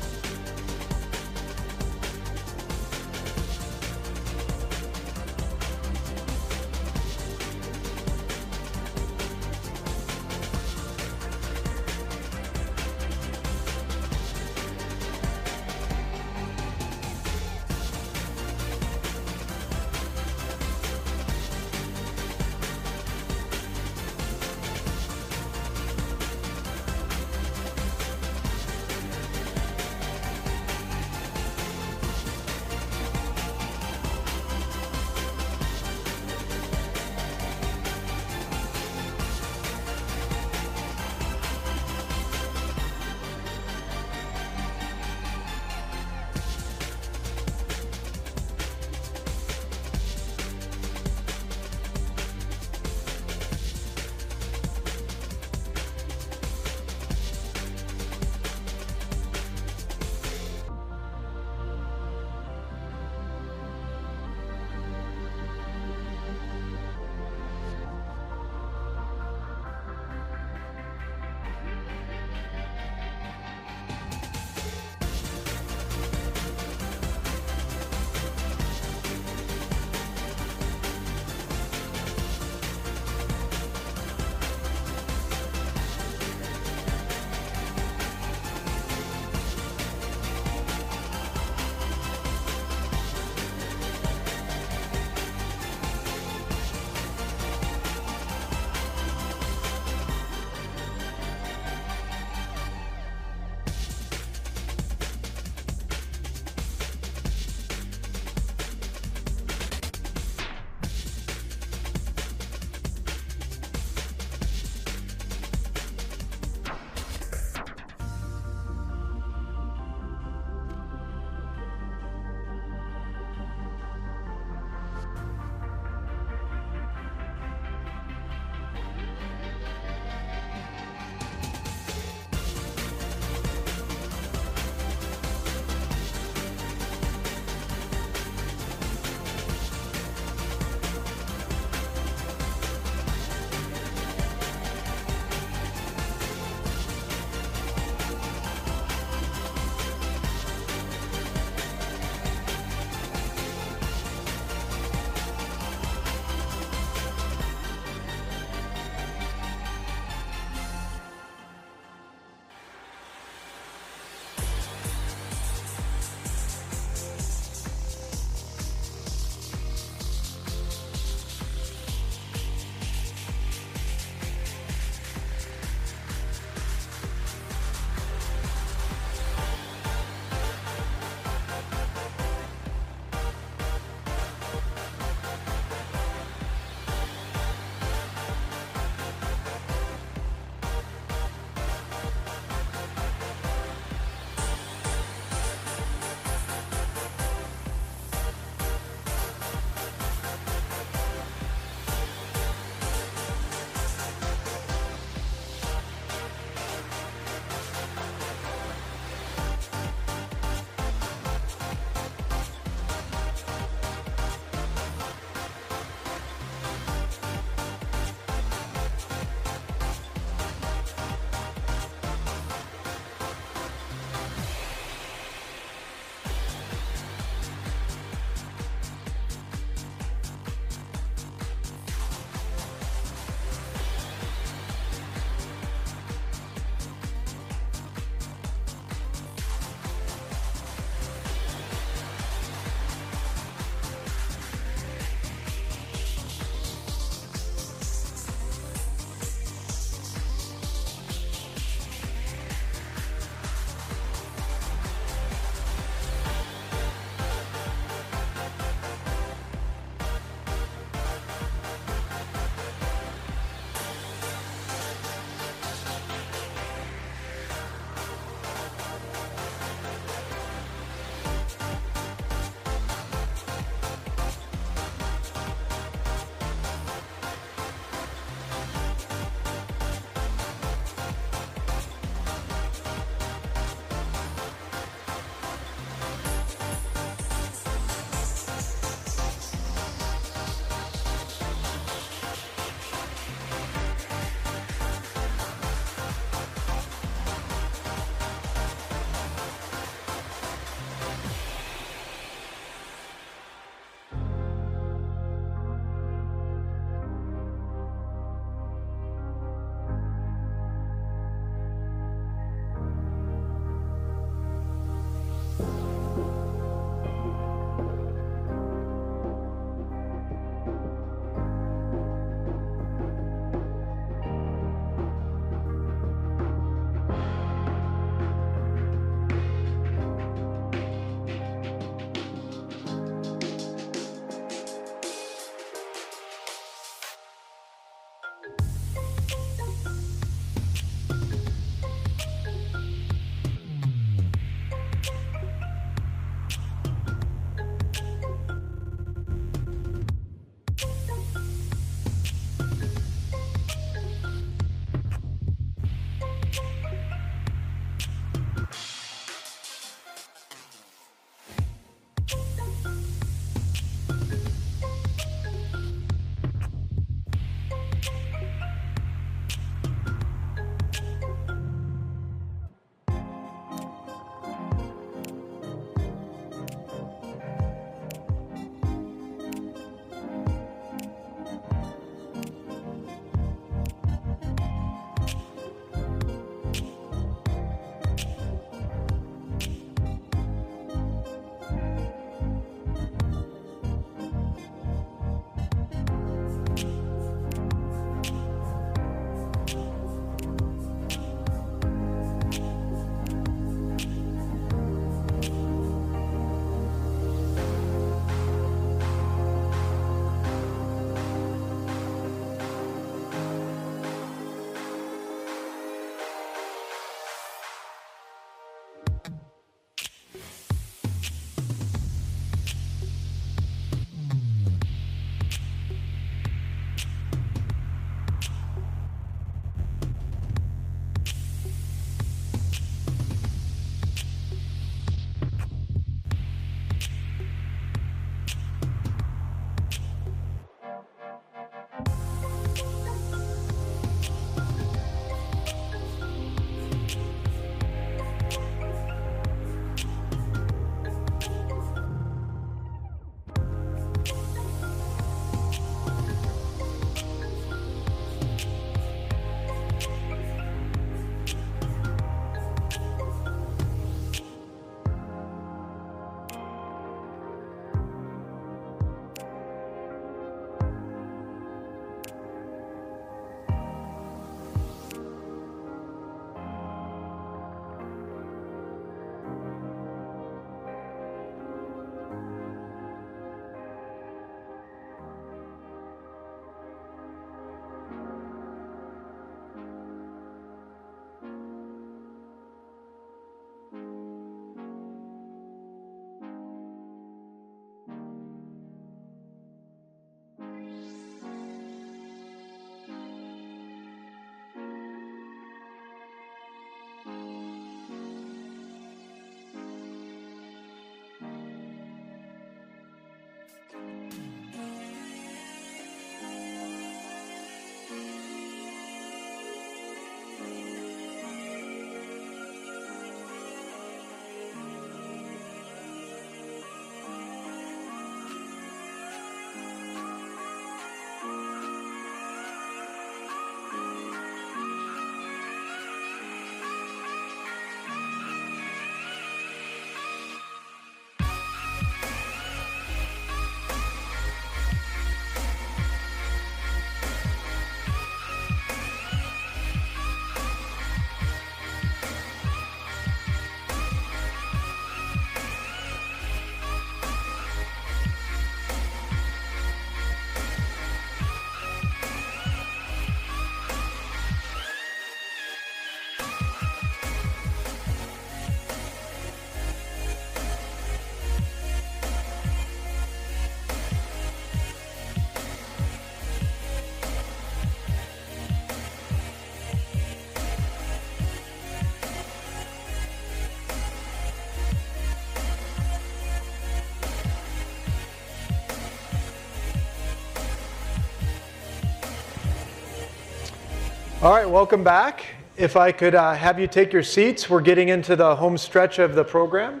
All right, welcome back. If I could, have you take your seats, we're getting into the home stretch of the program.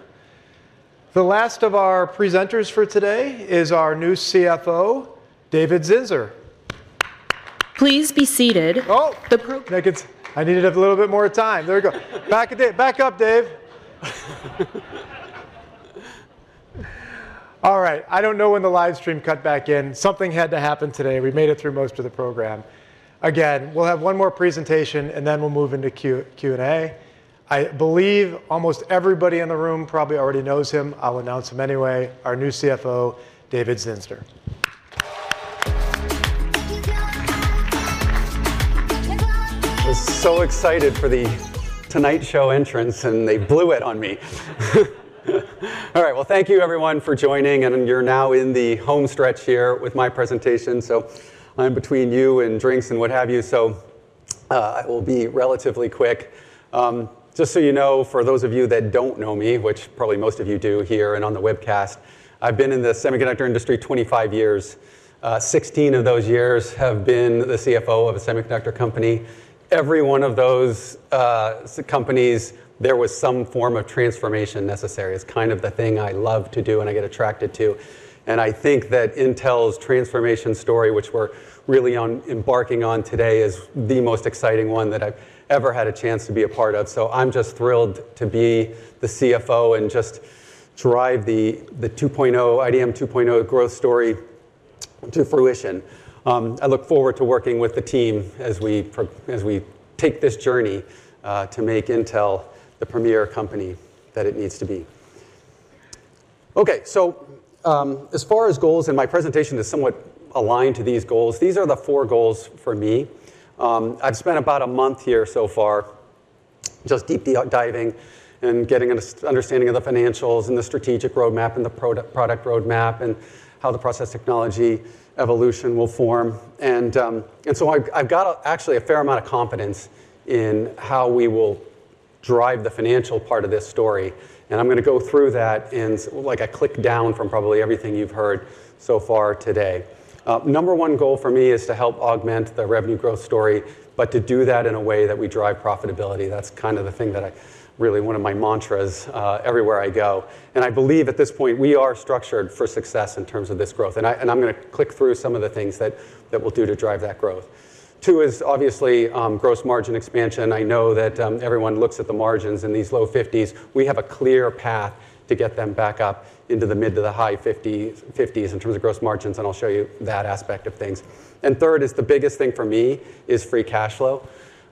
The last of our presenters for today is our new CFO, David Zinsner. Please be seated. I needed a little bit more time. There we go. Back, Dave. Back up, Dave. All right. I don't know when the live stream cut back in. Something had to happen today. We made it through most of the program. Again, we'll have one more presentation, and then we'll move into Q&A. I believe almost everybody in the room probably already knows him. I'll announce him anyway. Our new CFO, David Zinsner. I was so excited for The Tonight Show entrance, and they blew it on me. All right. Well, thank you everyone for joining, and you're now in the home stretch here with my presentation. I'm between you and drinks and what have you, so I will be relatively quick. Just so you know, for those of you that don't know me, which probably most of you do here and on the webcast, I've been in the semiconductor industry 25 years. 16 of those years have been the CFO of a semiconductor company. Every one of those companies, there was some form of transformation necessary. It's kind of the thing I love to do and I get attracted to. I think that Intel's transformation story, which we're really on, embarking on today, is the most exciting one that I've ever had a chance to be a part of. I'm just thrilled to be the CFO and just drive the 2.0, IDM 2.0 growth story to fruition. I look forward to working with the team as we take this journey to make Intel the premier company that it needs to be. Okay. As far as goals, and my presentation is somewhat aligned to these goals, these are the four goals for me. I've spent about a month here so far, just deep diving and getting an understanding of the financials and the strategic roadmap and the product roadmap and how the process technology evolution will form. I've got a... Actually a fair amount of confidence in how we will drive the financial part of this story, and I'm gonna go through that in, like, a click down from probably everything you've heard so far today. Number 1 goal for me is to help augment the revenue growth story, but to do that in a way that we drive profitability. That's kind of the thing that really one of my mantras everywhere I go. I believe at this point we are structured for success in terms of this growth. I'm gonna click through some of the things that we'll do to drive that growth. 2 is obviously gross margin expansion. I know that everyone looks at the margins in these low fifties. We have a clear path to get them back up into the mid- to high 50s% in terms of gross margins, and I'll show you that aspect of things. Third is the biggest thing for me is free cash flow.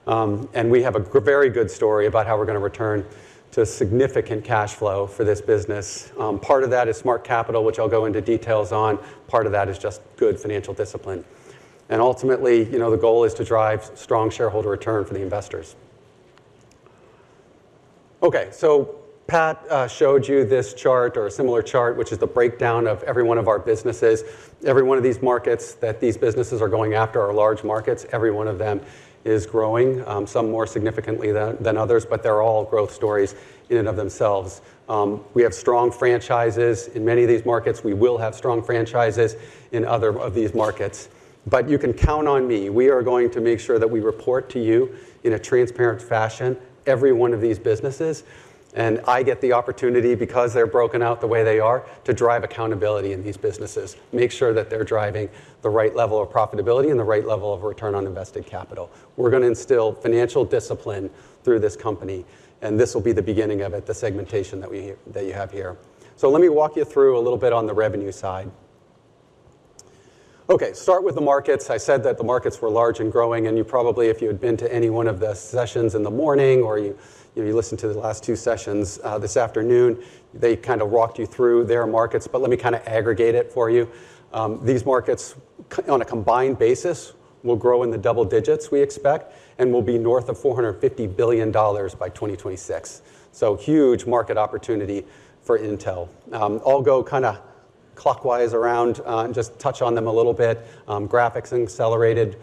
We have a very good story about how we're gonna return to significant cash flow for this business. Part of that is smart capital, which I'll go into details on. Part of that is just good financial discipline. Ultimately, you know, the goal is to drive strong shareholder return for the investors. Okay. Pat showed you this chart or a similar chart, which is the breakdown of every one of our businesses. Every one of these markets that these businesses are going after are large markets. Every one of them is growing, some more significantly than others, but they're all growth stories in and of themselves. We have strong franchises in many of these markets. We will have strong franchises in other of these markets. You can count on me, we are going to make sure that we report to you in a transparent fashion every one of these businesses, and I get the opportunity, because they're broken out the way they are, to drive accountability in these businesses, make sure that they're driving the right level of profitability and the right level of return on invested capital. We're gonna instill financial discipline through this company, and this will be the beginning of it, the segmentation that we have that you have here. Let me walk you through a little bit on the revenue side. Okay, start with the markets. I said that the markets were large and growing, and you probably, if you had been to any one of the sessions in the morning or you listened to the last two sessions this afternoon, they kind of walked you through their markets. Let me kind of aggregate it for you. These markets on a combined basis will grow in the double digits, we expect, and will be north of $450 billion by 2026. Huge market opportunity for Intel. I'll go kinda clockwise around and just touch on them a little bit. Graphics and accelerated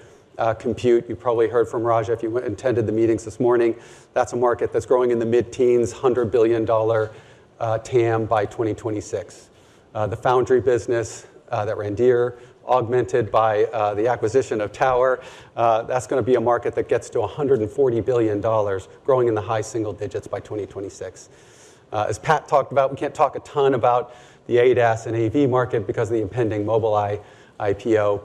compute, you probably heard from Raja if you attended the meetings this morning. That's a market that's growing in the mid-teens, $100 billion TAM by 2026. The foundry business that Randhir augmented by the acquisition of Tower, that's gonna be a market that gets to $140 billion growing in the high single digits% by 2026. As Pat talked about, we can't talk a ton about the ADAS and AV market because of the impending Mobileye IPO.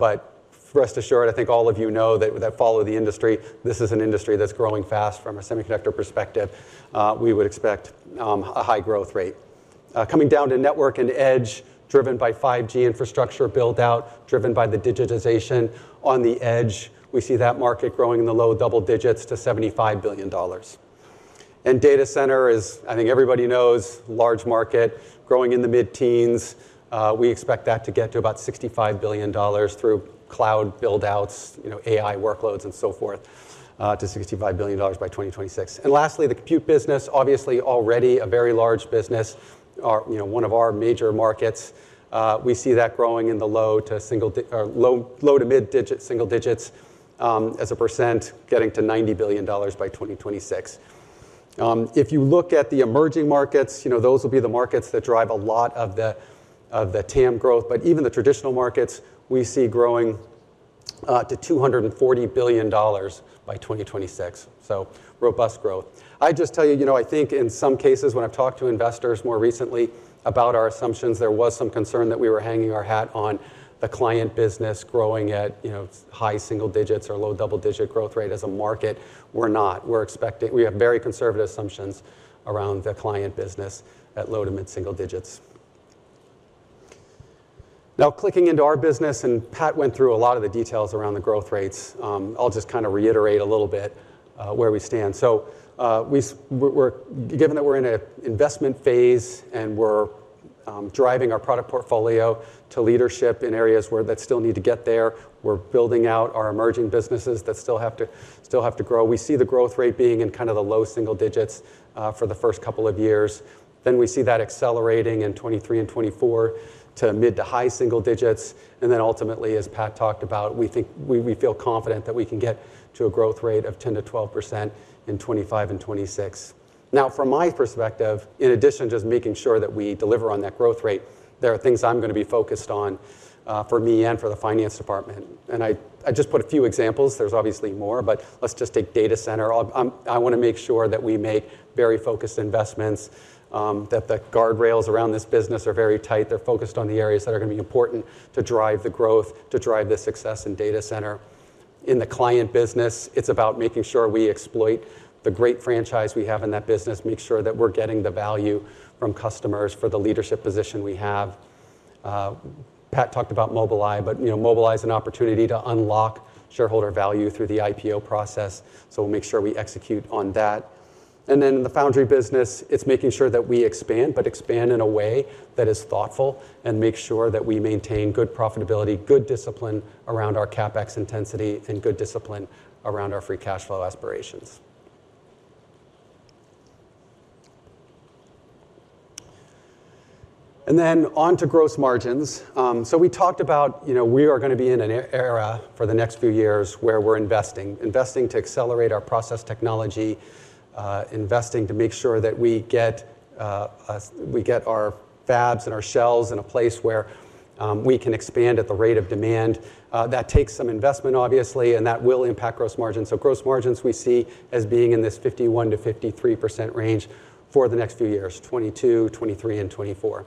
Rest assured, I think all of you know that follow the industry, this is an industry that's growing fast from a semiconductor perspective. We would expect a high growth rate. Coming down to network and edge, driven by 5G infrastructure buildout, driven by the digitization on the edge, we see that market growing in the low double digits% to $75 billion. Data center is, I think everybody knows, large market growing in the mid-teens%. We expect that to get to about $65 billion through cloud buildouts, you know, AI workloads and so forth, to $65 billion by 2026. Lastly, the compute business, obviously already a very large business, our, you know, one of our major markets. We see that growing in the low to mid single digits as a percent, getting to $90 billion by 2026. If you look at the emerging markets, you know, those will be the markets that drive a lot of the TAM growth. Even the traditional markets we see growing to $240 billion by 2026. Robust growth. I'd just tell you know, I think in some cases when I've talked to investors more recently about our assumptions, there was some concern that we were hanging our hat on the client business growing at, you know, high single digits or low double-digit growth rate as a market. We're not. We're expecting. We have very conservative assumptions around the client business at low to mid-single digits. Now, clicking into our business, Pat went through a lot of the details around the growth rates. I'll just kinda reiterate a little bit where we stand. We're given that we're in a investment phase and we're driving our product portfolio to leadership in areas where that still need to get there, we're building out our emerging businesses that still have to grow. We see the growth rate being in kind of the low single digits for the first couple of years. Then we see that accelerating in 2023 and 2024 to mid to high single digits. Then ultimately, as Pat talked about, we feel confident that we can get to a growth rate of 10%-12% in 2025 and 2026. Now, from my perspective, in addition to just making sure that we deliver on that growth rate, there are things I'm gonna be focused on for me and for the finance department. I just put a few examples. There's obviously more, but let's just take data center. I wanna make sure that we make very focused investments that the guardrails around this business are very tight. They're focused on the areas that are gonna be important to drive the growth, to drive the success in data center. In the client business, it's about making sure we exploit the great franchise we have in that business, make sure that we're getting the value from customers for the leadership position we have. Pat talked about Mobileye, but you know, Mobileye is an opportunity to unlock shareholder value through the IPO process, so we'll make sure we execute on that. In the foundry business, it's making sure that we expand, but expand in a way that is thoughtful and make sure that we maintain good profitability, good discipline around our CapEx intensity and good discipline around our free cash flow aspirations. On to gross margins. We talked about, you know, we are gonna be in an era for the next few years where we're investing. Investing to accelerate our process technology, investing to make sure that we get our fabs and our shells in a place where we can expand at the rate of demand. That takes some investment, obviously, and that will impact gross margin. Gross margins we see as being in this 51%-53% range for the next few years, 2022, 2023, and 2024.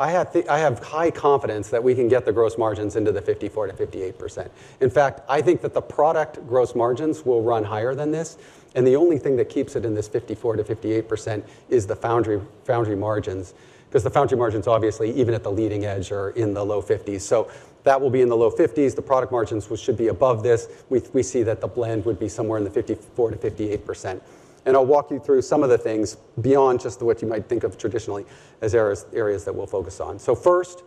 I have high confidence that we can get the gross margins into the 54%-58%. In fact, I think that the product gross margins will run higher than this, and the only thing that keeps it in this 54%-58% is the foundry margins. Because the foundry margins, obviously, even at the leading edge, are in the low 50s%. That will be in the low 50s%. The product margins should be above this. We see that the blend would be somewhere in the 54%-58%. I'll walk you through some of the things beyond just what you might think of traditionally as areas that we'll focus on. First,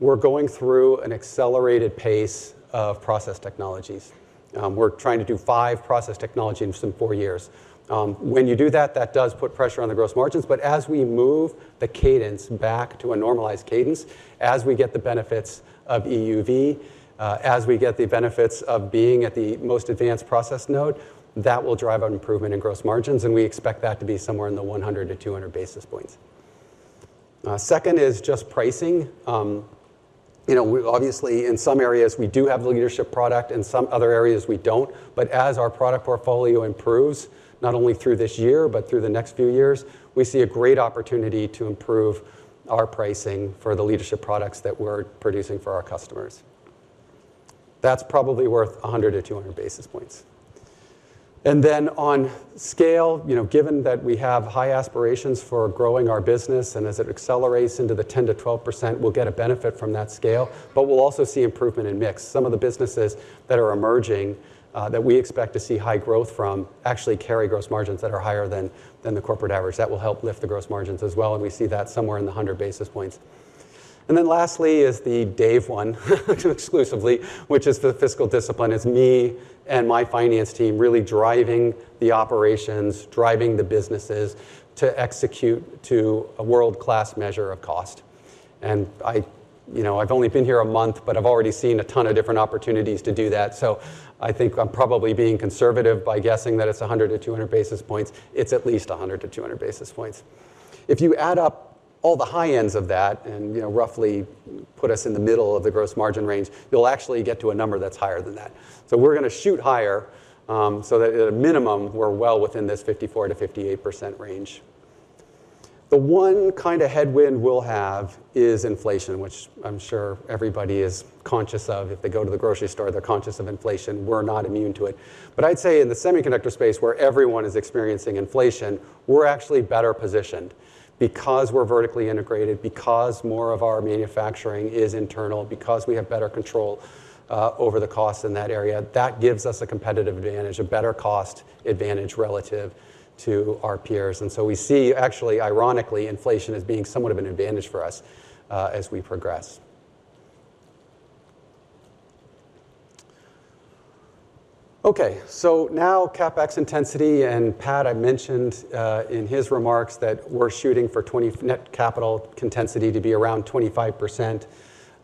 we're going through an accelerated pace of process technologies. We're trying to do five process technology in some four years. When you do that does put pressure on the gross margins, but as we move the cadence back to a normalized cadence, as we get the benefits of EUV, as we get the benefits of being at the most advanced process node, that will drive an improvement in gross margins, and we expect that to be somewhere in the 100-200 basis points. Second is just pricing. You know, we obviously, in some areas, we do have leadership product, in some other areas we don't. But as our product portfolio improves, not only through this year, but through the next few years, we see a great opportunity to improve our pricing for the leadership products that we're producing for our customers. That's probably worth 100-200 basis points. On scale, you know, given that we have high aspirations for growing our business, and as it accelerates into the 10%-12%, we'll get a benefit from that scale, but we'll also see improvement in mix. Some of the businesses that are emerging, that we expect to see high growth from actually carry gross margins that are higher than the corporate average. That will help lift the gross margins as well, and we see that somewhere in the 100 basis points. Lastly is the day one, exclusively, which is the fiscal discipline. It's me and my finance team really driving the operations, driving the businesses to execute to a world-class measure of cost. I, you know, I've only been here a month, but I've already seen a ton of different opportunities to do that. I think I'm probably being conservative by guessing that it's 100 to 200 basis points. It's at least 100 to 200 basis points. If you add up all the high ends of that and, you know, roughly put us in the middle of the gross margin range, you'll actually get to a number that's higher than that. We're gonna shoot higher, so that at a minimum, we're well within this 54%-58% range. The one kinda headwind we'll have is inflation, which I'm sure everybody is conscious of. If they go to the grocery store, they're conscious of inflation. We're not immune to it. I'd say in the semiconductor space where everyone is experiencing inflation, we're actually better positioned because we're vertically integrated, because more of our manufacturing is internal, because we have better control over the costs in that area. That gives us a competitive advantage, a better cost advantage relative to our peers. We see, actually, ironically, inflation as being somewhat of an advantage for us as we progress. Okay, now CapEx intensity. Pat, I mentioned in his remarks that we're shooting for 25% net capital intensity to be around 25%.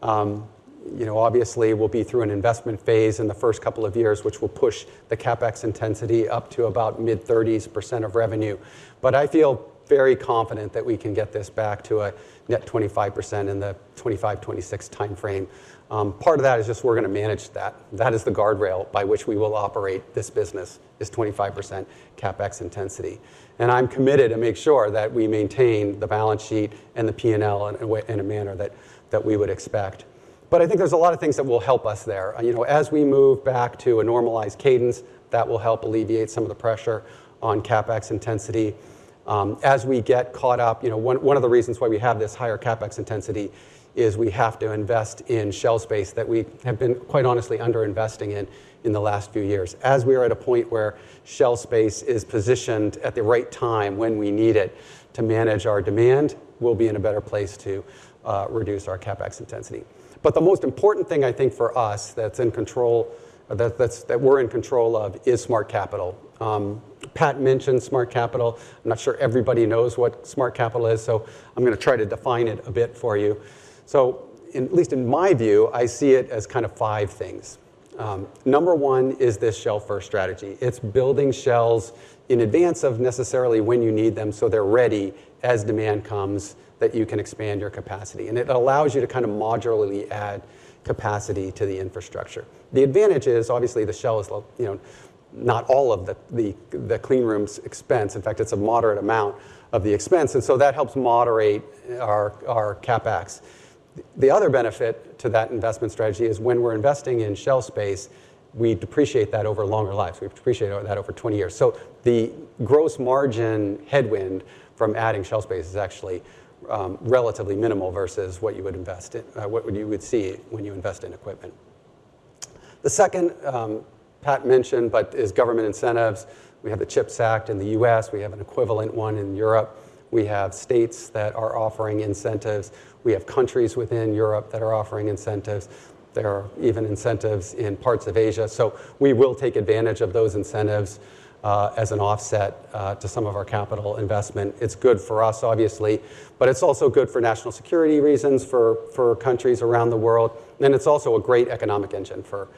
You know, obviously we'll be through an investment phase in the first couple of years, which will push the CapEx intensity up to about mid-30s% of revenue. I feel very confident that we can get this back to a net 25% in the 2025, 2026 timeframe. Part of that is just we're gonna manage that. That is the guardrail by which we will operate this business, is 25% CapEx intensity. I'm committed to make sure that we maintain the balance sheet and the P&L in a manner that we would expect. I think there's a lot of things that will help us there. You know, as we move back to a normalized cadence, that will help alleviate some of the pressure on CapEx intensity. As we get caught up, you know, one of the reasons why we have this higher CapEx intensity is we have to invest in shell space that we have been, quite honestly, under-investing in the last few years. As we are at a point where shell space is positioned at the right time when we need it to manage our demand, we'll be in a better place to reduce our CapEx intensity. The most important thing I think for us that's in control, that we're in control of is smart capital. Pat mentioned smart capital. I'm not sure everybody knows what smart capital is, so I'm gonna try to define it a bit for you. In at least my view, I see it as kind of five things. Number one is this shell first strategy. It's building shells in advance of necessarily when you need them, so they're ready as demand comes that you can expand your capacity. It allows you to kind of modularly add capacity to the infrastructure. The advantage is obviously the shell is you know, not all of the cleanroom's expense. In fact, it's a moderate amount of the expense, and so that helps moderate our CapEx. The other benefit to that investment strategy is when we're investing in shell space, we depreciate that over longer lives. We depreciate that over 20 years. So the gross margin headwind from adding shell space is actually relatively minimal versus what you would see when you invest in equipment. The second Pat mentioned but is government incentives. We have the CHIPS Act in the U.S. We have an equivalent one in Europe. We have states that are offering incentives. We have countries within Europe that are offering incentives. There are even incentives in parts of Asia. We will take advantage of those incentives, as an offset, to some of our capital investment. It's good for us, obviously, but it's also good for national security reasons, for countries around the world. It's also a great economic engine for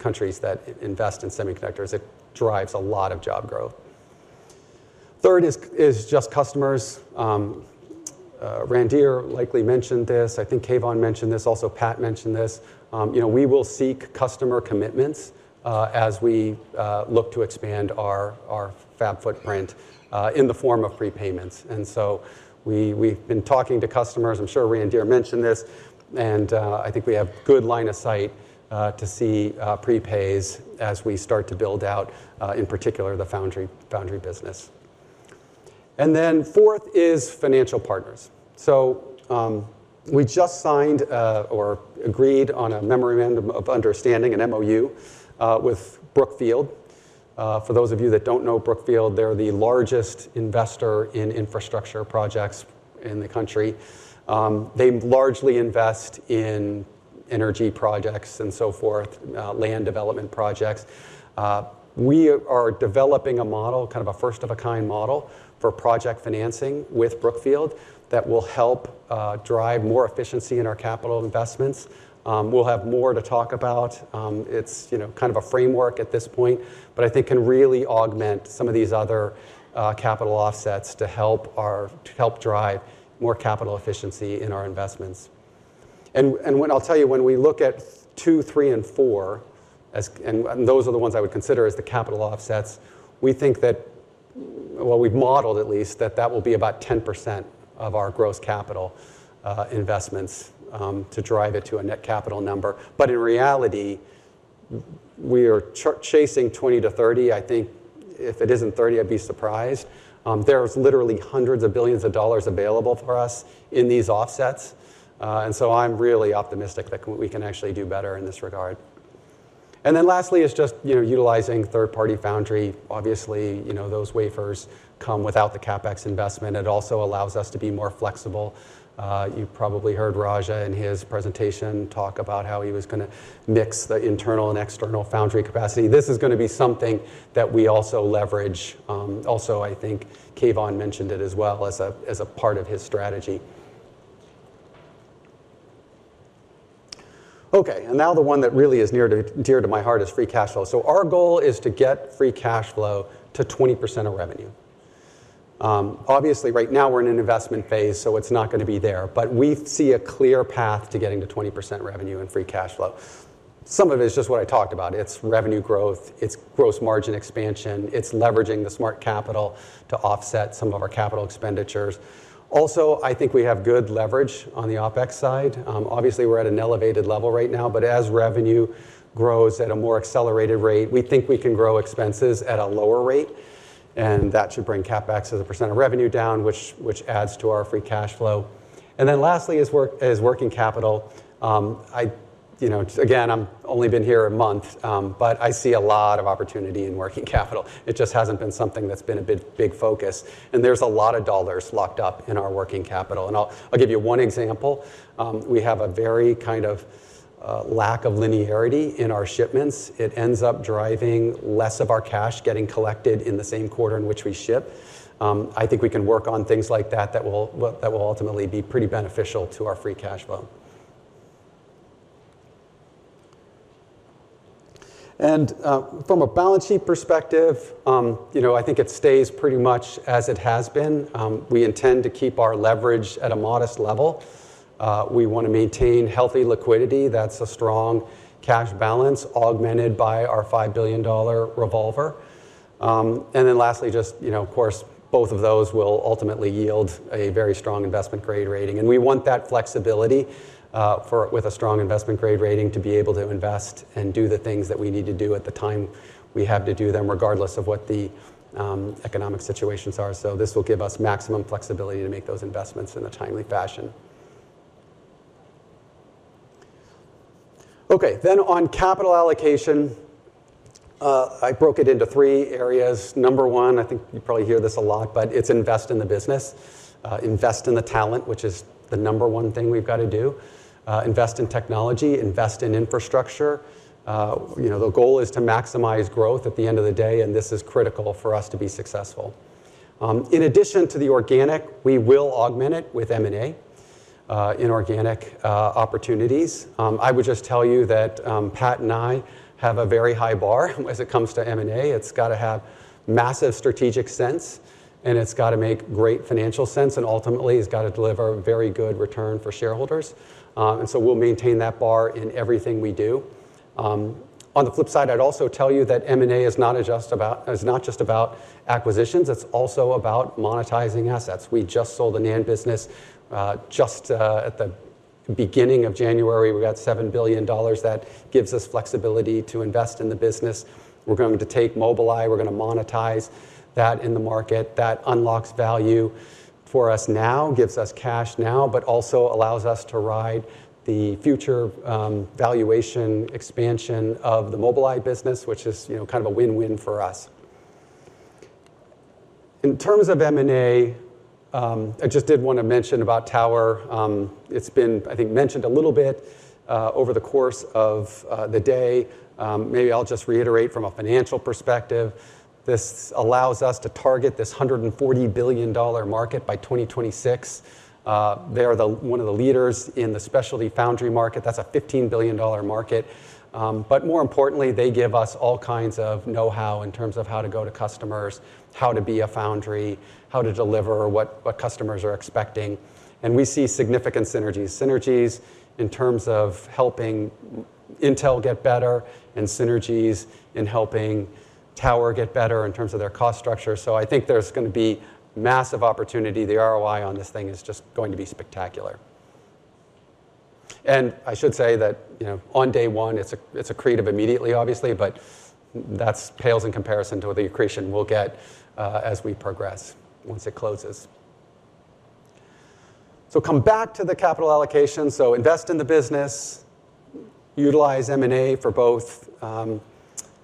countries that invest in semiconductors. It drives a lot of job growth. Third is just customers. Randhir likely mentioned this. I think Keyvan mentioned this also. Pat mentioned this. You know, we will seek customer commitments, as we look to expand our fab footprint, in the form of prepayments. We've been talking to customers, I'm sure Randhir mentioned this, and I think we have good line of sight, to see prepays as we start to build out, in particular the foundry business. Fourth is financial partners. We just signed or agreed on a memorandum of understanding, an MOU, with Brookfield. For those of you that don't know Brookfield, they're the largest investor in infrastructure projects in the country. They largely invest in energy projects and so forth, land development projects. We are developing a model, kind of a first-of-a-kind model for project financing with Brookfield that will help drive more efficiency in our capital investments. We'll have more to talk about. It's, you know, kind of a framework at this point, but I think can really augment some of these other capital offsets to help drive more capital efficiency in our investments. I'll tell you, when we look at two, three, and four as those are the ones I would consider as the capital offsets, we think that we've modeled at least that will be about 10% of our gross capital investments to drive it to a net capital number. In reality, we are chasing 20%-30%. I think if it isn't 30%, I'd be surprised. There's literally $hundreds of billions available for us in these offsets. I'm really optimistic that we can actually do better in this regard. Lastly is just, you know, utilizing third-party foundry. Obviously, you know, those wafers come without the CapEx investment. It also allows us to be more flexible. You probably heard Raja in his presentation talk about how he was gonna mix the internal and external foundry capacity. This is gonna be something that we also leverage. Also, I think Keyvan mentioned it as well as a part of his strategy. Okay, and now the one that really is near and dear to my heart is free cash flow. Our goal is to get free cash flow to 20% of revenue. Obviously right now we're in an investment phase, so it's not gonna be there. We see a clear path to getting to 20% revenue and free cash flow. Some of it is just what I talked about. It's revenue growth. It's gross margin expansion. It's leveraging the smart capital to offset some of our capital expenditures. Also, I think we have good leverage on the OpEx side. Obviously we're at an elevated level right now, but as revenue grows at a more accelerated rate, we think we can grow expenses at a lower rate, and that should bring CapEx as a percent of revenue down, which adds to our free cash flow. Then lastly is working capital. You know, again, I'm only been here a month, but I see a lot of opportunity in working capital. It just hasn't been something that's been a big focus, and there's a lot of dollars locked up in our working capital. I'll give you one example. We have a very kind of a lack of linearity in our shipments. It ends up driving less of our cash getting collected in the same quarter in which we ship. I think we can work on things like that that will ultimately be pretty beneficial to our free cash flow. From a balance sheet perspective, you know, I think it stays pretty much as it has been. We intend to keep our leverage at a modest level. We wanna maintain healthy liquidity. That's a strong cash balance augmented by our $5 billion revolver. Then lastly, just, you know, of course, both of those will ultimately yield a very strong investment grade rating. We want that flexibility with a strong investment grade rating to be able to invest and do the things that we need to do at the time we have to do them, regardless of what the economic situations are. This will give us maximum flexibility to make those investments in a timely fashion. On capital allocation, I broke it into three areas. Number one, I think you probably hear this a lot, but it's invest in the business. Invest in the talent, which is the number one thing we've gotta do. Invest in technology, invest in infrastructure. You know, the goal is to maximize growth at the end of the day, and this is critical for us to be successful. In addition to the organic, we will augment it with M&A, inorganic opportunities. I would just tell you that, Pat and I have a very high bar as it comes to M&A. It's gotta have massive strategic sense, and it's gotta make great financial sense, and ultimately, it's gotta deliver very good return for shareholders. We'll maintain that bar in everything we do. On the flip side, I'd also tell you that M&A is not just about acquisitions, it's also about monetizing assets. We just sold the NAND business just at the beginning of January. We got $7 billion. That gives us flexibility to invest in the business. We're going to take Mobileye, we're gonna monetize that in the market. That unlocks value for us now, gives us cash now, but also allows us to ride the future valuation expansion of the Mobileye business, which is, you know, kind of a win-win for us. In terms of M&A, I just did wanna mention about Tower. It's been, I think, mentioned a little bit over the course of the day. Maybe I'll just reiterate from a financial perspective, this allows us to target this $140 billion market by 2026. They are one of the leaders in the specialty foundry market. That's a $15 billion market. But more importantly, they give us all kinds of know-how in terms of how to go to customers, how to be a foundry, how to deliver what customers are expecting. We see significant synergies. Synergies in terms of helping Intel get better, and synergies in helping Tower get better in terms of their cost structure. I think there's gonna be massive opportunity. The ROI on this thing is just going to be spectacular. I should say that on day one, it's accretive immediately, obviously, but that pales in comparison to the accretion we'll get as we progress once it closes. Come back to the capital allocation. Invest in the business, utilize M&A for both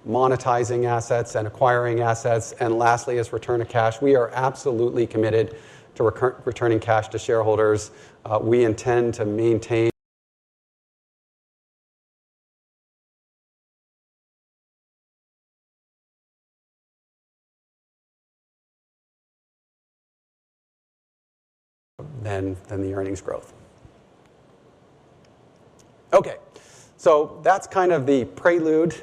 monetizing assets and acquiring assets. Lastly, return of cash. We are absolutely committed to returning cash to shareholders. We intend to maintain than the earnings growth. Okay. That's kind of the prelude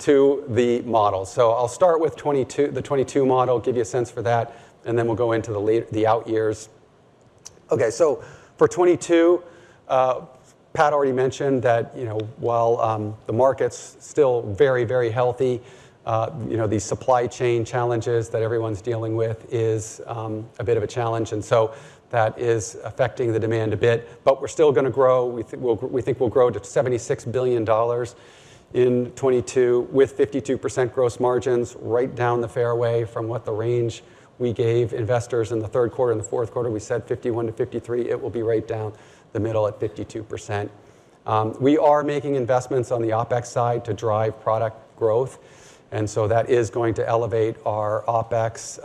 to the model. I'll start with the 2022 model, give you a sense for that, and then we'll go into the out years. Okay, for 2022, Pat already mentioned that, you know, while the market's still very, very healthy, you know, the supply chain challenges that everyone's dealing with is a bit of a challenge. That is affecting the demand a bit. We're still gonna grow. We think we'll grow to $76 billion in 2022 with 52% gross margins right down the fairway from what the range we gave investors in the third quarter and the fourth quarter. We said 51%-53%. It will be right down the middle at 52%. We are making investments on the OpEx side to drive product growth. That is going to elevate our OpEx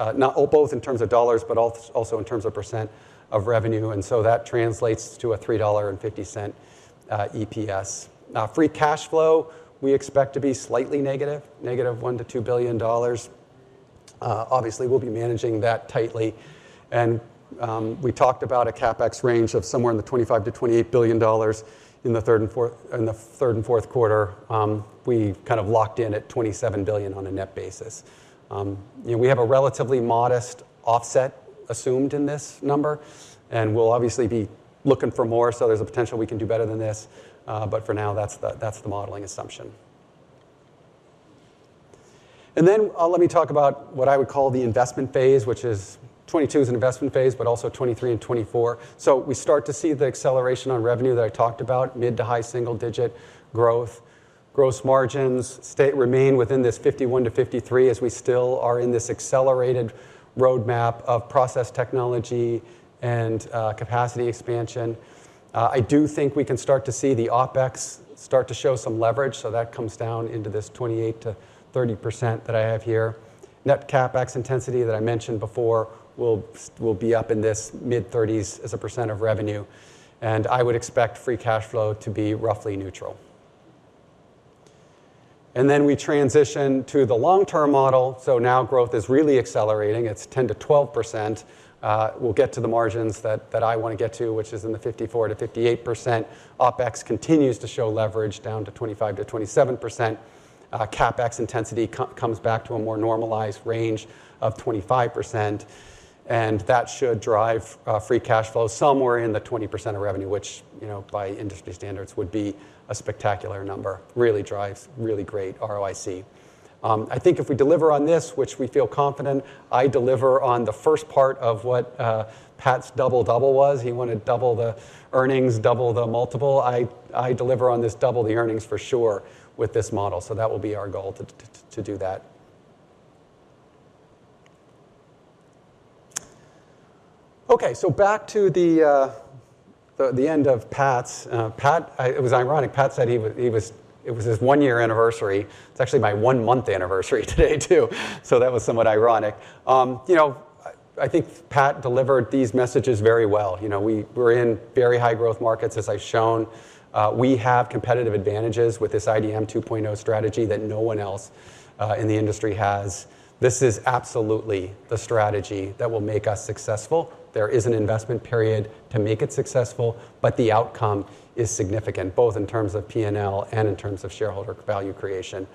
both in terms of dollars, but also in terms of percent of revenue. That translates to a $3.50 EPS. Now, free cash flow, we expect to be slightly negative $1 billion-$2 billion. Obviously, we'll be managing that tightly. We talked about a CapEx range of somewhere in the $25 billion-$28 billion in the third and fourth quarter. We've kind of locked in at $27 billion on a net basis. You know, we have a relatively modest offset assumed in this number, and we'll obviously be looking for more, so there's a potential we can do better than this. But for now, that's the modeling assumption. Let me talk about what I would call the investment phase, which is 2022 is an investment phase, but also 2023 and 2024. We start to see the acceleration on revenue that I talked about, mid- to high-single-digit growth. Gross margins remain within this 51%-53% as we still are in this accelerated roadmap of process technology and capacity expansion. I do think we can start to see the OpEx start to show some leverage, so that comes down into this 28%-30% that I have here. Net CapEx intensity that I mentioned before will be up in this mid-30s% as a percent of revenue, and I would expect free cash flow to be roughly neutral. Then we transition to the long-term model. Now growth is really accelerating. It's 10%-12%. We'll get to the margins that I wanna get to, which is in the 54%-58%. OpEx continues to show leverage down to 25%-27%. CapEx intensity comes back to a more normalized range of 25%, and that should drive free cash flow somewhere in the 20% of revenue, which, you know, by industry standards would be a spectacular number. Really drives really great ROIC. I think if we deliver on this, which we feel confident, I deliver on the first part of what Pat's double-double was. He wanted double the earnings, double the multiple. I deliver on this double the earnings for sure with this model, so that will be our goal to do that. Okay. Back to the end of Pat's. Pat, it was ironic. Pat said it was his 1-year anniversary. It's actually my 1-month anniversary today, too, so that was somewhat ironic. You know, I think Pat delivered these messages very well. You know, we're in very high growth markets, as I've shown. We have competitive advantages with this IDM 2.0 strategy that no one else in the industry has. This is absolutely the strategy that will make us successful. There is an investment period to make it successful, but the outcome is significant, both in terms of P&L and in terms of shareholder value creation.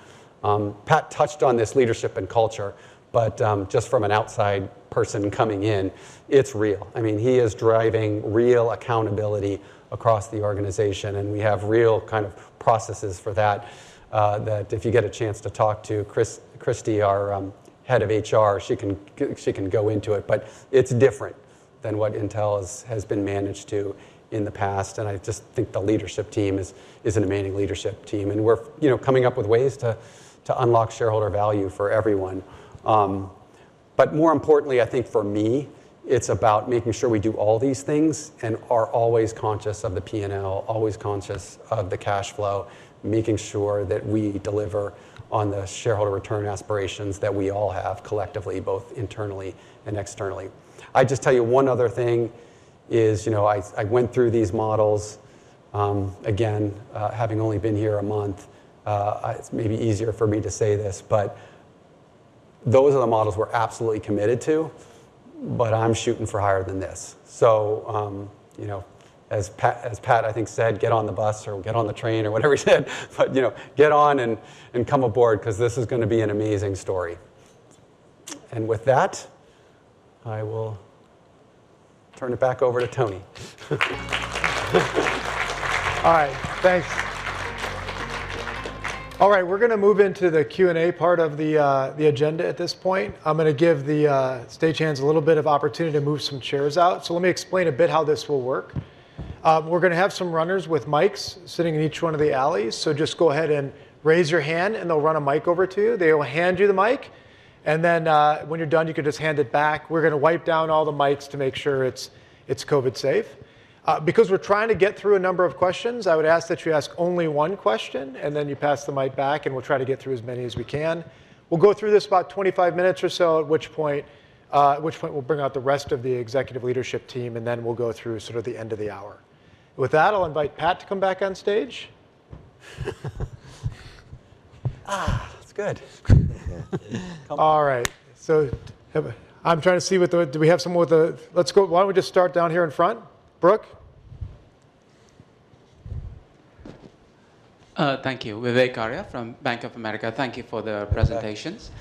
Pat touched on this leadership and culture, but just from an outside person coming in, it's real. I mean, he is driving real accountability across the organization, and we have real kind of processes for that if you get a chance to talk to Christy, our head of HR, she can go into it, but it's different than what Intel has been managed to in the past. I just think the leadership team is an amazing leadership team, and we're coming up with ways to unlock shareholder value for everyone. But more importantly, I think for me, it's about making sure we do all these things and are always conscious of the P&L, always conscious of the cash flow, making sure that we deliver on the shareholder return aspirations that we all have collectively, both internally and externally. I'll just tell you one other thing. You know, I went through these models again, having only been here a month. It's maybe easier for me to say this, but those are the models we're absolutely committed to, but I'm shooting for higher than this. You know, as Pat I think said, "Get on the bus" or "Get on the train" or whatever he said. You know, get on and come aboard 'cause this is gonna be an amazing story. With that, I will turn it back over to Tony. All right. Thanks. All right, we're gonna move into the Q&A part of the agenda at this point. I'm gonna give the stagehands a little bit of opportunity to move some chairs out. So let me explain a bit how this will work. We're gonna have some runners with mics sitting in each one of the alleys, so just go ahead and raise your hand and they'll run a mic over to you. They will hand you the mic, and then, when you're done, you can just hand it back. We're gonna wipe down all the mics to make sure it's COVID safe. Because we're trying to get through a number of questions, I would ask that you ask only one question and then you pass the mic back and we'll try to get through as many as we can. We'll go through this about 25 minutes or so, at which point we'll bring out the rest of the executive leadership team, and then we'll go through sort of the end of the hour. With that, I'll invite Pat to come back on stage. It's good. All right. Let's go. Why don't we just start down here in front? Brooke? Thank you. Vivek Arya from Bank of America. Thank you for the presentations.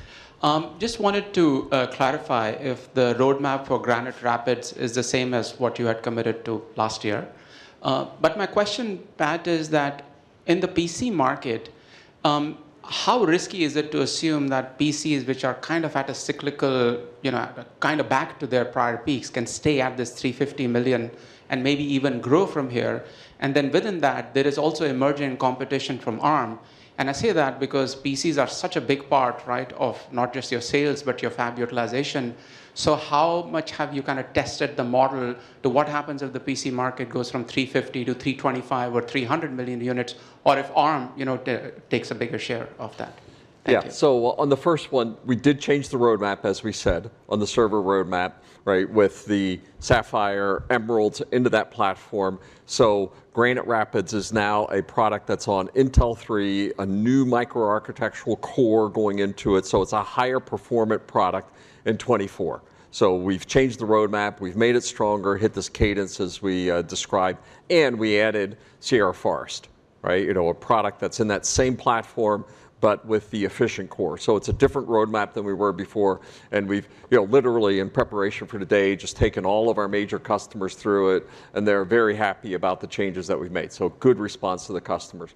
Just wanted to clarify if the roadmap for Granite Rapids is the same as what you had committed to last year. But my question, Pat, is that in the PC market, how risky is it to assume that PCs, which are kind of at a cyclical, you know, kind of back to their prior peaks, can stay at this 350 million and maybe even grow from here? Then within that, there is also emerging competition from Arm. I say that because PCs are such a big part, right, of not just your sales, but your fab utilization. So how much have you kind of tested the model to what happens if the PC market goes from 350 to 325 or 300 million units, or if Arm, you know, takes a bigger share of that? Thank you. Yeah. On the first one, we did change the roadmap, as we said, on the server roadmap, right, with the Sapphire Rapids and Emerald Rapids into that platform. Granite Rapids is now a product that's on Intel 3, a new micro-architectural core going into it, so it's a higher performant product in 2024. We've changed the roadmap. We've made it stronger, hit this cadence as we described, and we added Sierra Forest, right? You know, a product that's in that same platform, but with the efficient core. It's a different roadmap than we were before, and we've, you know, literally in preparation for today, just taken all of our major customers through it, and they're very happy about the changes that we've made. Good response to the customers.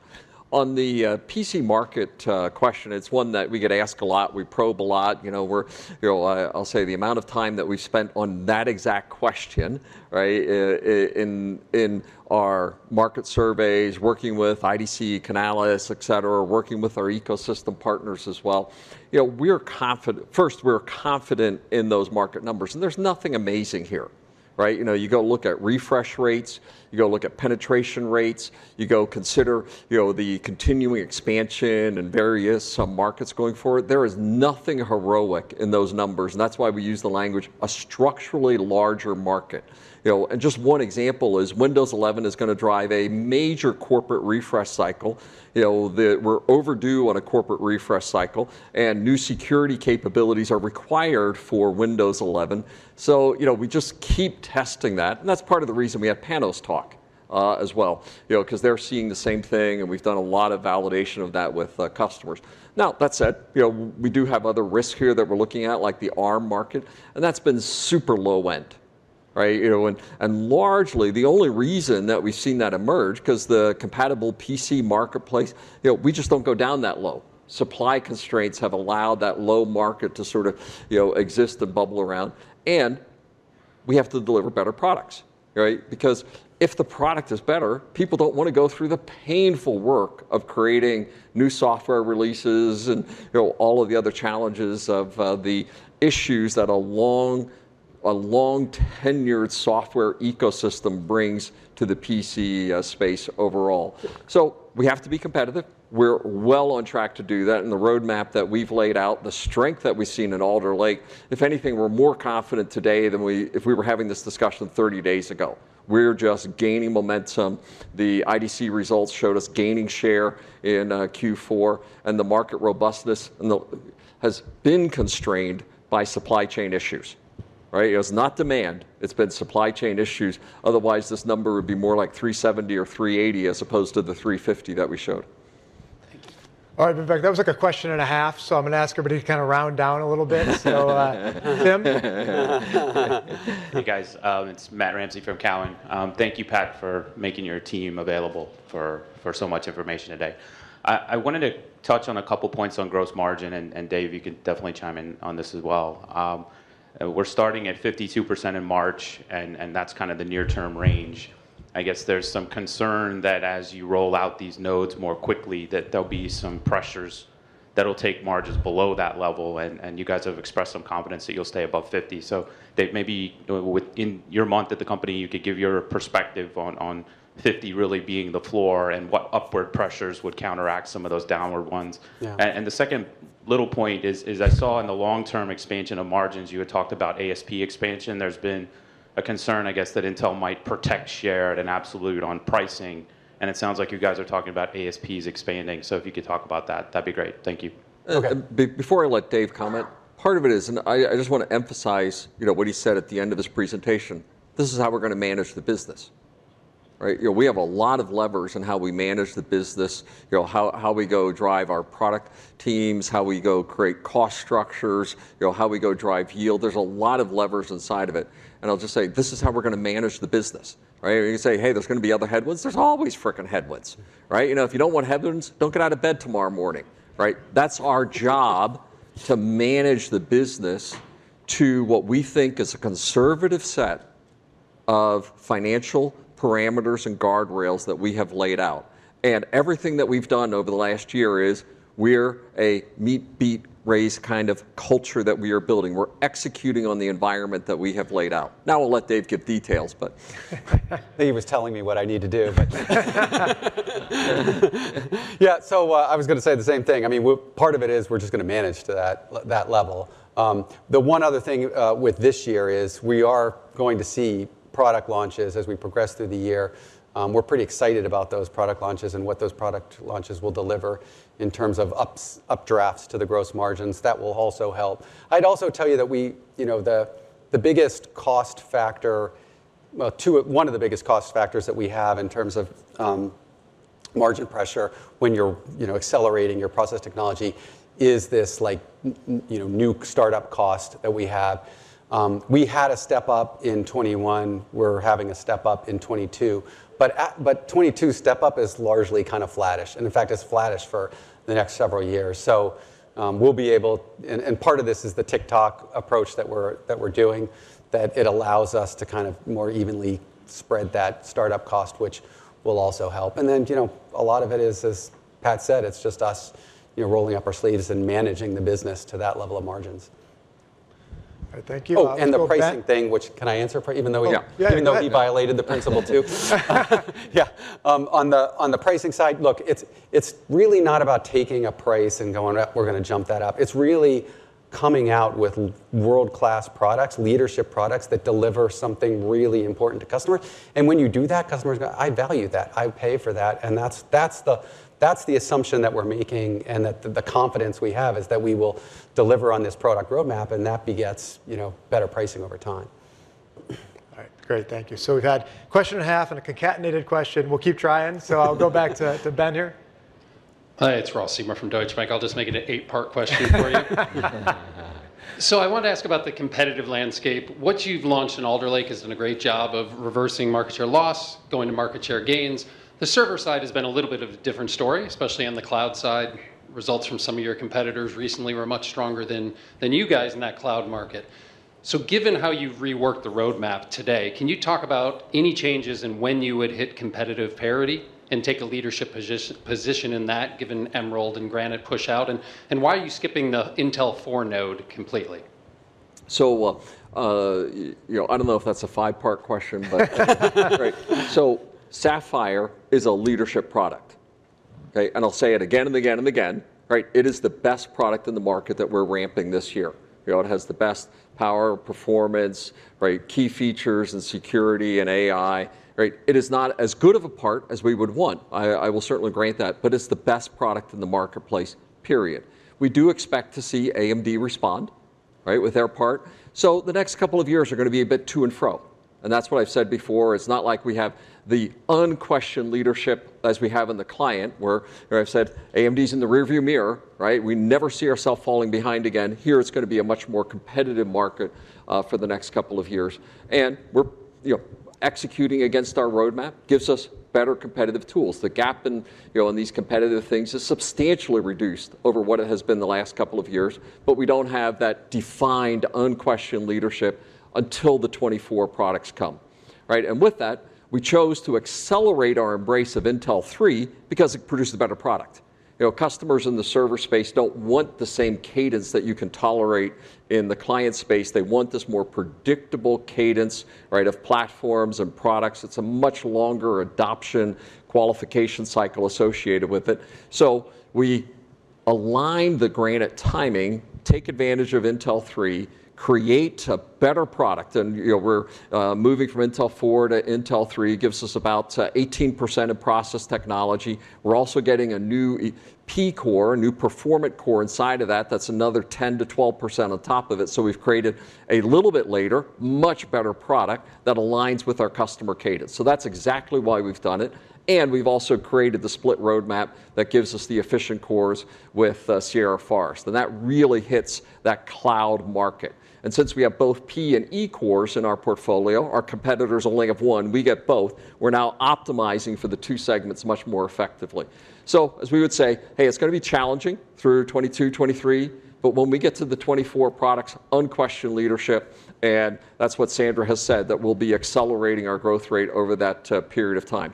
On the PC market question, it's one that we get asked a lot, we probe a lot. You know, we're, you know, I'll say the amount of time that we've spent on that exact question, right, in our market surveys, working with IDC, Canalys, et cetera, working with our ecosystem partners as well. You know, we're confident. First, we're confident in those market numbers, and there's nothing amazing here. Right? You know, you go look at refresh rates, you go look at penetration rates, you go consider, you know, the continuing expansion in various, some markets going forward. There is nothing heroic in those numbers, and that's why we use the language a structurally larger market. You know, just one example is Windows 11 is gonna drive a major corporate refresh cycle. You know, we're overdue on a corporate refresh cycle, and new security capabilities are required for Windows 11. You know, we just keep testing that, and that's part of the reason we have Panos talk, as well, you know, 'cause they're seeing the same thing, and we've done a lot of validation of that with customers. Now, that said, you know, we do have other risks here that we're looking at, like the Arm market, and that's been super low end, right? You know, largely the only reason that we've seen that emerge, 'cause the compatible PC marketplace, you know, we just don't go down that low. Supply constraints have allowed that low market to sort of, you know, exist and bubble around. We have to deliver better products, right? Because if the product is better, people don't wanna go through the painful work of creating new software releases and, you know, all of the other challenges of the issues that a long-tenured software ecosystem brings to the PC space overall. We have to be competitive. We're well on track to do that, and the roadmap that we've laid out, the strength that we've seen in Alder Lake, if anything, we're more confident today than we were having this discussion 30 days ago. We're just gaining momentum. The IDC results showed us gaining share in Q4, and the market robustness has been constrained by supply chain issues, right? It was not demand. It's been supply chain issues. Otherwise, this number would be more like 370 or 380 as opposed to the 350 that we showed. Thank you. All right, everybody. That was like a question and a half, so I'm gonna ask everybody to kind of round down a little bit. Tim? Hey, guys. It's Matt Ramsay from Cowen. Thank you, Pat, for making your team available for so much information today. I wanted to touch on a couple points on gross margin, and Dave, you can definitely chime in on this as well. We're starting at 52% in March, and that's kind of the near-term range. I guess there's some concern that as you roll out these nodes more quickly, that there'll be some pressures that'll take margins below that level, and you guys have expressed some confidence that you'll stay above 50. Dave, maybe within your month at the company, you could give your perspective on 50 really being the floor and what upward pressures would counteract some of those downward ones. Yeah. The second little point is I saw in the long-term expansion of margins, you had talked about ASP expansion. There's been a concern, I guess, that Intel might protect share at an absolute on pricing, and it sounds like you guys are talking about ASPs expanding. If you could talk about that'd be great. Thank you. Okay. Before I let Dave comment, part of it is, and I just want to emphasize, you know, what he said at the end of this presentation. This is how we're gonna manage the business, right? You know, we have a lot of levers in how we manage the business, you know, how we go drive our product teams, how we go create cost structures, you know, how we go drive yield. There's a lot of levers inside of it, and I'll just say, this is how we're gonna manage the business, right? You say, "Hey, there's gonna be other headwinds." There's always freaking headwinds, right? You know, if you don't want headwinds, don't get out of bed tomorrow morning, right? That's our job, to manage the business to what we think is a conservative set of financial parameters and guardrails that we have laid out. Everything that we've done over the last year is we're a meet, beat, race kind of culture that we are building. We're executing on the environment that we have laid out. Now I'll let Dave give details, but I think he was telling me what I need to do. Yeah, I was gonna say the same thing. I mean, part of it is we're just gonna manage to that level. The one other thing with this year is we are going to see product launches as we progress through the year. We're pretty excited about those product launches and what those product launches will deliver in terms of updrafts to the gross margins. That will also help. I'd also tell you that we, you know, the biggest cost factor, well, two, one of the biggest cost factors that we have in terms of margin pressure when you're, you know, accelerating your process technology is this, like, you know, new startup cost that we have. We had a step-up in 2021. We're having a step-up in 2022. 2022 step-up is largely kind of flattish, and in fact, it's flattish for the next several years. Part of this is the tick-tock approach that we're doing, that it allows us to kind of more evenly spread that startup cost, which will also help. You know, a lot of it is, as Pat said, it's just us, you know, rolling up our sleeves and managing the business to that level of margins. All right. Thank you. Oh, the pricing thing, which I can answer for even though he Oh, yeah. Go ahead. Even though he violated the principle too. Yeah. On the pricing side, look, it's really not about taking a price and going, "We're gonna jump that up." It's really coming out with world-class products, leadership products that deliver something really important to customers, and when you do that, customers go, "I value that. I pay for that." That's the assumption that we're making and the confidence we have is that we will deliver on this product roadmap, and that begets, you know, better pricing over time. All right. Great. Thank you. We've had a question and a half and a concatenated question. We'll keep trying. I'll go back to Ben here. Hi. It's Ross Seymore from Deutsche Bank. I'll just make it a eight-part question for you. I wanted to ask about the competitive landscape. What you've launched in Alder Lake has done a great job of reversing market share loss, going to market share gains. The server side has been a little bit of a different story, especially on the cloud side. Results from some of your competitors recently were much stronger than you guys in that cloud market. Given how you've reworked the roadmap today, can you talk about any changes in when you would hit competitive parity and take a leadership position in that given Emerald and Granite push out? And why are you skipping the Intel 4 node completely? You know, I don't know if that's a five-part question, but right. Sapphire is a leadership product. Okay? I'll say it again, and again, and again, right? It is the best product in the market that we're ramping this year. You know, it has the best power, performance, right, key features, and security, and AI, right? It is not as good of a part as we would want. I will certainly grant that, but it's the best product in the marketplace, period. We do expect to see AMD respond, right, with their part. The next couple of years are gonna be a bit to and fro, and that's what I've said before. It's not like we have the unquestioned leadership as we have in the client, where I've said AMD's in the rear view mirror, right? We never see ourself falling behind again. Here, it's gonna be a much more competitive market for the next couple of years. We're, you know, executing against our roadmap gives us better competitive tools. The gap in, you know, in these competitive this is substantially reduced over what it has been the last couple of years, but we don't have that defined, unquestioned leadership until the 2024 products come, right? With that, we chose to accelerate our embrace of Intel 3 because it produces a better product. You know, customers in the server space don't want the same cadence that you can tolerate in the client space. They want this more predictable cadence, right, of platforms and products. It's a much longer adoption qualification cycle associated with it. We align the Granite timing, take advantage of Intel 3, create a better product. You know, we're moving from Intel4 to Intel 3 gives us about 18% in process technology. We're also getting a new E-P-core, a new performant core inside of that. That's another 10%-12% on top of it. We've created a little bit later, much better product that aligns with our customer cadence. That's exactly why we've done it, and we've also created the split roadmap that gives us the efficient cores with Sierra Forest, and that really hits that cloud market. Since we have both P-cores and E-cores in our portfolio, our competitors only have one, we get both, we're now optimizing for the two segments much more effectively. As we would say, "Hey, it's gonna be challenging through 2022, 2023, but when we get to the 2024 products, unquestioned leadership," and that's what Sandra has said, that we'll be accelerating our growth rate over that period of time.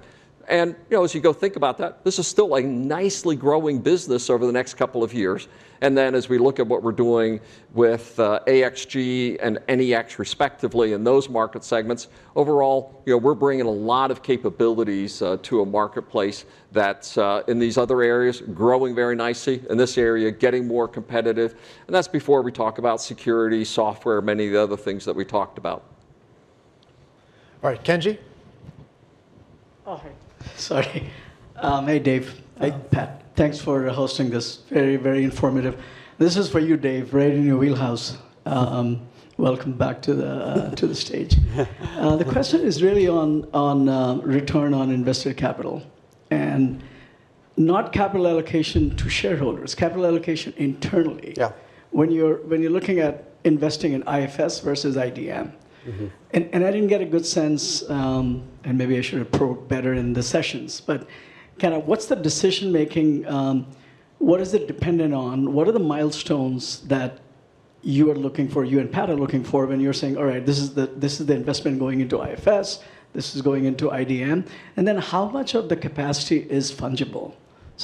You know, as you go think about that, this is still a nicely growing business over the next couple of years. As we look at what we're doing with AXG and NEX respectively in those market segments, overall, you know, we're bringing a lot of capabilities to a marketplace that's in these other areas, growing very nicely, in this area, getting more competitive, and that's before we talk about security, software, many of the other things that we talked about. All right. Kenji? Oh, hey, sorry. Hey, Dave. Hi. Hey, Pat. Thanks for hosting this. Very, very informative. This is for you, Dave, right in your wheelhouse. Welcome back to the stage. The question is really on return on invested capital, and not capital allocation to shareholders, capital allocation internally. Yeah... when you're looking at investing in IFS versus IDM. Mm-hmm. I didn't get a good sense, and maybe I should have probed better in the sessions, but kind of what's the decision-making, what is it dependent on? What are the milestones that you are looking for, you and Pat are looking for when you're saying, "All right, this is the investment going into IFS. This is going into IDM"? And then how much of the capacity is fungible?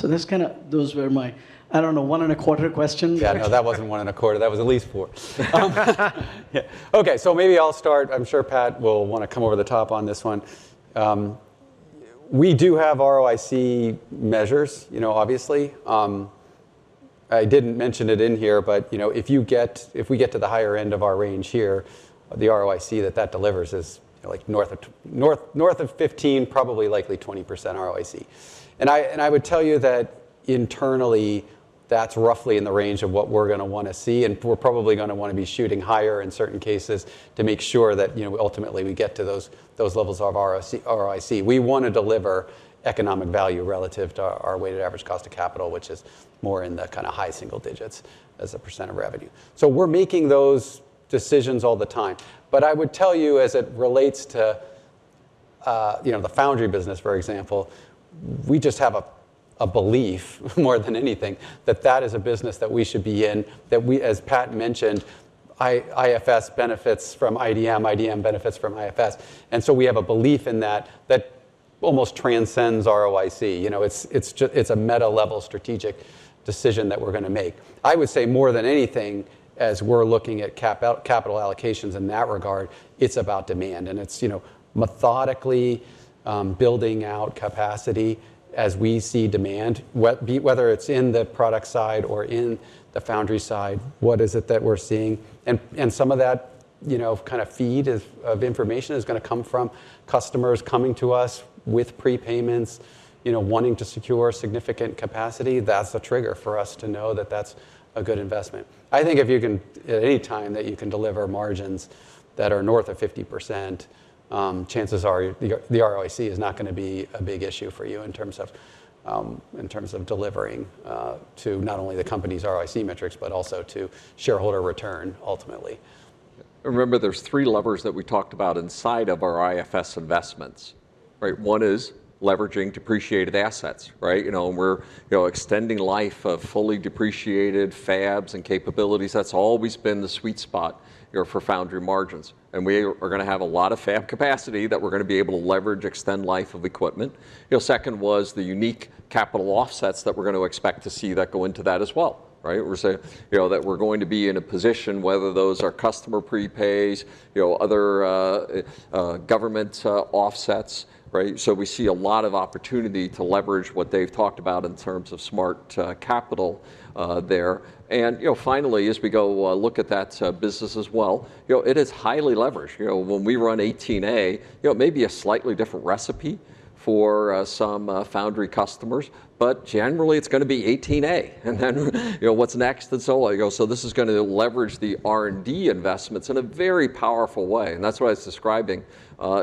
That's kind of those were my, I don't know, 1.25 questions. Yeah, no, that wasn't 1.25. That was at least four. Yeah. Okay, so maybe I'll start. I'm sure Pat will want to come over the top on this one. We do have ROIC measures, you know, obviously. I didn't mention it in here, but, you know, if we get to the higher end of our range here, the ROIC that that delivers is, like, north of 15%, probably likely 20% ROIC. I would tell you that internally, that's roughly in the range of what we're gonna wanna see, and we're probably gonna wanna be shooting higher in certain cases to make sure that, you know, ultimately we get to those levels of ROIC. We wanna deliver economic value relative to our weighted average cost of capital, which is more in the kind of high single digits% of revenue. We're making those decisions all the time. I would tell you as it relates to the foundry business, for example, we just have a belief more than anything that that is a business that we should be in, that we, as Pat mentioned, IFS benefits from IDM benefits from IFS. We have a belief in that that almost transcends ROIC. It's a meta-level strategic decision that we're gonna make. I would say more than anything, as we're looking at capital allocations in that regard, it's about demand, and it's, you know, methodically building out capacity as we see demand, whether it's in the product side or in the foundry side, what is it that we're seeing? Some of that, you know, kind of feed of information is gonna come from customers coming to us with prepayments, you know, wanting to secure significant capacity. That's a trigger for us to know that that's a good investment. I think if you can at any time deliver margins that are north of 50%, chances are the ROIC is not gonna be a big issue for you in terms of delivering to not only the company's ROIC metrics, but also to shareholder return ultimately. Remember, there's three levers that we talked about inside of our IFS investment. Right. One is leveraging depreciated assets, right? You know, we're, you know, extending life of fully depreciated fabs and capabilities. That's always been the sweet spot, you know, for foundry margins. We are gonna have a lot of fab capacity that we're gonna be able to leverage, extend life of equipment. You know, second was the unique capital offsets that we're gonna expect to see that go into that as well, right? We're saying, you know, that we're going to be in a position whether those are customer prepays, you know, other, government offsets, right? We see a lot of opportunity to leverage what they've talked about in terms of smart, capital there. You know, finally, as we go, look at that business as well, you know, it is highly leveraged. You know, when we run 18A, you know, it may be a slightly different recipe for some foundry customers, but generally, it's gonna be 18A. You know, what's next? So on. You go, "So this is gonna leverage the R&D investments in a very powerful way," and that's what I was describing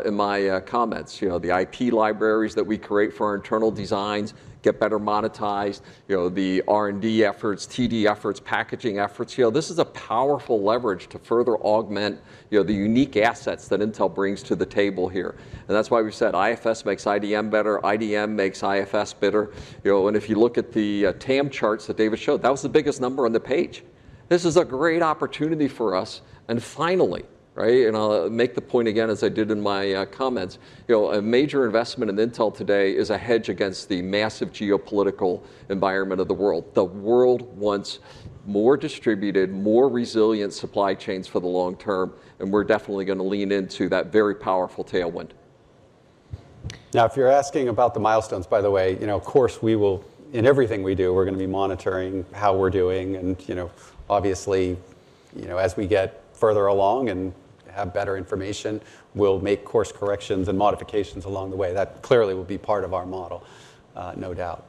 in my comments. You know, the IP libraries that we create for our internal designs get better monetized. You know, the R&D efforts, TD efforts, packaging efforts. You know, this is a powerful leverage to further augment, you know, the unique assets that Intel brings to the table here. That's why we've said IFS makes IDM better, IDM makes IFS better. You know, if you look at the TAM charts that David showed, that was the biggest number on the page. This is a great opportunity for us. Finally, right, and I'll make the point again as I did in my comments, you know, a major investment in Intel today is a hedge against the massive geopolitical environment of the world. The world wants more distributed, more resilient supply chains for the long term, and we're definitely gonna lean into that very powerful tailwind. Now, if you're asking about the milestones, by the way, you know, of course, in everything we do, we're gonna be monitoring how we're doing and, you know, obviously, you know, as we get further along and have better information, we'll make course corrections and modifications along the way. That clearly will be part of our model, no doubt.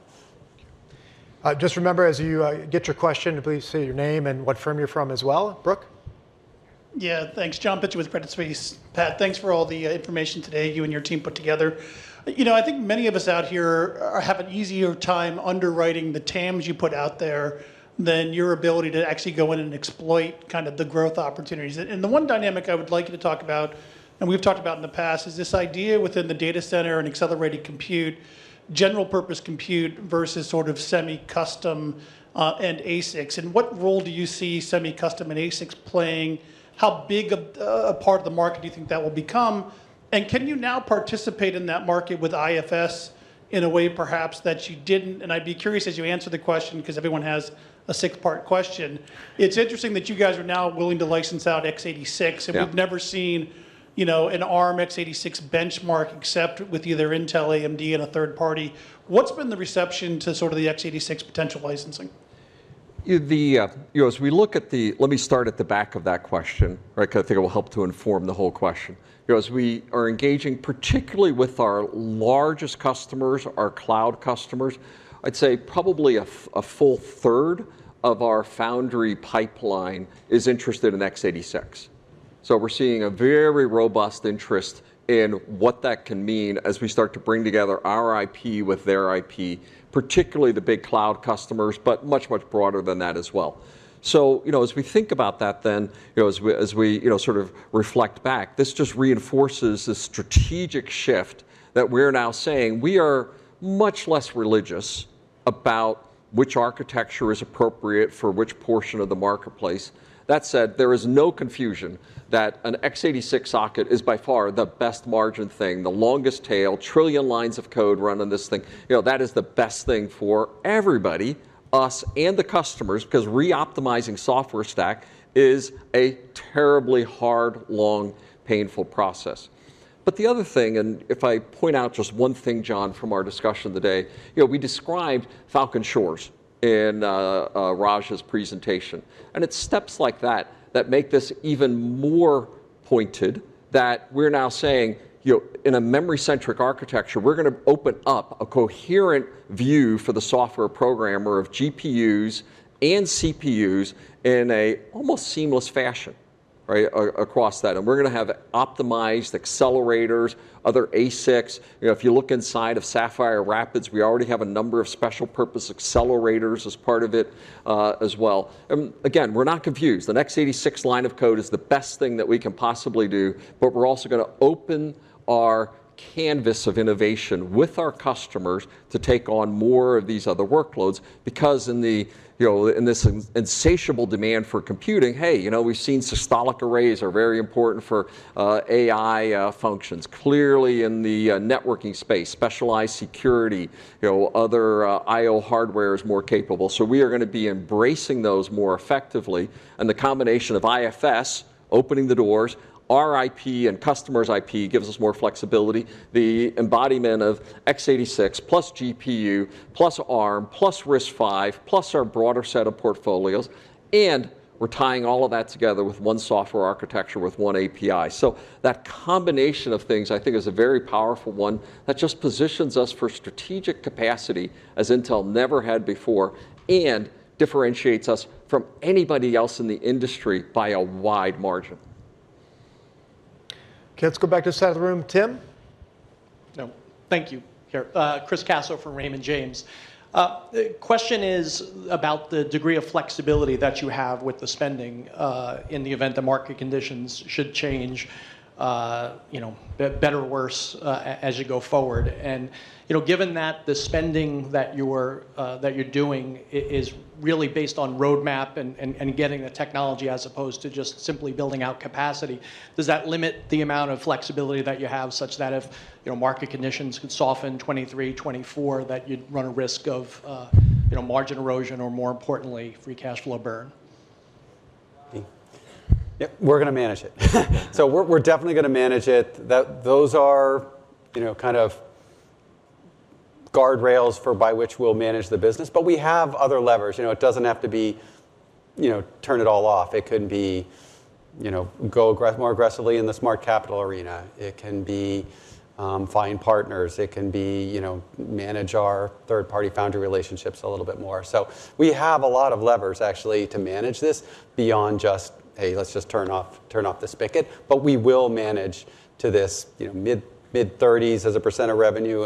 Just remember as you get your question, to please say your name and what firm you're from as well. Brooke? Yeah. Thanks. John Pitzer with Credit Suisse. Pat, thanks for all the information today you and your team put together. You know, I think many of us out here have an easier time underwriting the TAMs you put out there than your ability to actually go in and exploit kind of the growth opportunities. The one dynamic I would like you to talk about, and we've talked about in the past, is this idea within the data center and accelerated compute, general purpose compute versus sort of semi-custom and ASICs. What role do you see semi-custom and ASICs playing? How big a part of the market do you think that will become? Can you now participate in that market with IFS in a way perhaps that you didn't? I'd be curious as you answer the question, 'cause everyone has a six-part question. It's interesting that you guys are now willing to license out x86. Yeah... and we've never seen, you know, an Arm x86 benchmark except with either Intel, AMD, and a third party. What's been the reception to sort of the x86 potential licensing? Let me start at the back of that question, right? 'Cause I think it will help to inform the whole question. You know, as we are engaging, particularly with our largest customers, our cloud customers, I'd say probably a full third of our foundry pipeline is interested in x86. So we're seeing a very robust interest in what that can mean as we start to bring together our IP with their IP, particularly the big cloud customers, but much, much broader than that as well. You know, as we think about that then, you know, as we sort of reflect back, this just reinforces the strategic shift that we're now saying we are much less religious about which architecture is appropriate for which portion of the marketplace. That said, there is no confusion that an x86 socket is by far the best margin thing, the longest tail, trillion lines of code run on this thing. You know, that is the best thing for everybody, us and the customers, 'cause reoptimizing software stack is a terribly hard, long, painful process. The other thing, and if I point out just one thing, John, from our discussion today, you know, we described Falcon Shores in Raja's presentation, and it's steps like that that make this even more pointed that we're now saying, you know, in a memory-centric architecture, we're gonna open up a coherent view for the software programmer of GPUs and CPUs in an almost seamless fashion, right, across that. We're gonna have optimized accelerators, other ASICs. You know, if you look inside of Sapphire Rapids, we already have a number of special purpose accelerators as part of it, as well. Again, we're not confused. An x86 line of code is the best thing that we can possibly do, but we're also gonna open our canvas of innovation with our customers to take on more of these other workloads because in the, you know, in this insatiable demand for computing, you know, we've seen systolic arrays are very important for AI functions. Clearly in the networking space, specialized security, you know, other I/O hardware is more capable. We are gonna be embracing those more effectively, and the combination of IFS opening the doors, our IP and customer's IP gives us more flexibility. The embodiment of x86 plus GPU plus Arm plus RISC-V plus our broader set of portfolios, and we're tying all of that together with one software architecture with one API. That combination of things, I think, is a very powerful one that just positions us for strategic capacity as Intel never had before and differentiates us from anybody else in the industry by a wide margin. Okay, let's go back to this side of the room. Tim? No. Thank you, Pat. Chris Caso from Raymond James. The question is about the degree of flexibility that you have with the spending, in the event the market conditions should change, you know, better or worse, as you go forward. You know, given that the spending that you're doing is really based on roadmap and getting the technology as opposed to just simply building out capacity, does that limit the amount of flexibility that you have such that if, you know, market conditions could soften 2023, 2024, that you'd run a risk of, you know, margin erosion or, more importantly, free cash flow burn? Yeah, we're gonna manage it. We're definitely gonna manage it. Those are, you know, kind of guardrails by which we'll manage the business. But we have other levers. You know, it doesn't have to be, you know, turn it all off. It can be, you know, more aggressively in the smart capital arena. It can be, find partners. It can be, you know, manage our third-party foundry relationships a little bit more. We have a lot of levers actually to manage this beyond just, "Hey, let's just turn off the spigot." But we will manage to this, you know, mid-30s% of revenue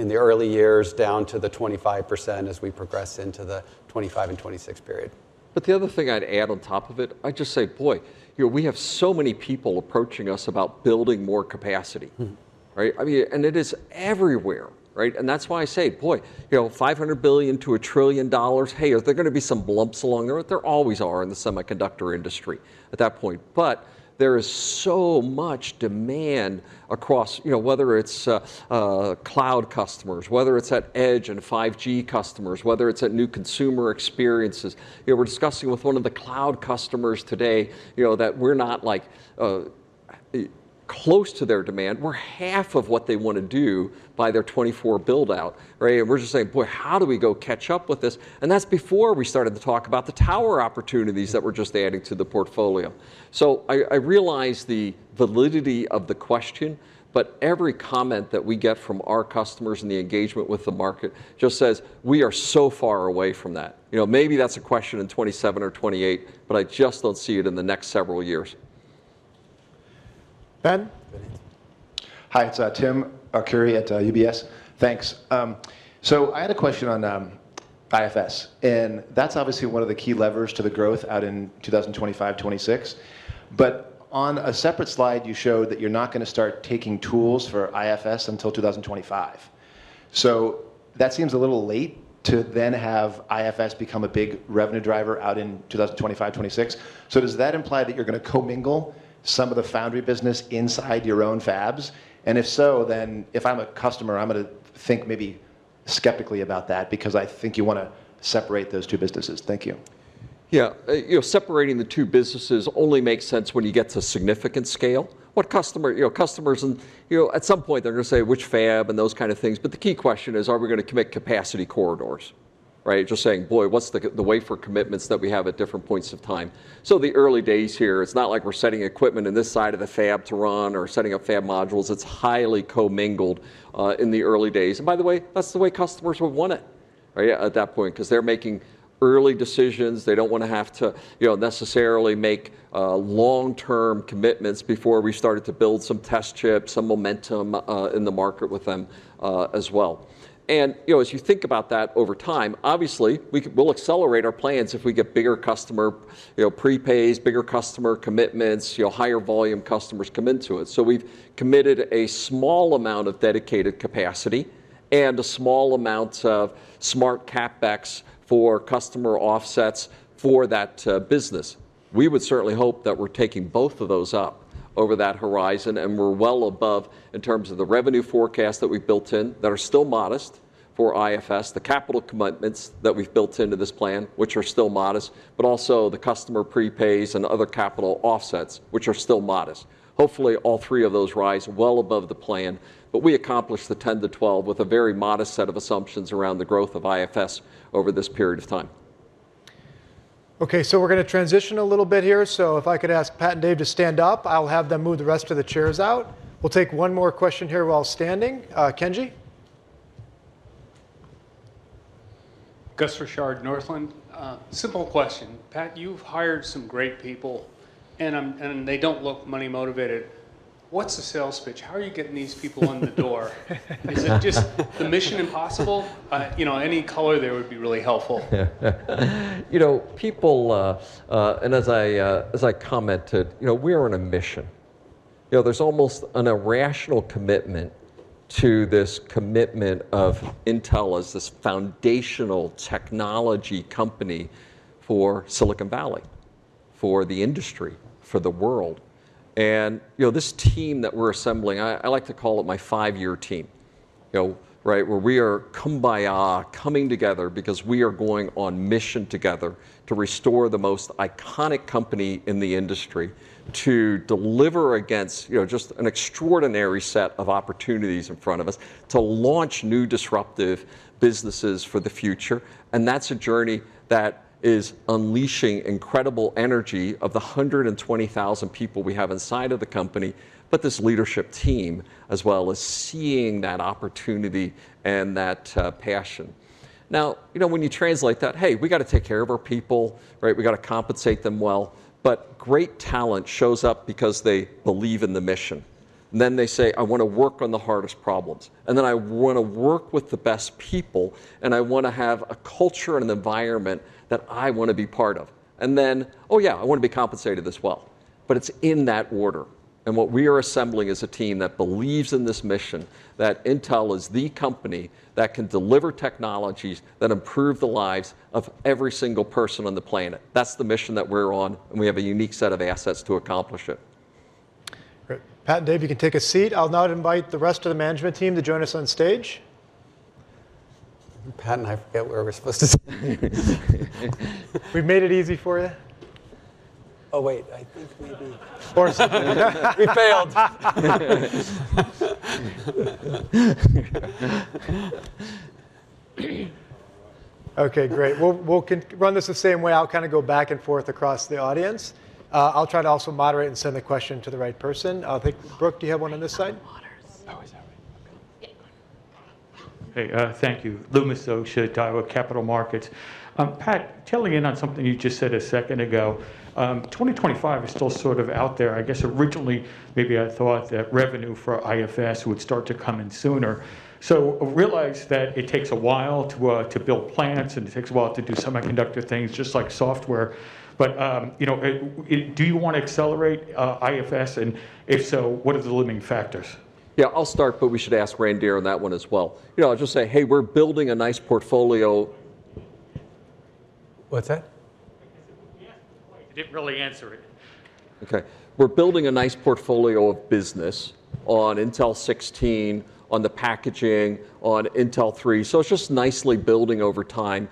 in the early years, down to the 25% as we progress into the 2025 and 2026 period. The other thing I'd add on top of it, I'd just say, boy, you know, we have so many people approaching us about building more capacity. Mm. Right? I mean, it is everywhere, right? That's why I say, boy, you know, $500 billion-$1 trillion, hey, are there gonna be some bumps along there? There always are in the semiconductor industry at that point. But there is so much demand across, you know, whether it's cloud customers, whether it's at edge and 5G customers, whether it's at new consumer experiences. You know, we're discussing with one of the cloud customers today, you know, that we're not, like, close to their demand. We're half of what they want to do by their 2024 build-out, right? And we're just saying, "Boy, how do we go catch up with this?" That's before we started to talk about the Tower opportunities that we're just adding to the portfolio. I realize the validity of the question, but every comment that we get from our customers and the engagement with the market just says we are so far away from that. You know, maybe that's a question in 2027 or 2028, but I just don't see it in the next several years. Ben? Hi, it's Tim Arcuri at UBS. Thanks. I had a question on IFS, and that's obviously one of the key levers to the growth out in 2025, 2026. On a separate slide, you showed that you're not gonna start taking tools for IFS until 2025. That seems a little late to then have IFS become a big revenue driver out in 2025, 2026. Does that imply that you're gonna co-mingle some of the foundry business inside your own fabs? And if so, then if I'm a customer, I'm gonna think maybe skeptically about that because I think you wanna separate those two businesses. Thank you. Yeah. You know, separating the two businesses only makes sense when you get to significant scale. What customers and, you know, at some point they're gonna say which fab and those kind of things, but the key question is, are we gonna commit capacity corridors, right? Just saying, boy, what's the wafer commitments that we have at different points of time. In the early days here, it's not like we're setting equipment in this side of the fab to run or setting up fab modules. It's highly commingled in the early days. By the way, that's the way customers will want it, right, at that point, 'cause they're making early decisions. They don't wanna have to, you know, necessarily make long-term commitments before we started to build some test chips, some momentum in the market with them, as well. You know, as you think about that over time, obviously, we'll accelerate our plans if we get bigger customer, you know, prepays, bigger customer commitments, you know, higher volume customers come into it. We've committed a small amount of dedicated capacity and a small amount of smart CapEx for customer offsets for that business. We would certainly hope that we're taking both of those up over that horizon, and we're well above in terms of the revenue forecast that we've built in that are still modest for IFS, the capital commitments that we've built into this plan, which are still modest, but also the customer prepays and other capital offsets, which are still modest. Hopefully, all three of those rise well above the plan, but we accomplished the 10-12 with a very modest set of assumptions around the growth of IFS over this period of time. Okay, we're gonna transition a little bit here. If I could ask Pat and Dave to stand up, I'll have them move the rest of the chairs out. We'll take one more question here while standing. Kenji? Gus Richard, Northland Capital Markets. Simple question. Pat, you've hired some great people, and they don't look money motivated. What's the sales pitch? How are you getting these people in the door? Is it just the mission impossible? You know, any color there would be really helpful. Yeah. You know, people, as I commented, you know, we are on a mission. You know, there's almost an irrational commitment to this commitment of Intel as this foundational technology company for Silicon Valley, for the industry, for the world. You know, this team that we're assembling, I like to call it my five-year team, you know, right? Where we are kumbaya coming together because we are going on mission together to restore the most iconic company in the industry to deliver against, you know, just an extraordinary set of opportunities in front of us, to launch new disruptive businesses for the future. That's a journey that is unleashing incredible energy of the 120,000 people we have inside of the company, but this leadership team, as well as seeing that opportunity and that passion. Now, you know, when you translate that, hey, we gotta take care of our people, right? We gotta compensate them well. Great talent shows up because they believe in the mission. They say, "I wanna work on the hardest problems, and then I wanna work with the best people, and I wanna have a culture and an environment that I wanna be part of." "Oh, yeah, I wanna be compensated as well." It's in that order. What we are assembling is a team that believes in this mission, that Intel is the company that can deliver technologies that improve the lives of every single person on the planet. That's the mission that we're on, and we have a unique set of assets to accomplish it. Great. Pat and Dave, you can take a seat. I'll now invite the rest of the management team to join us on stage. Pat and I forget where we're supposed to sit. We've made it easy for you. Oh, wait. I think maybe... We failed. Okay. Great. We'll run this the same way. I'll kind of go back and forth across the audience. I'll try to also moderate and send the question to the right person. I think, Brooke, do you have one on this side? Hey, thank you. Loomis Sosa, Taiwan Capital Markets. Pat, touching on something you just said a second ago, 2025 is still sort of out there. I guess, originally, maybe I thought that revenue for IFS would start to come in sooner. Realize that it takes a while to build plans and it takes a while to do semiconductor things just like software. You know, do you want to accelerate IFS? And if so, what are the limiting factors? Yeah. I'll start, but we should ask Randhir on that one as well. You know, I'll just say, "Hey, we're building a nice portfolio. What's that? I guess if you could answer the point. You didn't really answer it. Okay. We're building a nice portfolio of business on Intel 16, on the packaging, on Intel 3. It's just nicely building over time.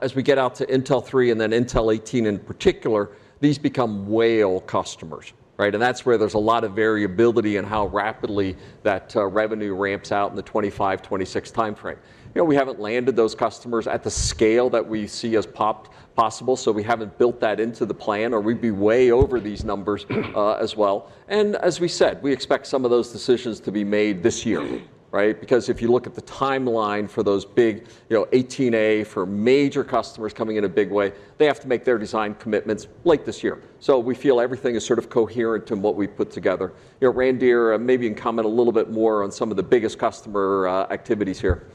As we get out to Intel 3 and then Intel 18 in particular, these become whale customers, right? That's where there's a lot of variability in how rapidly that revenue ramps up in the 2025, 2026 time frame. You know, we haven't landed those customers at the scale that we see as possible, so we haven't built that into the plan or we'd be way over these numbers, as well. As we said, we expect some of those decisions to be made this year, right? Because if you look at the timeline for those big, you know, 18A, for major customers coming in a big way, they have to make their design commitments late this year. We feel everything is sort of coherent in what we've put together. You know, Randhir, maybe you can comment a little bit more on some of the biggest customer activities here.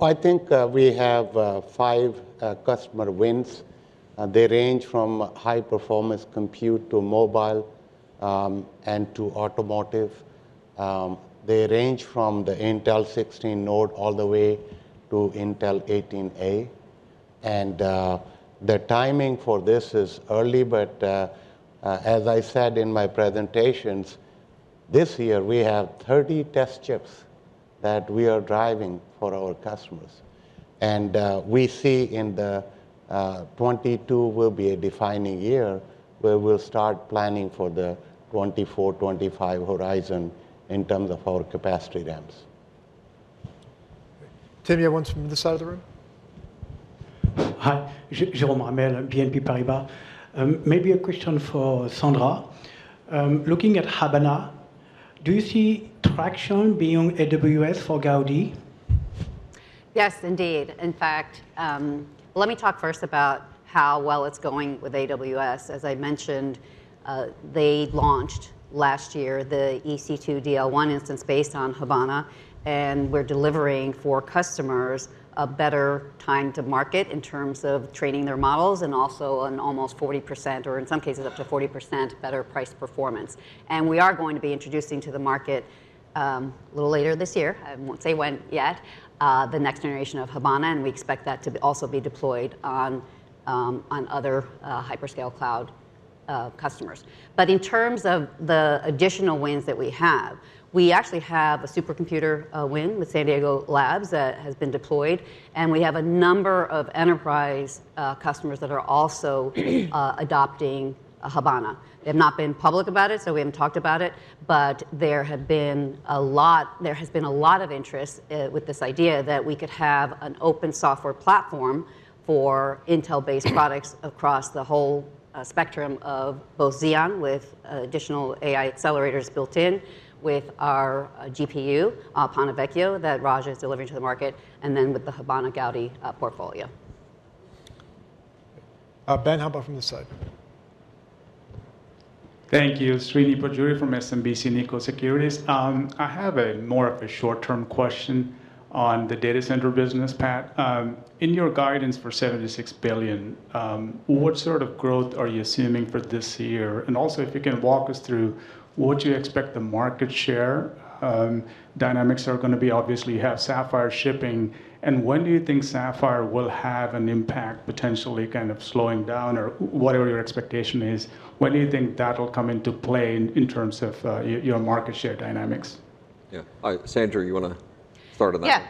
I think we have five customer wins. They range from high performance compute to mobile and to automotive. They range from the Intel 16 node all the way to Intel 18A. The timing for this is early, but as I said in my presentations, this year we have 30 test chips that we are driving for our customers. We see and 2022 will be a defining year where we'll start planning for the 2024, 2025 horizon in terms of our capacity ramps. Okay. Tim, you have ones from this side of the room? Hi. Jerome Ramel, BNP Paribas. Maybe a question for Sandra. Looking at Habana, do you see traction beyond AWS for Gaudi? Yes, indeed. In fact, let me talk first about how well it's going with AWS. As I mentioned, they launched last year the EC2 DL1 instance based on Habana, and we're delivering for customers a better time to market in terms of training their models and also an almost 40%, or in some cases, up to 40% better price performance. We are going to be introducing to the market a little later this year, I won't say when yet, the next generation of Habana, and we expect that to also be deployed on other hyperscale cloud customers. In terms of the additional wins that we have, we actually have a supercomputer win with San Diego Supercomputer Center that has been deployed, and we have a number of enterprise customers that are also adopting Habana. They've not been public about it, so we haven't talked about it, but there has been a lot of interest with this idea that we could have an open software platform for Intel-based products across the whole spectrum of both Xeon with additional AI accelerators built in with our GPU, Ponte Vecchio, that Raja is delivering to the market, and then with the Habana Gaudi portfolio. Ben, how about from this side? Thank you. Srini Pajjuri from SMBC Nikko Securities. I have more of a short-term question on the data center business, Pat. In your guidance for $76 billion, what sort of growth are you assuming for this year? And also, if you can walk us through what you expect the market share dynamics are gonna be. Obviously, you have Sapphire shipping. And when do you think Sapphire will have an impact, potentially kind of slowing down or whatever your expectation is, when do you think that'll come into play in terms of your market share dynamics? Yeah. Sandra, you wanna- Yeah.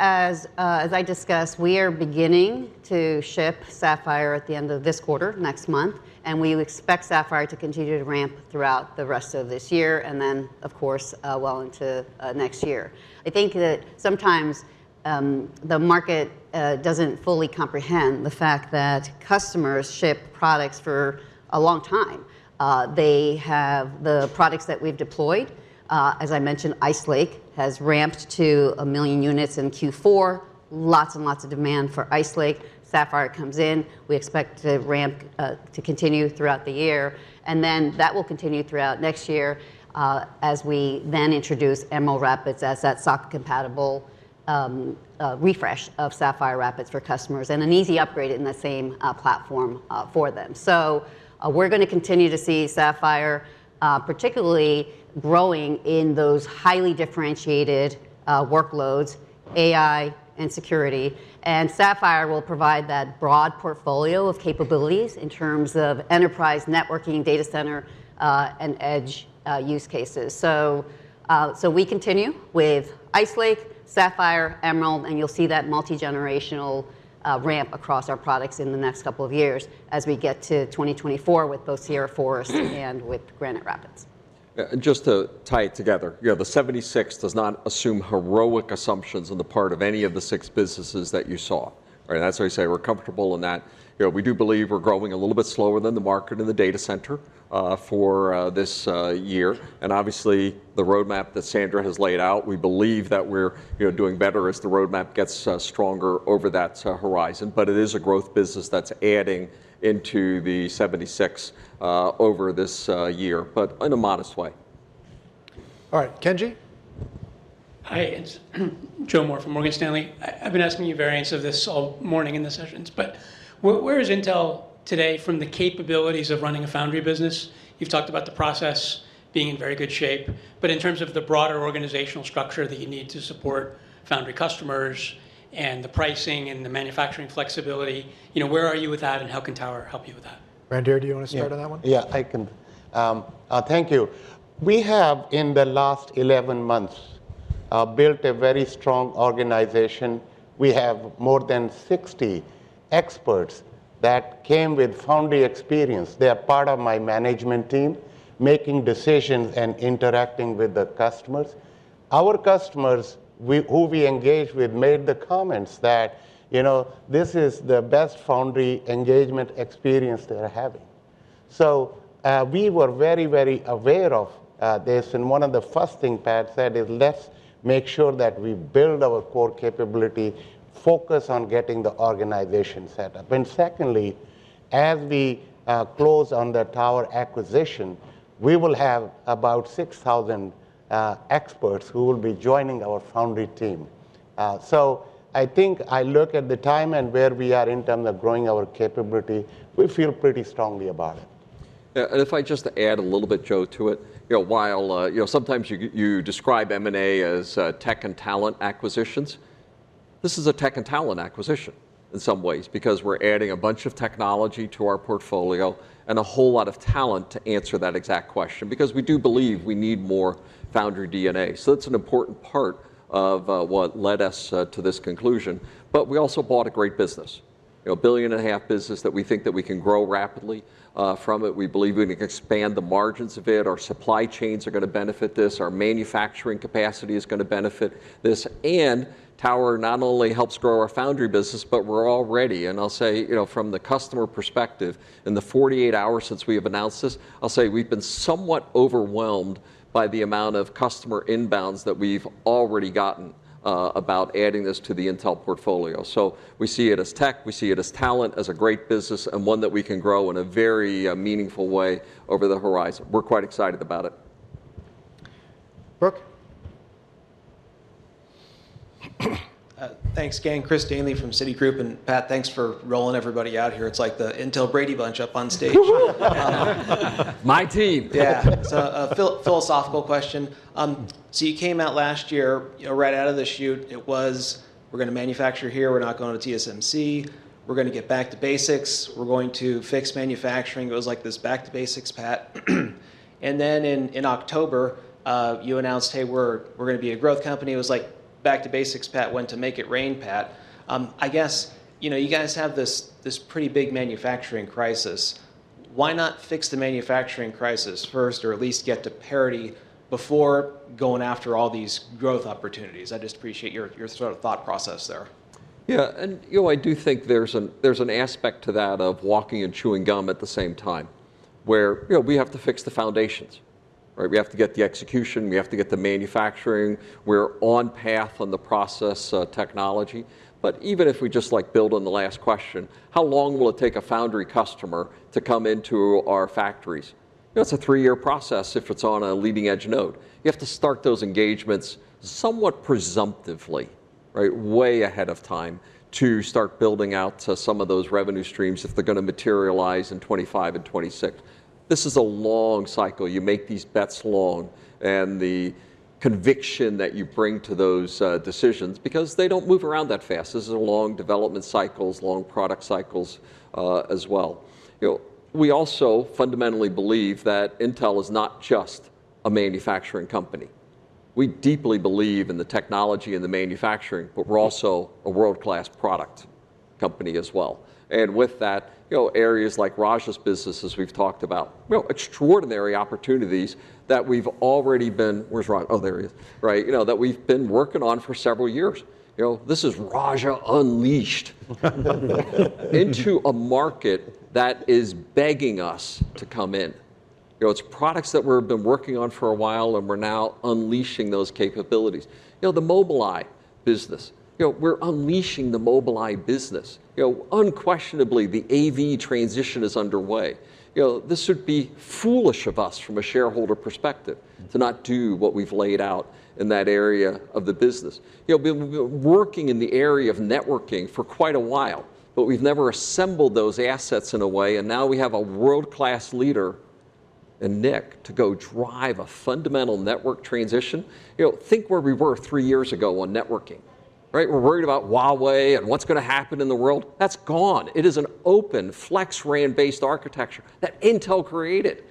As I discussed, we are beginning to ship Sapphire Rapids at the end of this quarter, next month, and we expect Sapphire Rapids to continue to ramp throughout the rest of this year and then, of course, well into next year. I think that sometimes the market doesn't fully comprehend the fact that customers ship products for a long time. They have the products that we've deployed, as I mentioned, Ice Lake has ramped to 1 million units in Q4. Lots and lots of demand for Ice Lake. Sapphire Rapids comes in, we expect the ramp to continue throughout the year, and then that will continue throughout next year, as we then introduce Emerald Rapids as that SoC compatible refresh of Sapphire Rapids for customers, and an easy upgrade in the same platform for them. We're gonna continue to see Sapphire, particularly growing in those highly differentiated workloads, AI and security. Sapphire will provide that broad portfolio of capabilities in terms of enterprise networking, data center, and edge use cases. We continue with Ice Lake, Sapphire, Emerald, and you'll see that multi-generational ramp across our products in the next couple of years as we get to 2024 with both Sierra Forest and Granite Rapids. Yeah. Just to tie it together, you know, the 76 does not assume heroic assumptions on the part of any of the six businesses that you saw. All right, as I say, we're comfortable in that. You know, we do believe we're growing a little bit slower than the market in the data center for this year. Obviously, the roadmap that Sandra has laid out, we believe that we're, you know, doing better as the roadmap gets stronger over that horizon. It is a growth business that's adding into the 76 over this year, but in a modest way. All right. Kenji? Hi, it's Joe Moore from Morgan Stanley. I've been asking you variants of this all morning in the sessions, but where is Intel today from the capabilities of running a foundry business? You've talked about the process being in very good shape, but in terms of the broader organizational structure that you need to support foundry customers and the pricing and the manufacturing flexibility, you know, where are you with that, and how can Tower help you with that? Randhir, do you wanna start on that one? Yeah. Yeah, I can. Thank you. We have, in the last 11 months, built a very strong organization. We have more than 60 experts that came with foundry experience. They are part of my management team, making decisions and interacting with the customers. Our customers, who we engage with, made the comments that, you know, this is the best foundry engagement experience they're having. So, we were very, very aware of this, and one of the first thing Pat said is, "Let's make sure that we build our core capability, focus on getting the organization set up." Secondly, as we close on the Tower acquisition, we will have about 6,000 experts who will be joining our foundry team. I think I look at the time and where we are in terms of growing our capability, we feel pretty strongly about it. Yeah. If I just add a little bit, Joe, to it. You know, while you know, sometimes you describe M&A as tech and talent acquisitions, this is a tech and talent acquisition in some ways because we're adding a bunch of technology to our portfolio and a whole lot of talent to answer that exact question. Because we do believe we need more foundry DNA. That's an important part of what led us to this conclusion, but we also bought a great business. You know, $1.5 billion business that we think we can grow rapidly from it. We believe we can expand the margins of it. Our supply chains are gonna benefit this. Our manufacturing capacity is gonna benefit this. Tower Semiconductor not only helps grow our foundry business, but we're already. I'll say, you know, from the customer perspective, in the 48 hours since we have announced this, I'll say we've been somewhat overwhelmed by the amount of customer inbounds that we've already gotten, about adding this to the Intel portfolio. We see it as tech, we see it as talent, as a great business, and one that we can grow in a very, meaningful way over the horizon. We're quite excited about it. Brooke? Thanks, gang. Chris Danely from Citigroup. Pat, thanks for rolling everybody out here. It's like the Intel Brady Bunch up on stage. Woo-hoo. My team. Yeah. A philosophical question. You came out last year, you know, right out of the chute, it was, "We're gonna manufacture here. We're not going to TSMC. We're gonna get back to basics. We're going to fix manufacturing." It was like this back to basics Pat. Then in October, you announced, "Hey, we're gonna be a growth company." It was like back to basics Pat went to make it rain Pat. I guess, you know, you guys have this pretty big manufacturing crisis. Why not fix the manufacturing crisis first or at least get to parity before going after all these growth opportunities? I'd just appreciate your sort of thought process there. Yeah. You know, I do think there's an aspect to that of walking and chewing gum at the same time, where, you know, we have to fix the foundations, right? We have to get the execution. We have to get the manufacturing. We're on path on the process technology. But even if we just like build on the last question, how long will it take a foundry customer to come into our factories? That's a three-year process if it's on a leading edge node. You have to start those engagements somewhat presumptively, right? Way ahead of time to start building out to some of those revenue streams if they're gonna materialize in 2025 and 2026. This is a long cycle. You make these bets long. The conviction that you bring to those decisions because they don't move around that fast. This is long development cycles, long product cycles, as well. You know, we also fundamentally believe that Intel is not just a manufacturing company. We deeply believe in the technology and the manufacturing, but we're also a world-class product company as well. With that, you know, areas like Raja's business as we've talked about, you know, extraordinary opportunities that we've been working on for several years. You know, this is Raja unleashed into a market that is begging us to come in. You know, it's products that we've been working on for a while and we're now unleashing those capabilities. You know, the Mobileye business, you know, we're unleashing the Mobileye business. You know, unquestionably the AV transition is underway. You know, this would be foolish of us from a shareholder perspective to not do what we've laid out in that area of the business. You know, we've, we're working in the area of networking for quite a while, but we've never assembled those assets in a way and now we have a world-class leader in Nick to go drive a fundamental network transition. You know, think where we were three years ago on networking, right? We're worried about Huawei and what's gonna happen in the world. That's gone. It is an open FlexRAN-based architecture that Intel created.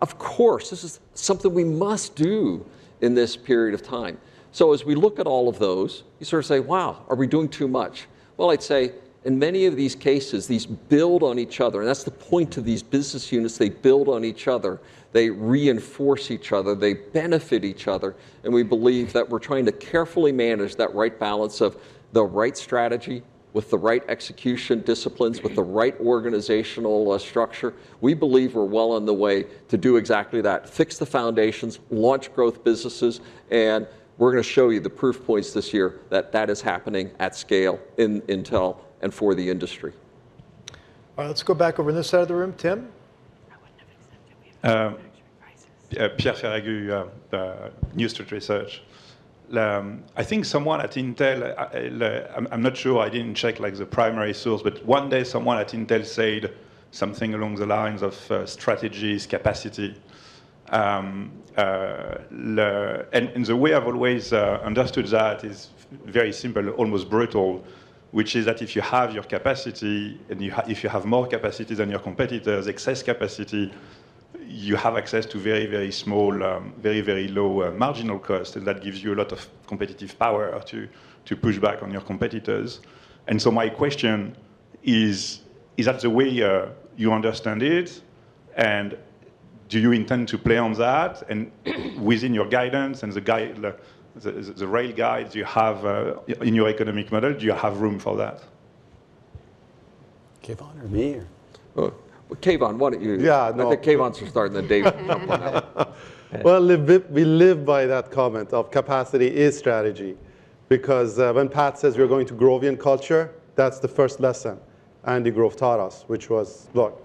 Of course, this is something we must do in this period of time. As we look at all of those, you sort of say, "Wow, are we doing too much?" Well, I'd say in many of these cases, these build on each other, and that's the point of these business units. They build on each other, they reinforce each other, they benefit each other, and we believe that we're trying to carefully manage that right balance of the right strategy with the right execution disciplines, with the right organizational structure. We believe we're well on the way to do exactly that, fix the foundations, launch growth businesses, and we're gonna show you the proof points this year that that is happening at scale in Intel and for the industry. All right, let's go back over this side of the room. Tim? Yeah, Pierre Ferragu, New Street Research. I think someone at Intel, I'm not sure, I didn't check like the primary source, but one day someone at Intel said something along the lines of strategies, capacity. The way I've always understood that is very simple, almost brutal, which is that if you have your capacity, and if you have more capacity than your competitors, excess capacity, you have access to very, very small, very, very low marginal cost, and that gives you a lot of competitive power to push back on your competitors. My question is that the way you understand it? Do you intend to play on that? Within your guidance and the guardrails you have in your economic model, do you have room for that? Keyvan or me? Well, Keyvan, why don't you- Yeah, no. I think Keyvan should start and then David can come up. Well, we live by that comment of capacity is strategy because when Pat says we're going to Groveian culture, that's the first lesson Andy Grove taught us, which was, look,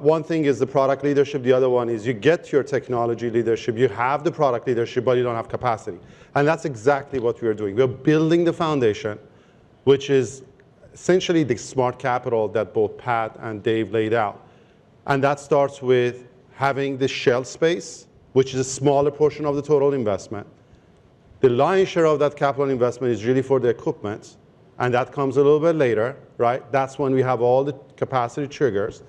one thing is the product leadership, the other one is you get your technology leadership, you have the product leadership, but you don't have capacity, and that's exactly what we are doing. We're building the foundation, which is essentially the smart capital that both Pat and Dave laid out, and that starts with having the shell space, which is a smaller portion of the total investment. The lion's share of that capital investment is really for the equipment, and that comes a little bit later, right? That's when we have all the capacity triggers.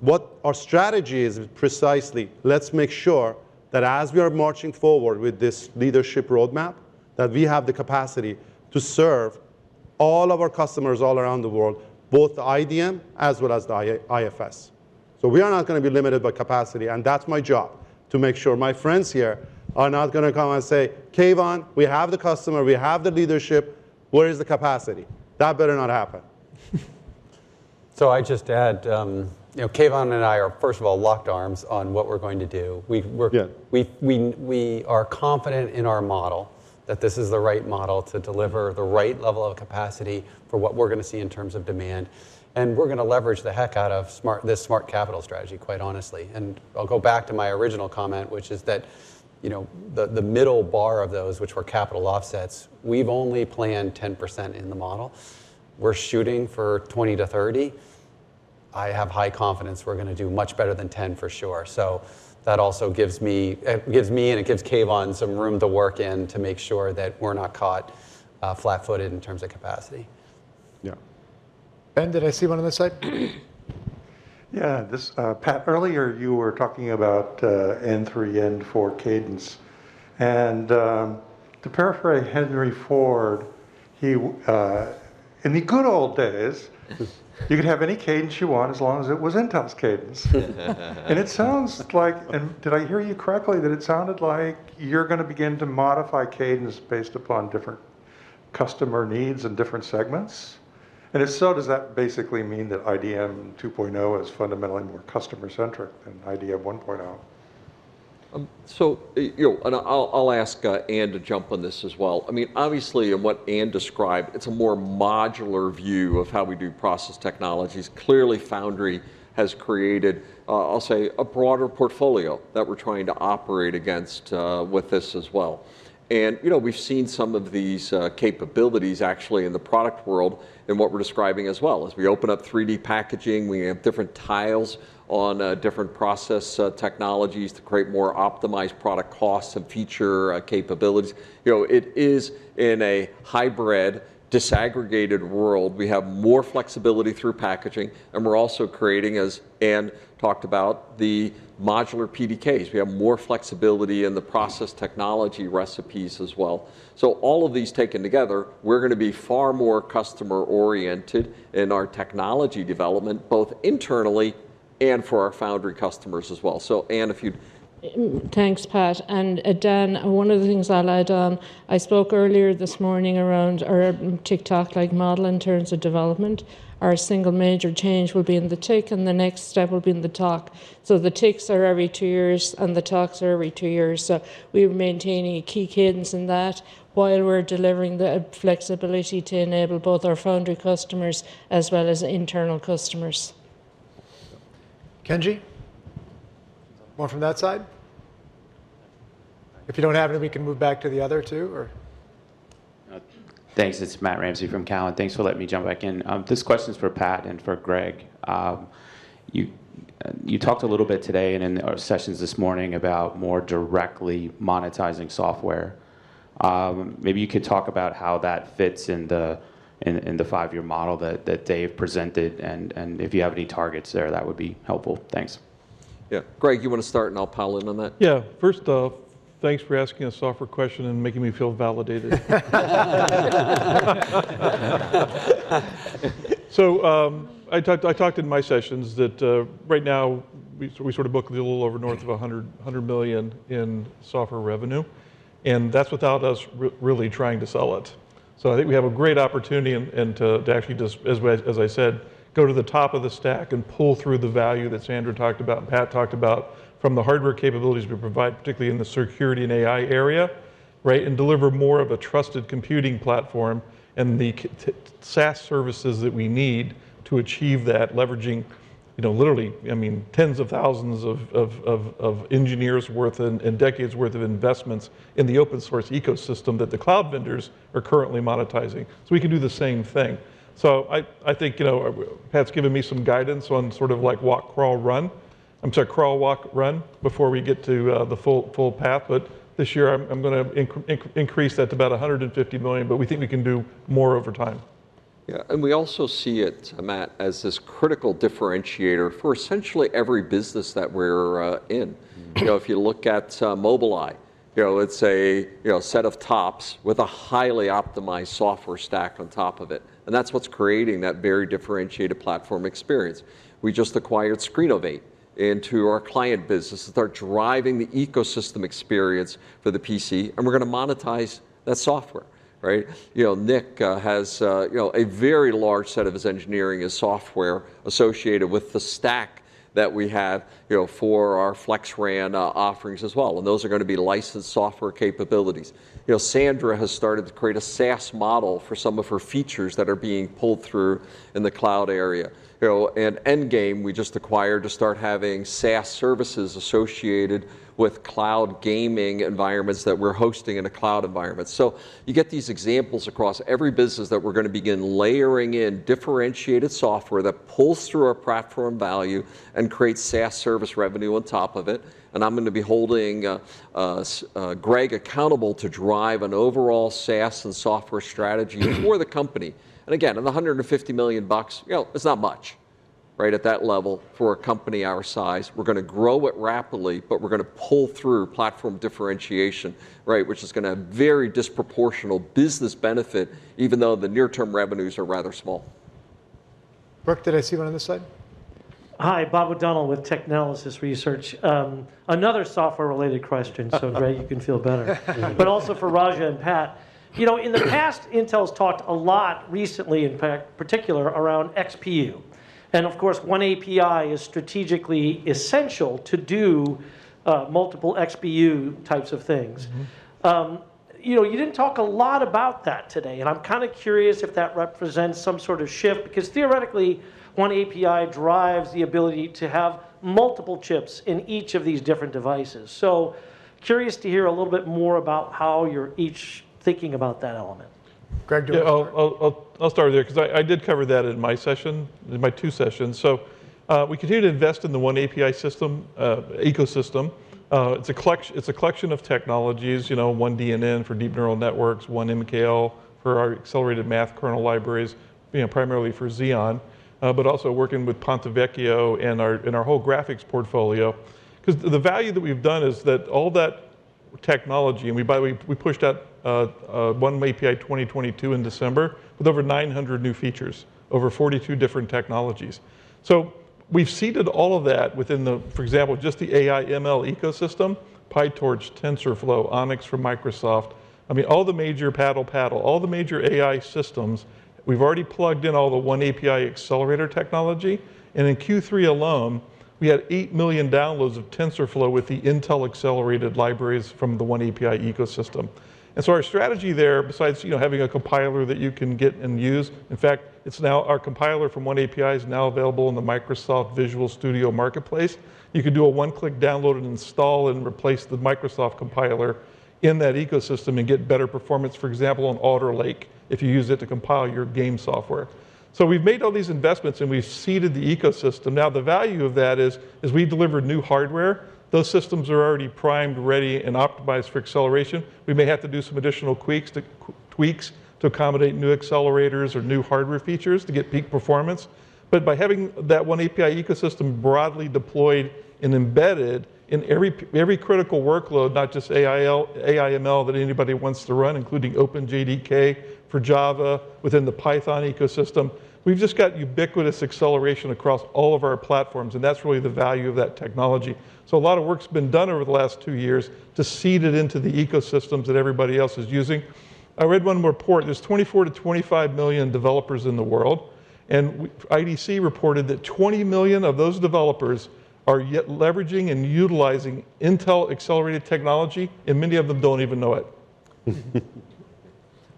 What our strategy is precisely, let's make sure that as we are marching forward with this leadership roadmap, that we have the capacity to serve all of our customers all around the world, both the IDM as well as the IFS. We are not gonna be limited by capacity, and that's my job to make sure my friends here are not gonna come and say, "Keyvan, we have the customer, we have the leadership. Where is the capacity?" That better not happen. I'd just add, you know, Keyvan and I are, first of all, locked arms on what we're going to do. Yeah We are confident in our model that this is the right model to deliver the right level of capacity for what we're gonna see in terms of demand, and we're gonna leverage the heck out of smart—this smart capital strategy, quite honestly. I'll go back to my original comment, which is that, you know, the middle bar of those which were capital offsets, we've only planned 10% in the model. We're shooting for 20%-30%. I have high confidence we're gonna do much better than 10 for sure. That also gives me, it gives me and it gives Keyvan some room to work in to make sure that we're not caught flat-footed in terms of capacity. Yeah. Ben, did I see one on this side? Yeah, this, Pat, earlier you were talking about N3, N4 cadence, and to paraphrase Henry Ford, in the good old days you could have any cadence you want as long as it was Intel's cadence. It sounds like, did I hear you correctly that it sounded like you're gonna begin to modify cadence based upon different customer needs and different segments? If so, does that basically mean that IDM 2.0 is fundamentally more customer-centric than IDM 1.0? You know, I'll ask Ann to jump on this as well. I mean, obviously in what Ann described, it's a more modular view of how we do process technologies. Clearly, Foundry has created, I'll say, a broader portfolio that we're trying to operate against, with this as well. You know, we've seen some of these capabilities actually in the product world in what we're describing as well. As we open up 3D packaging, we have different tiles on different process technologies to create more optimized product costs and feature capabilities. You know, it is in a hybrid disaggregated world. We have more flexibility through packaging, and we're also creating, as Ann talked about, the modular PDKs. We have more flexibility in the process technology recipes as well. All of these taken together, we're gonna be far more customer-oriented in our technology development, both internally and for our foundry customers as well. Anne, if you'd- Thanks, Pat. Dan, one of the things I'll add on, I spoke earlier this morning around our tick-tock-like model in terms of development. Our single major change will be in the Tick, and the next step will be in the Tock. The Ticks are every two years, and the Tocks are every two years. We're maintaining a key cadence in that while we're delivering the flexibility to enable both our foundry customers as well as internal customers. Kenji? One from that side. If you don't have any, we can move back to the other two, or. Thanks. It's Matt Ramsay from Cowen. Thanks for letting me jump back in. This question's for Pat and for Greg. You talked a little bit today and in our sessions this morning about more directly monetizing software. Maybe you could talk about how that fits in the five-year model that Dave presented, and if you have any targets there, that would be helpful. Thanks. Yeah. Greg, you wanna start, and I'll pile in on that? Yeah. First off, thanks for asking a software question and making me feel validated. I talked in my sessions that right now we sort of book a little over north of $100 million in software revenue, and that's without us really trying to sell it. I think we have a great opportunity to actually just, as I said, go to the top of the stack and pull through the value that Sandra talked about and Pat talked about from the hardware capabilities we provide, particularly in the security and AI area, right, and deliver more of a trusted computing platform and the key-to-SaaS services that we need to achieve that, leveraging, you know, literally, I mean, tens of thousands of engineers worth and decades worth of investments in the open source ecosystem that the cloud vendors are currently monetizing. We can do the same thing. I think, you know, Pat's given me some guidance on sort of like walk, crawl, run. I'm sorry, crawl, walk, run before we get to the full path. This year I'm gonna increase that to about $150 million, but we think we can do more over time. Yeah. We also see it, Matt, as this critical differentiator for essentially every business that we're in. You know, if you look at Mobileye, you know, it's a set of TOPS with a highly optimized software stack on top of it, and that's what's creating that very differentiated platform experience. We just acquired Screenovate into our client business to start driving the ecosystem experience for the PC, and we're gonna monetize that software, right? You know, Nick has you know, a very large set of his engineering is software associated with the stack that we have, you know, for our FlexRAN offerings as well, and those are gonna be licensed software capabilities. You know, Sandra has started to create a SaaS model for some of her features that are being pulled through in the cloud area. You know, Granulate, we just acquired to start having SaaS services associated with cloud gaming environments that we're hosting in a cloud environment. You get these examples across every business that we're gonna begin layering in differentiated software that pulls through our platform value and creates SaaS service revenue on top of it. I'm gonna be holding us, Greg accountable to drive an overall SaaS and software strategy for the company. Again, on the $150 million bucks, you know, it's not much, right, at that level for a company our size. We're gonna grow it rapidly, but we're gonna pull through platform differentiation, right, which is gonna very disproportional business benefit even though the near term revenues are rather small. Brooke, did I see one on this side? Hi, Bob O'Donnell with TECHnalysis Research. Another software related question. Greg, you can feel better. Also for Raja and Pat. You know, in the past, Intel's talked a lot recently, in fact, particularly around XPU. Of course, oneAPI is strategically essential to do multiple XPU types of things. You know, you didn't talk a lot about that today, and I'm kinda curious if that represents some sort of shift, because theoretically, oneAPI drives the ability to have multiple chips in each of these different devices. Curious to hear a little bit more about how you're each thinking about that element. Greg, do you wanna start? Yeah, I'll start there 'cause I did cover that in my session, in my two sessions. We continue to invest in the oneAPI system ecosystem. It's a collection of technologies, you know, oneDNN for deep neural networks, oneMKL for our accelerated math kernel libraries, you know, primarily for Xeon. But also working with Ponte Vecchio and our whole graphics portfolio 'cause the value that we've done is that all that technology, and we pushed out oneAPI 2022 in December with over 900 new features, over 42 different technologies. We've seeded all of that within the, for example, just the AI ML ecosystem, PyTorch, TensorFlow, ONNX from Microsoft. I mean, all the major PaddlePaddle, all the major AI systems, we've already plugged in all the oneAPI accelerator technology. In Q3 alone, we had 8 million downloads of TensorFlow with the Intel accelerated libraries from the oneAPI ecosystem. Our strategy there, besides, you know, having a compiler that you can get and use, in fact, it's now our compiler from oneAPI is now available in the Microsoft Visual Studio marketplace. You can do a one-click download and install and replace the Microsoft compiler in that ecosystem and get better performance, for example, on Alder Lake if you use it to compile your game software. We've made all these investments and we've seeded the ecosystem. Now the value of that is, as we deliver new hardware, those systems are already primed, ready, and optimized for acceleration. We may have to do some additional tweaks to accommodate new accelerators or new hardware features to get peak performance. By having that oneAPI ecosystem broadly deployed and embedded in every critical workload, not just AI ML that anybody wants to run, including OpenJDK for Java within the Python ecosystem, we've just got ubiquitous acceleration across all of our platforms, and that's really the value of that technology. A lot of work's been done over the last two years to seed it into the ecosystems that everybody else is using. I read one report, there's 24-25 million developers in the world. IDC reported that 20 million of those developers are yet leveraging and utilizing Intel-accelerated technology, and many of them don't even know it.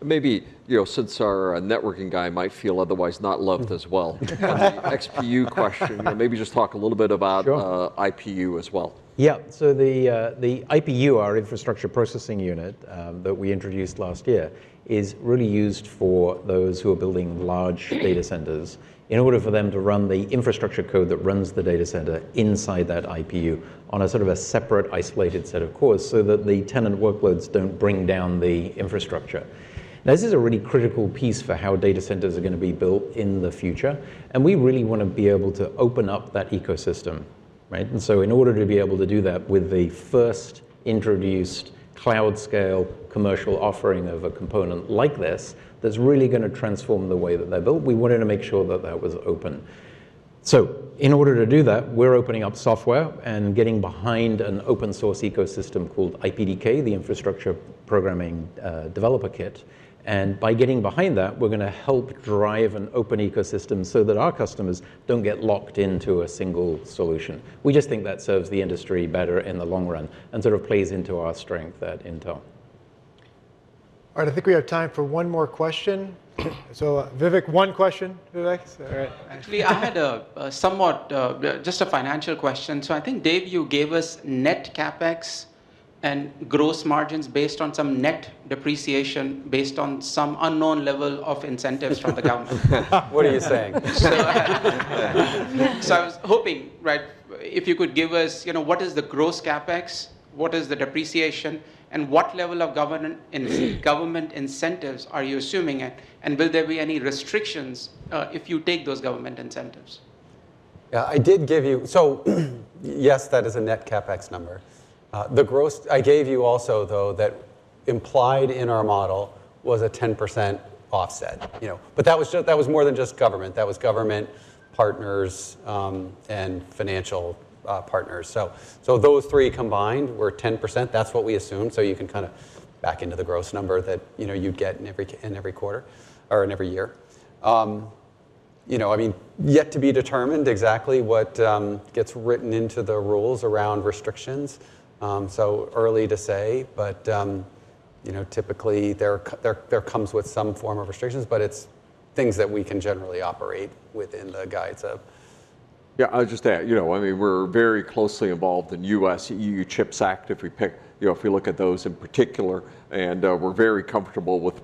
Maybe, you know, since our networking guy might feel otherwise not loved as well. The XPU question, you know, maybe just talk a little bit about. Sure IPU as well. Yeah. The IPU, our infrastructure processing unit, that we introduced last year, is really used for those who are building large data centers in order for them to run the infrastructure code that runs the data center inside that IPU on a sort of a separate, isolated set of cores so that the tenant workloads don't bring down the infrastructure. Now, this is a really critical piece for how data centers are gonna be built in the future, and we really wanna be able to open up that ecosystem, right? In order to be able to do that with the first introduced cloud scale commercial offering of a component like this that's really gonna transform the way that they're built, we wanted to make sure that that was open. In order to do that, we're opening up software and getting behind an open source ecosystem called IPDK, the Infrastructure Programming Developer Kit. By getting behind that, we're gonna help drive an open ecosystem so that our customers don't get locked into a single solution. We just think that serves the industry better in the long run and sort of plays into our strength at Intel. All right. I think we have time for one more question. Vivek, one question. Vivek. All right. Actually, I had a somewhat just a financial question. I think, David, you gave us net CapEx and gross margins based on some net depreciation based on some unknown level of incentives from the government. What are you saying? I was hoping, right, if you could give us, you know, what is the gross CapEx? What is the depreciation? And what level of government incentives are you assuming? And will there be any restrictions, if you take those government incentives? Yeah. I did give you. Yes, that is a net CapEx number. The gross I gave you also, though, that implied in our model was a 10% offset. You know? That was just, that was more than just government. That was government partners, and financial partners. Those three combined were 10%. That's what we assume. You can kinda back into the gross number that, you know, you'd get in every quarter or in every year. You know, I mean, yet to be determined exactly what gets written into the rules around restrictions. Early to say. You know, typically, there comes with some form of restrictions, but it's things that we can generally operate within the guides of. Yeah. I'll just add, you know, I mean, we're very closely involved in U.S.-EU CHIPS Act, if we pick. You know, if we look at those in particular, we're very comfortable with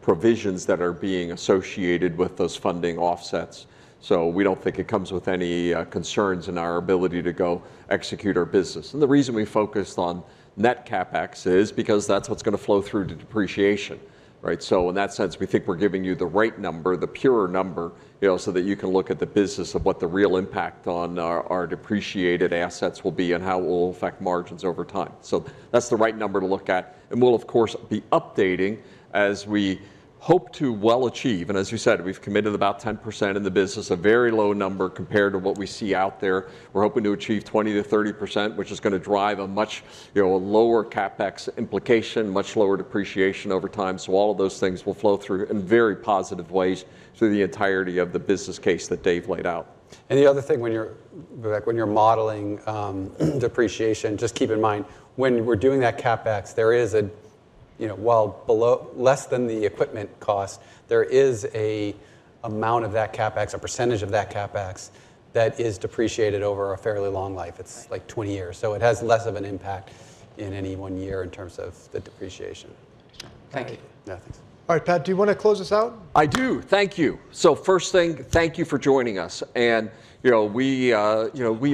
provisions that are being associated with those funding offsets. We don't think it comes with any concerns in our ability to go execute our business. The reason we focused on net CapEx is because that's what's gonna flow through to depreciation, right? In that sense, we think we're giving you the right number, the pure number, you know, so that you can look at the business of what the real impact on our depreciated assets will be and how it will affect margins over time. That's the right number to look at. We'll of course be updating as we hope to well achieve, and as we said, we've committed about 10% in the business, a very low number compared to what we see out there. We're hoping to achieve 20%-30%, which is gonna drive a much, you know, a lower CapEx implication, much lower depreciation over time. All of those things will flow through in very positive ways through the entirety of the business case that Dave laid out. The other thing, Vivek, when you're modeling depreciation, just keep in mind, when we're doing that CapEx, there is an amount of that CapEx, a percentage of that CapEx, that is depreciated over a fairly long life. Right. It's, like, 20 years. It has less of an impact in any one year in terms of the depreciation. Thank you. Yeah. Thanks. All right. Pat, do you wanna close us out? I do. Thank you. First thing, thank you for joining us. You know, we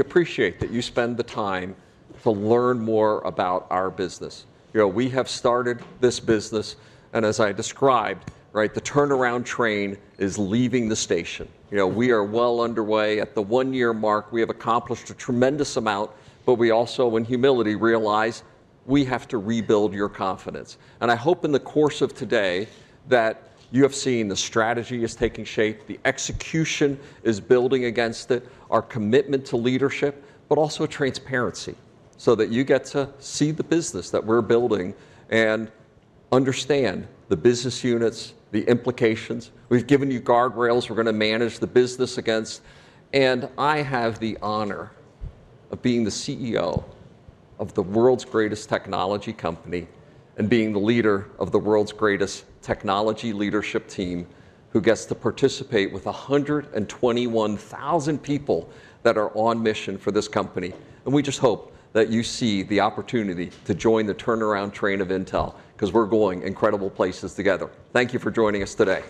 appreciate that you spend the time to learn more about our business. You know, we have started this business, and as I described, right, the turnaround train is leaving the station. You know, we are well underway. At the one-year mark, we have accomplished a tremendous amount, but we also, in humility, realize we have to rebuild your confidence. I hope in the course of today that you have seen the strategy is taking shape, the execution is building against it, our commitment to leadership, but also transparency, so that you get to see the business that we're building and understand the business units, the implications. We've given you guardrails we're gonna manage the business against. I have the honor of being the CEO of the world's greatest technology company and being the leader of the world's greatest technology leadership team, who gets to participate with 121,000 people that are on mission for this company, and we just hope that you see the opportunity to join the turnaround train of Intel, 'cause we're going incredible places together. Thank you for joining us today.